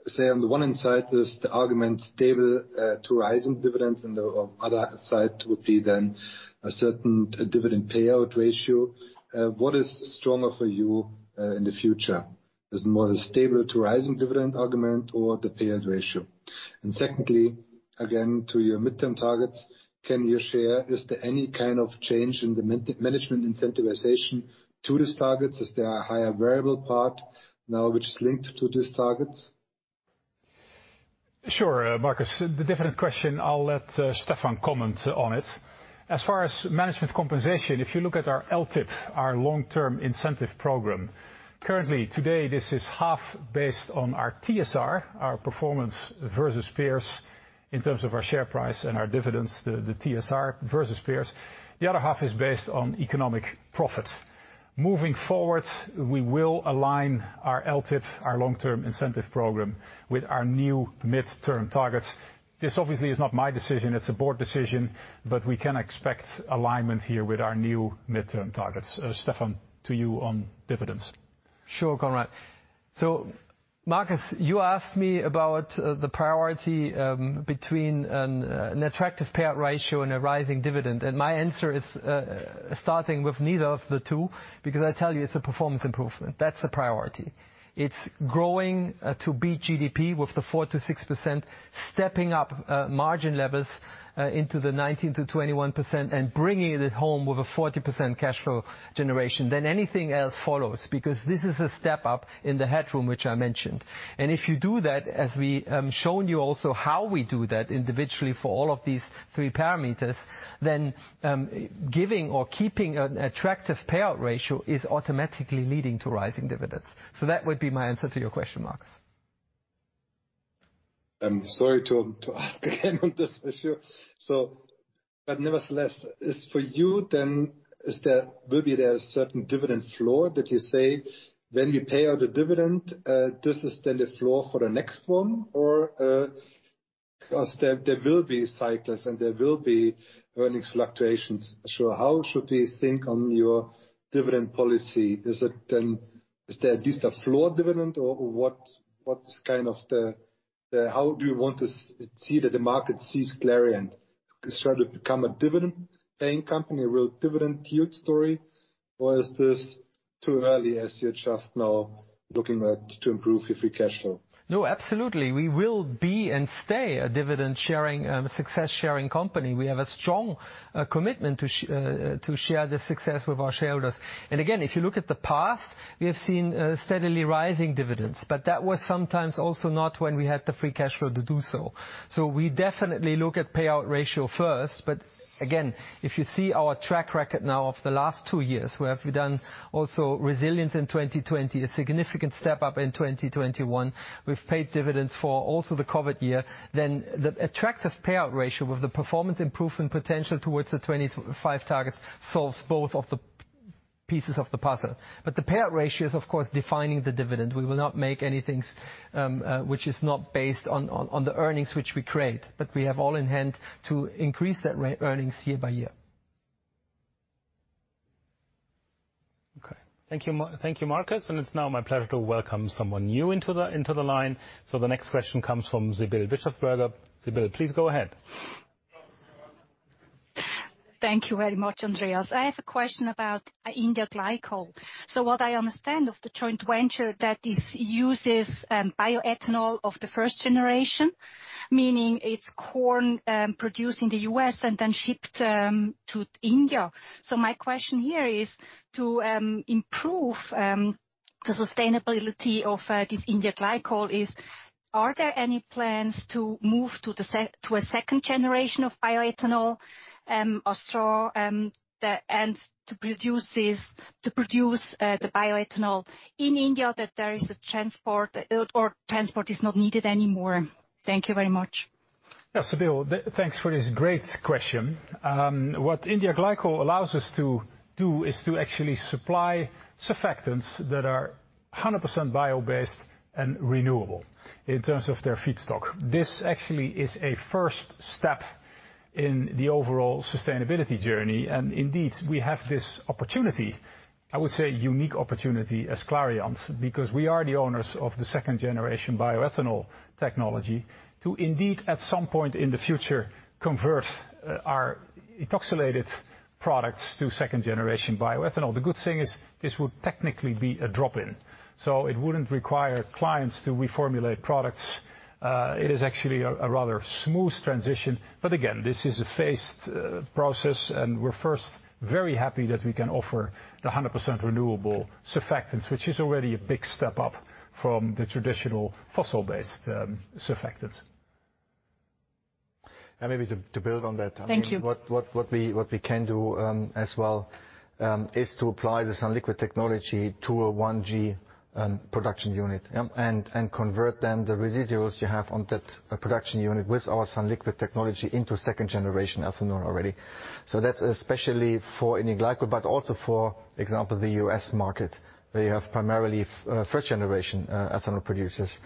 say on the one side is the argument stable to rising dividends, and the other side would be then a certain dividend payout ratio, what is stronger for you in the future? Is it more the stable to rising dividend argument or the payout ratio? Secondly, again, to your mid-term targets, can you share, is there any kind of change in the management incentivization to these targets? Is there a higher variable part now which is linked to these targets? Sure, Markus. The dividend question, I'll let Stephan comment on it. As far as management compensation, if you look at our LTIP, our long-term incentive program, currently today this is half based on our TSR, our performance versus peers in terms of our share price and our dividends, the TSR versus peers. The other half is based on economic profit. Moving forward, we will align our LTIP, our long-term incentive program, with our new midterm targets. This obviously is not my decision, it's a board decision, but we can expect alignment here with our new midterm targets. Stephan, to you on dividends. Sure, Conrad. Marcus, you asked me about the priority between an attractive payout ratio and a rising dividend, and my answer is starting with neither of the two, because I tell you it's a performance improvement. That's the priority. It's growing to beat GDP with the 4%-6%, stepping up margin levels into the 19%-21%, and bringing it home with a 40% cash flow generation. Anything else follows, because this is a step up in the headroom which I mentioned. If you do that, as we shown you also how we do that individually for all of these three parameters, then giving or keeping an attractive payout ratio is automatically leading to rising dividends. That would be my answer to your question, Markus. I'm sorry to ask again on this issue. Nevertheless, is for you then, is there maybe there is certain dividend floor that you say when you pay out a dividend, this is then the floor for the next one? Or, because there will be cycles and there will be earnings fluctuations. How should we think on your dividend policy? Is it then is there at least a floor dividend or what's kind of the. How do you want to see that the market sees Clariant? It's trying to become a dividend-paying company, a real dividend yield story, or is this too early as you're just now looking to improve your free cash flow? No, absolutely. We will be and stay a dividend-sharing, success-sharing company. We have a strong commitment to share the success with our shareholders. Again, if you look at the past, we have seen steadily rising dividends, but that was sometimes also not when we had the free cash flow to do so. We definitely look at payout ratio first, but again, if you see our track record now of the last two years, where we've done also resilience in 2020, a significant step up in 2021, we've paid dividends for also the COVID year, then the attractive payout ratio with the performance improvement potential towards the 2025 targets solves both of the pieces of the puzzle. The payout ratio is of course defining the dividend. We will not make anything which is not based on the earnings which we create, but we have all in hand to increase that earnings year by year. Okay. Thank you, Markus, and it's now my pleasure to welcome someone new into the line. The next question comes from Sibylle Bischofberger. Sibylle, please go ahead. Thank you very much, Andreas. I have a question about India Glycols. What I understand of the joint venture that it uses bioethanol of the first generation, meaning it's corn produced in the U.S. and then shipped to India. My question here is to improve the sustainability of this India Glycols, are there any plans to move to a second generation of bioethanol and to produce the bioethanol in India that transport is not needed anymore? Thank you very much. Yeah, Sibylle, thanks for this great question. What India Glycols allows us to do is to actually supply surfactants that are 100% bio-based and renewable in terms of their feedstock. This actually is a first step in the overall sustainability journey, and indeed, we have this opportunity, I would say unique opportunity as Clariant, because we are the owners of the second-generation bioethanol technology, to indeed at some point in the future convert our ethoxylated products to second-generation bioethanol. The good thing is this would technically be a drop-in, so it wouldn't require clients to reformulate products. It is actually a rather smooth transition. This is a phased process and we're first very happy that we can offer the 100% renewable surfactants, which is already a big step up from the traditional fossil-based surfactants. Maybe to build on that. Thank you. What we can do as well is to apply the sunliquid technology to a 1G production unit and convert then the residuals you have on that production unit with our sunliquid technology into second generation ethanol already. That's especially for India Glycols, but also for example the U.S. market, where you have primarily first generation ethanol producers.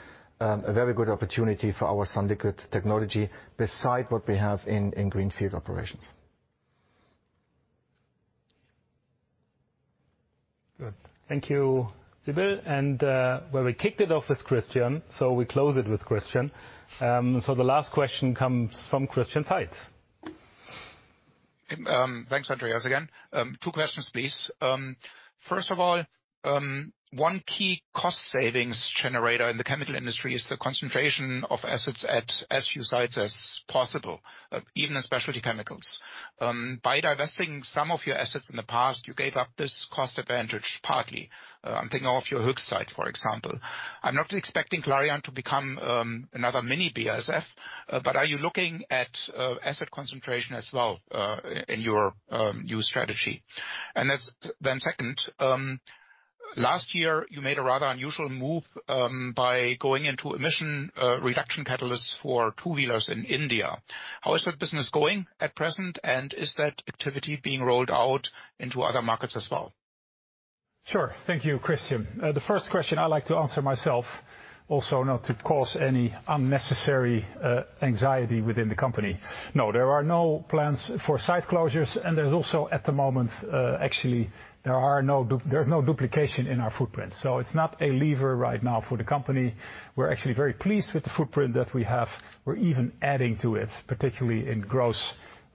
A very good opportunity for our sunliquid technology besides what we have in greenfield operations. Good. Thank you, Sibylle. Well, we kicked it off with Christian Faitz, so we close it with Christian Faitz. So the last question comes from Christian Faitz. Thanks, Andreas, again. Two questions, please. First of all, one key cost savings generator in the chemical industry is the concentration of assets at as few sites as possible, even in specialty chemicals. By divesting some of your assets in the past, you gave up this cost advantage partly. I'm thinking of your Höchst site, for example. I'm not expecting Clariant to become another mini BASF, but are you looking at asset concentration as well, in your new strategy? Then second, last year, you made a rather unusual move by going into emission reduction catalysts for two-wheelers in India. How is that business going at present, and is that activity being rolled out into other markets as well? Sure. Thank you, Christian. The first question I'd like to answer myself, also not to cause any unnecessary anxiety within the company. No, there are no plans for site closures, and there's also, at the moment, actually there's no duplication in our footprint, so it's not a lever right now for the company. We're actually very pleased with the footprint that we have. We're even adding to it, particularly in growth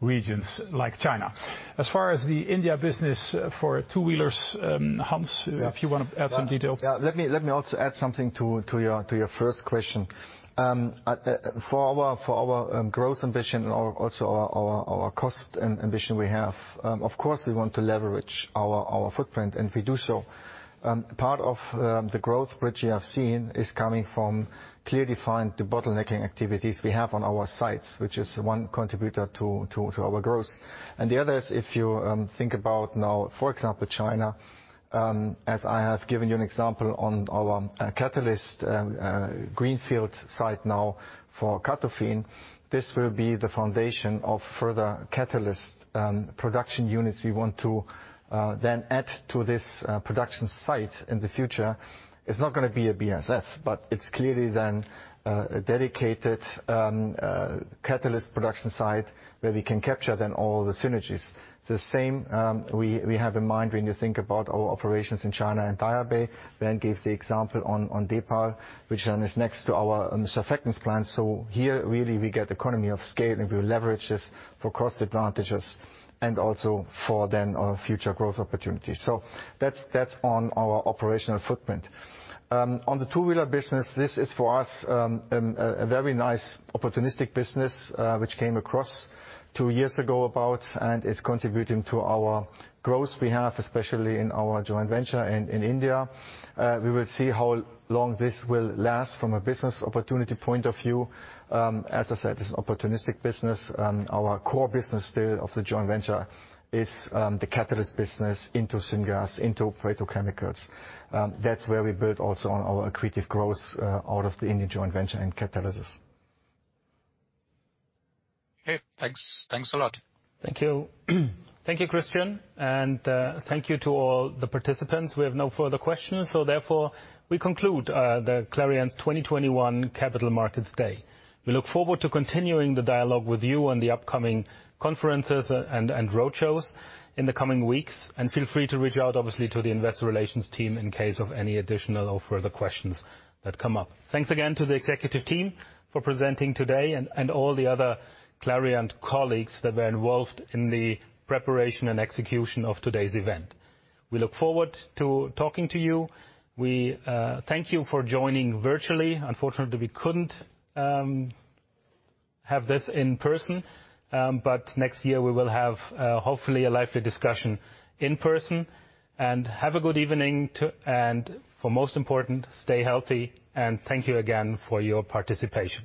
regions like China. As far as the India business for two-wheelers, Hans, if you wanna add some detail. Yeah, let me also add something to your first question. For our growth ambition and also our cost ambition we have, of course, we want to leverage our footprint, and we do so. Part of the growth, which you have seen is coming from clearly defined bottlenecking activities we have on our sites, which is one contributor to our growth. The other is if you think about now, for example, China, as I have given you an example on our catalyst greenfield site now for CATOFIN, this will be the foundation of further catalyst production units we want to then add to this production site in the future. It's not gonna be a BASF, but it's clearly then a dedicated catalyst production site where we can capture then all the synergies. The same we have in mind when you think about our operations in China and Daya Bay. Bernd gave the example on Genapol, which then is next to our surfactants plant. Here, really, we get economy of scale, and we leverage this for cost advantages and also for then our future growth opportunities. That's on our operational footprint. On the two-wheeler business, this is for us a very nice opportunistic business, which came about two years ago, and it's contributing to our growth we have, especially in our joint venture in India. We will see how long this will last from a business opportunity point of view. As I said, it's an opportunistic business. Our core business still of the joint venture is the catalyst business into syngas, into petrochemicals. That's where we build also on our accretive growth out of the India joint venture and Catalysis. Okay, thanks. Thanks a lot. Thank you. Thank you, Christian, and thank you to all the participants. We have no further questions, so therefore we conclude the Clariant's 2021 Capital Markets Day. We look forward to continuing the dialogue with you on the upcoming conferences and roadshows in the coming weeks. Feel free to reach out, obviously, to the Investor Relations team in case of any additional or further questions that come up. Thanks again to the Executive Team for presenting today and all the other Clariant colleagues that were involved in the preparation and execution of today's event. We look forward to talking to you. We thank you for joining virtually. Unfortunately, we couldn't have this in person, but next year we will have hopefully a lively discussion in person. Have a good evening. Most important, stay healthy, and thank you again for your participation.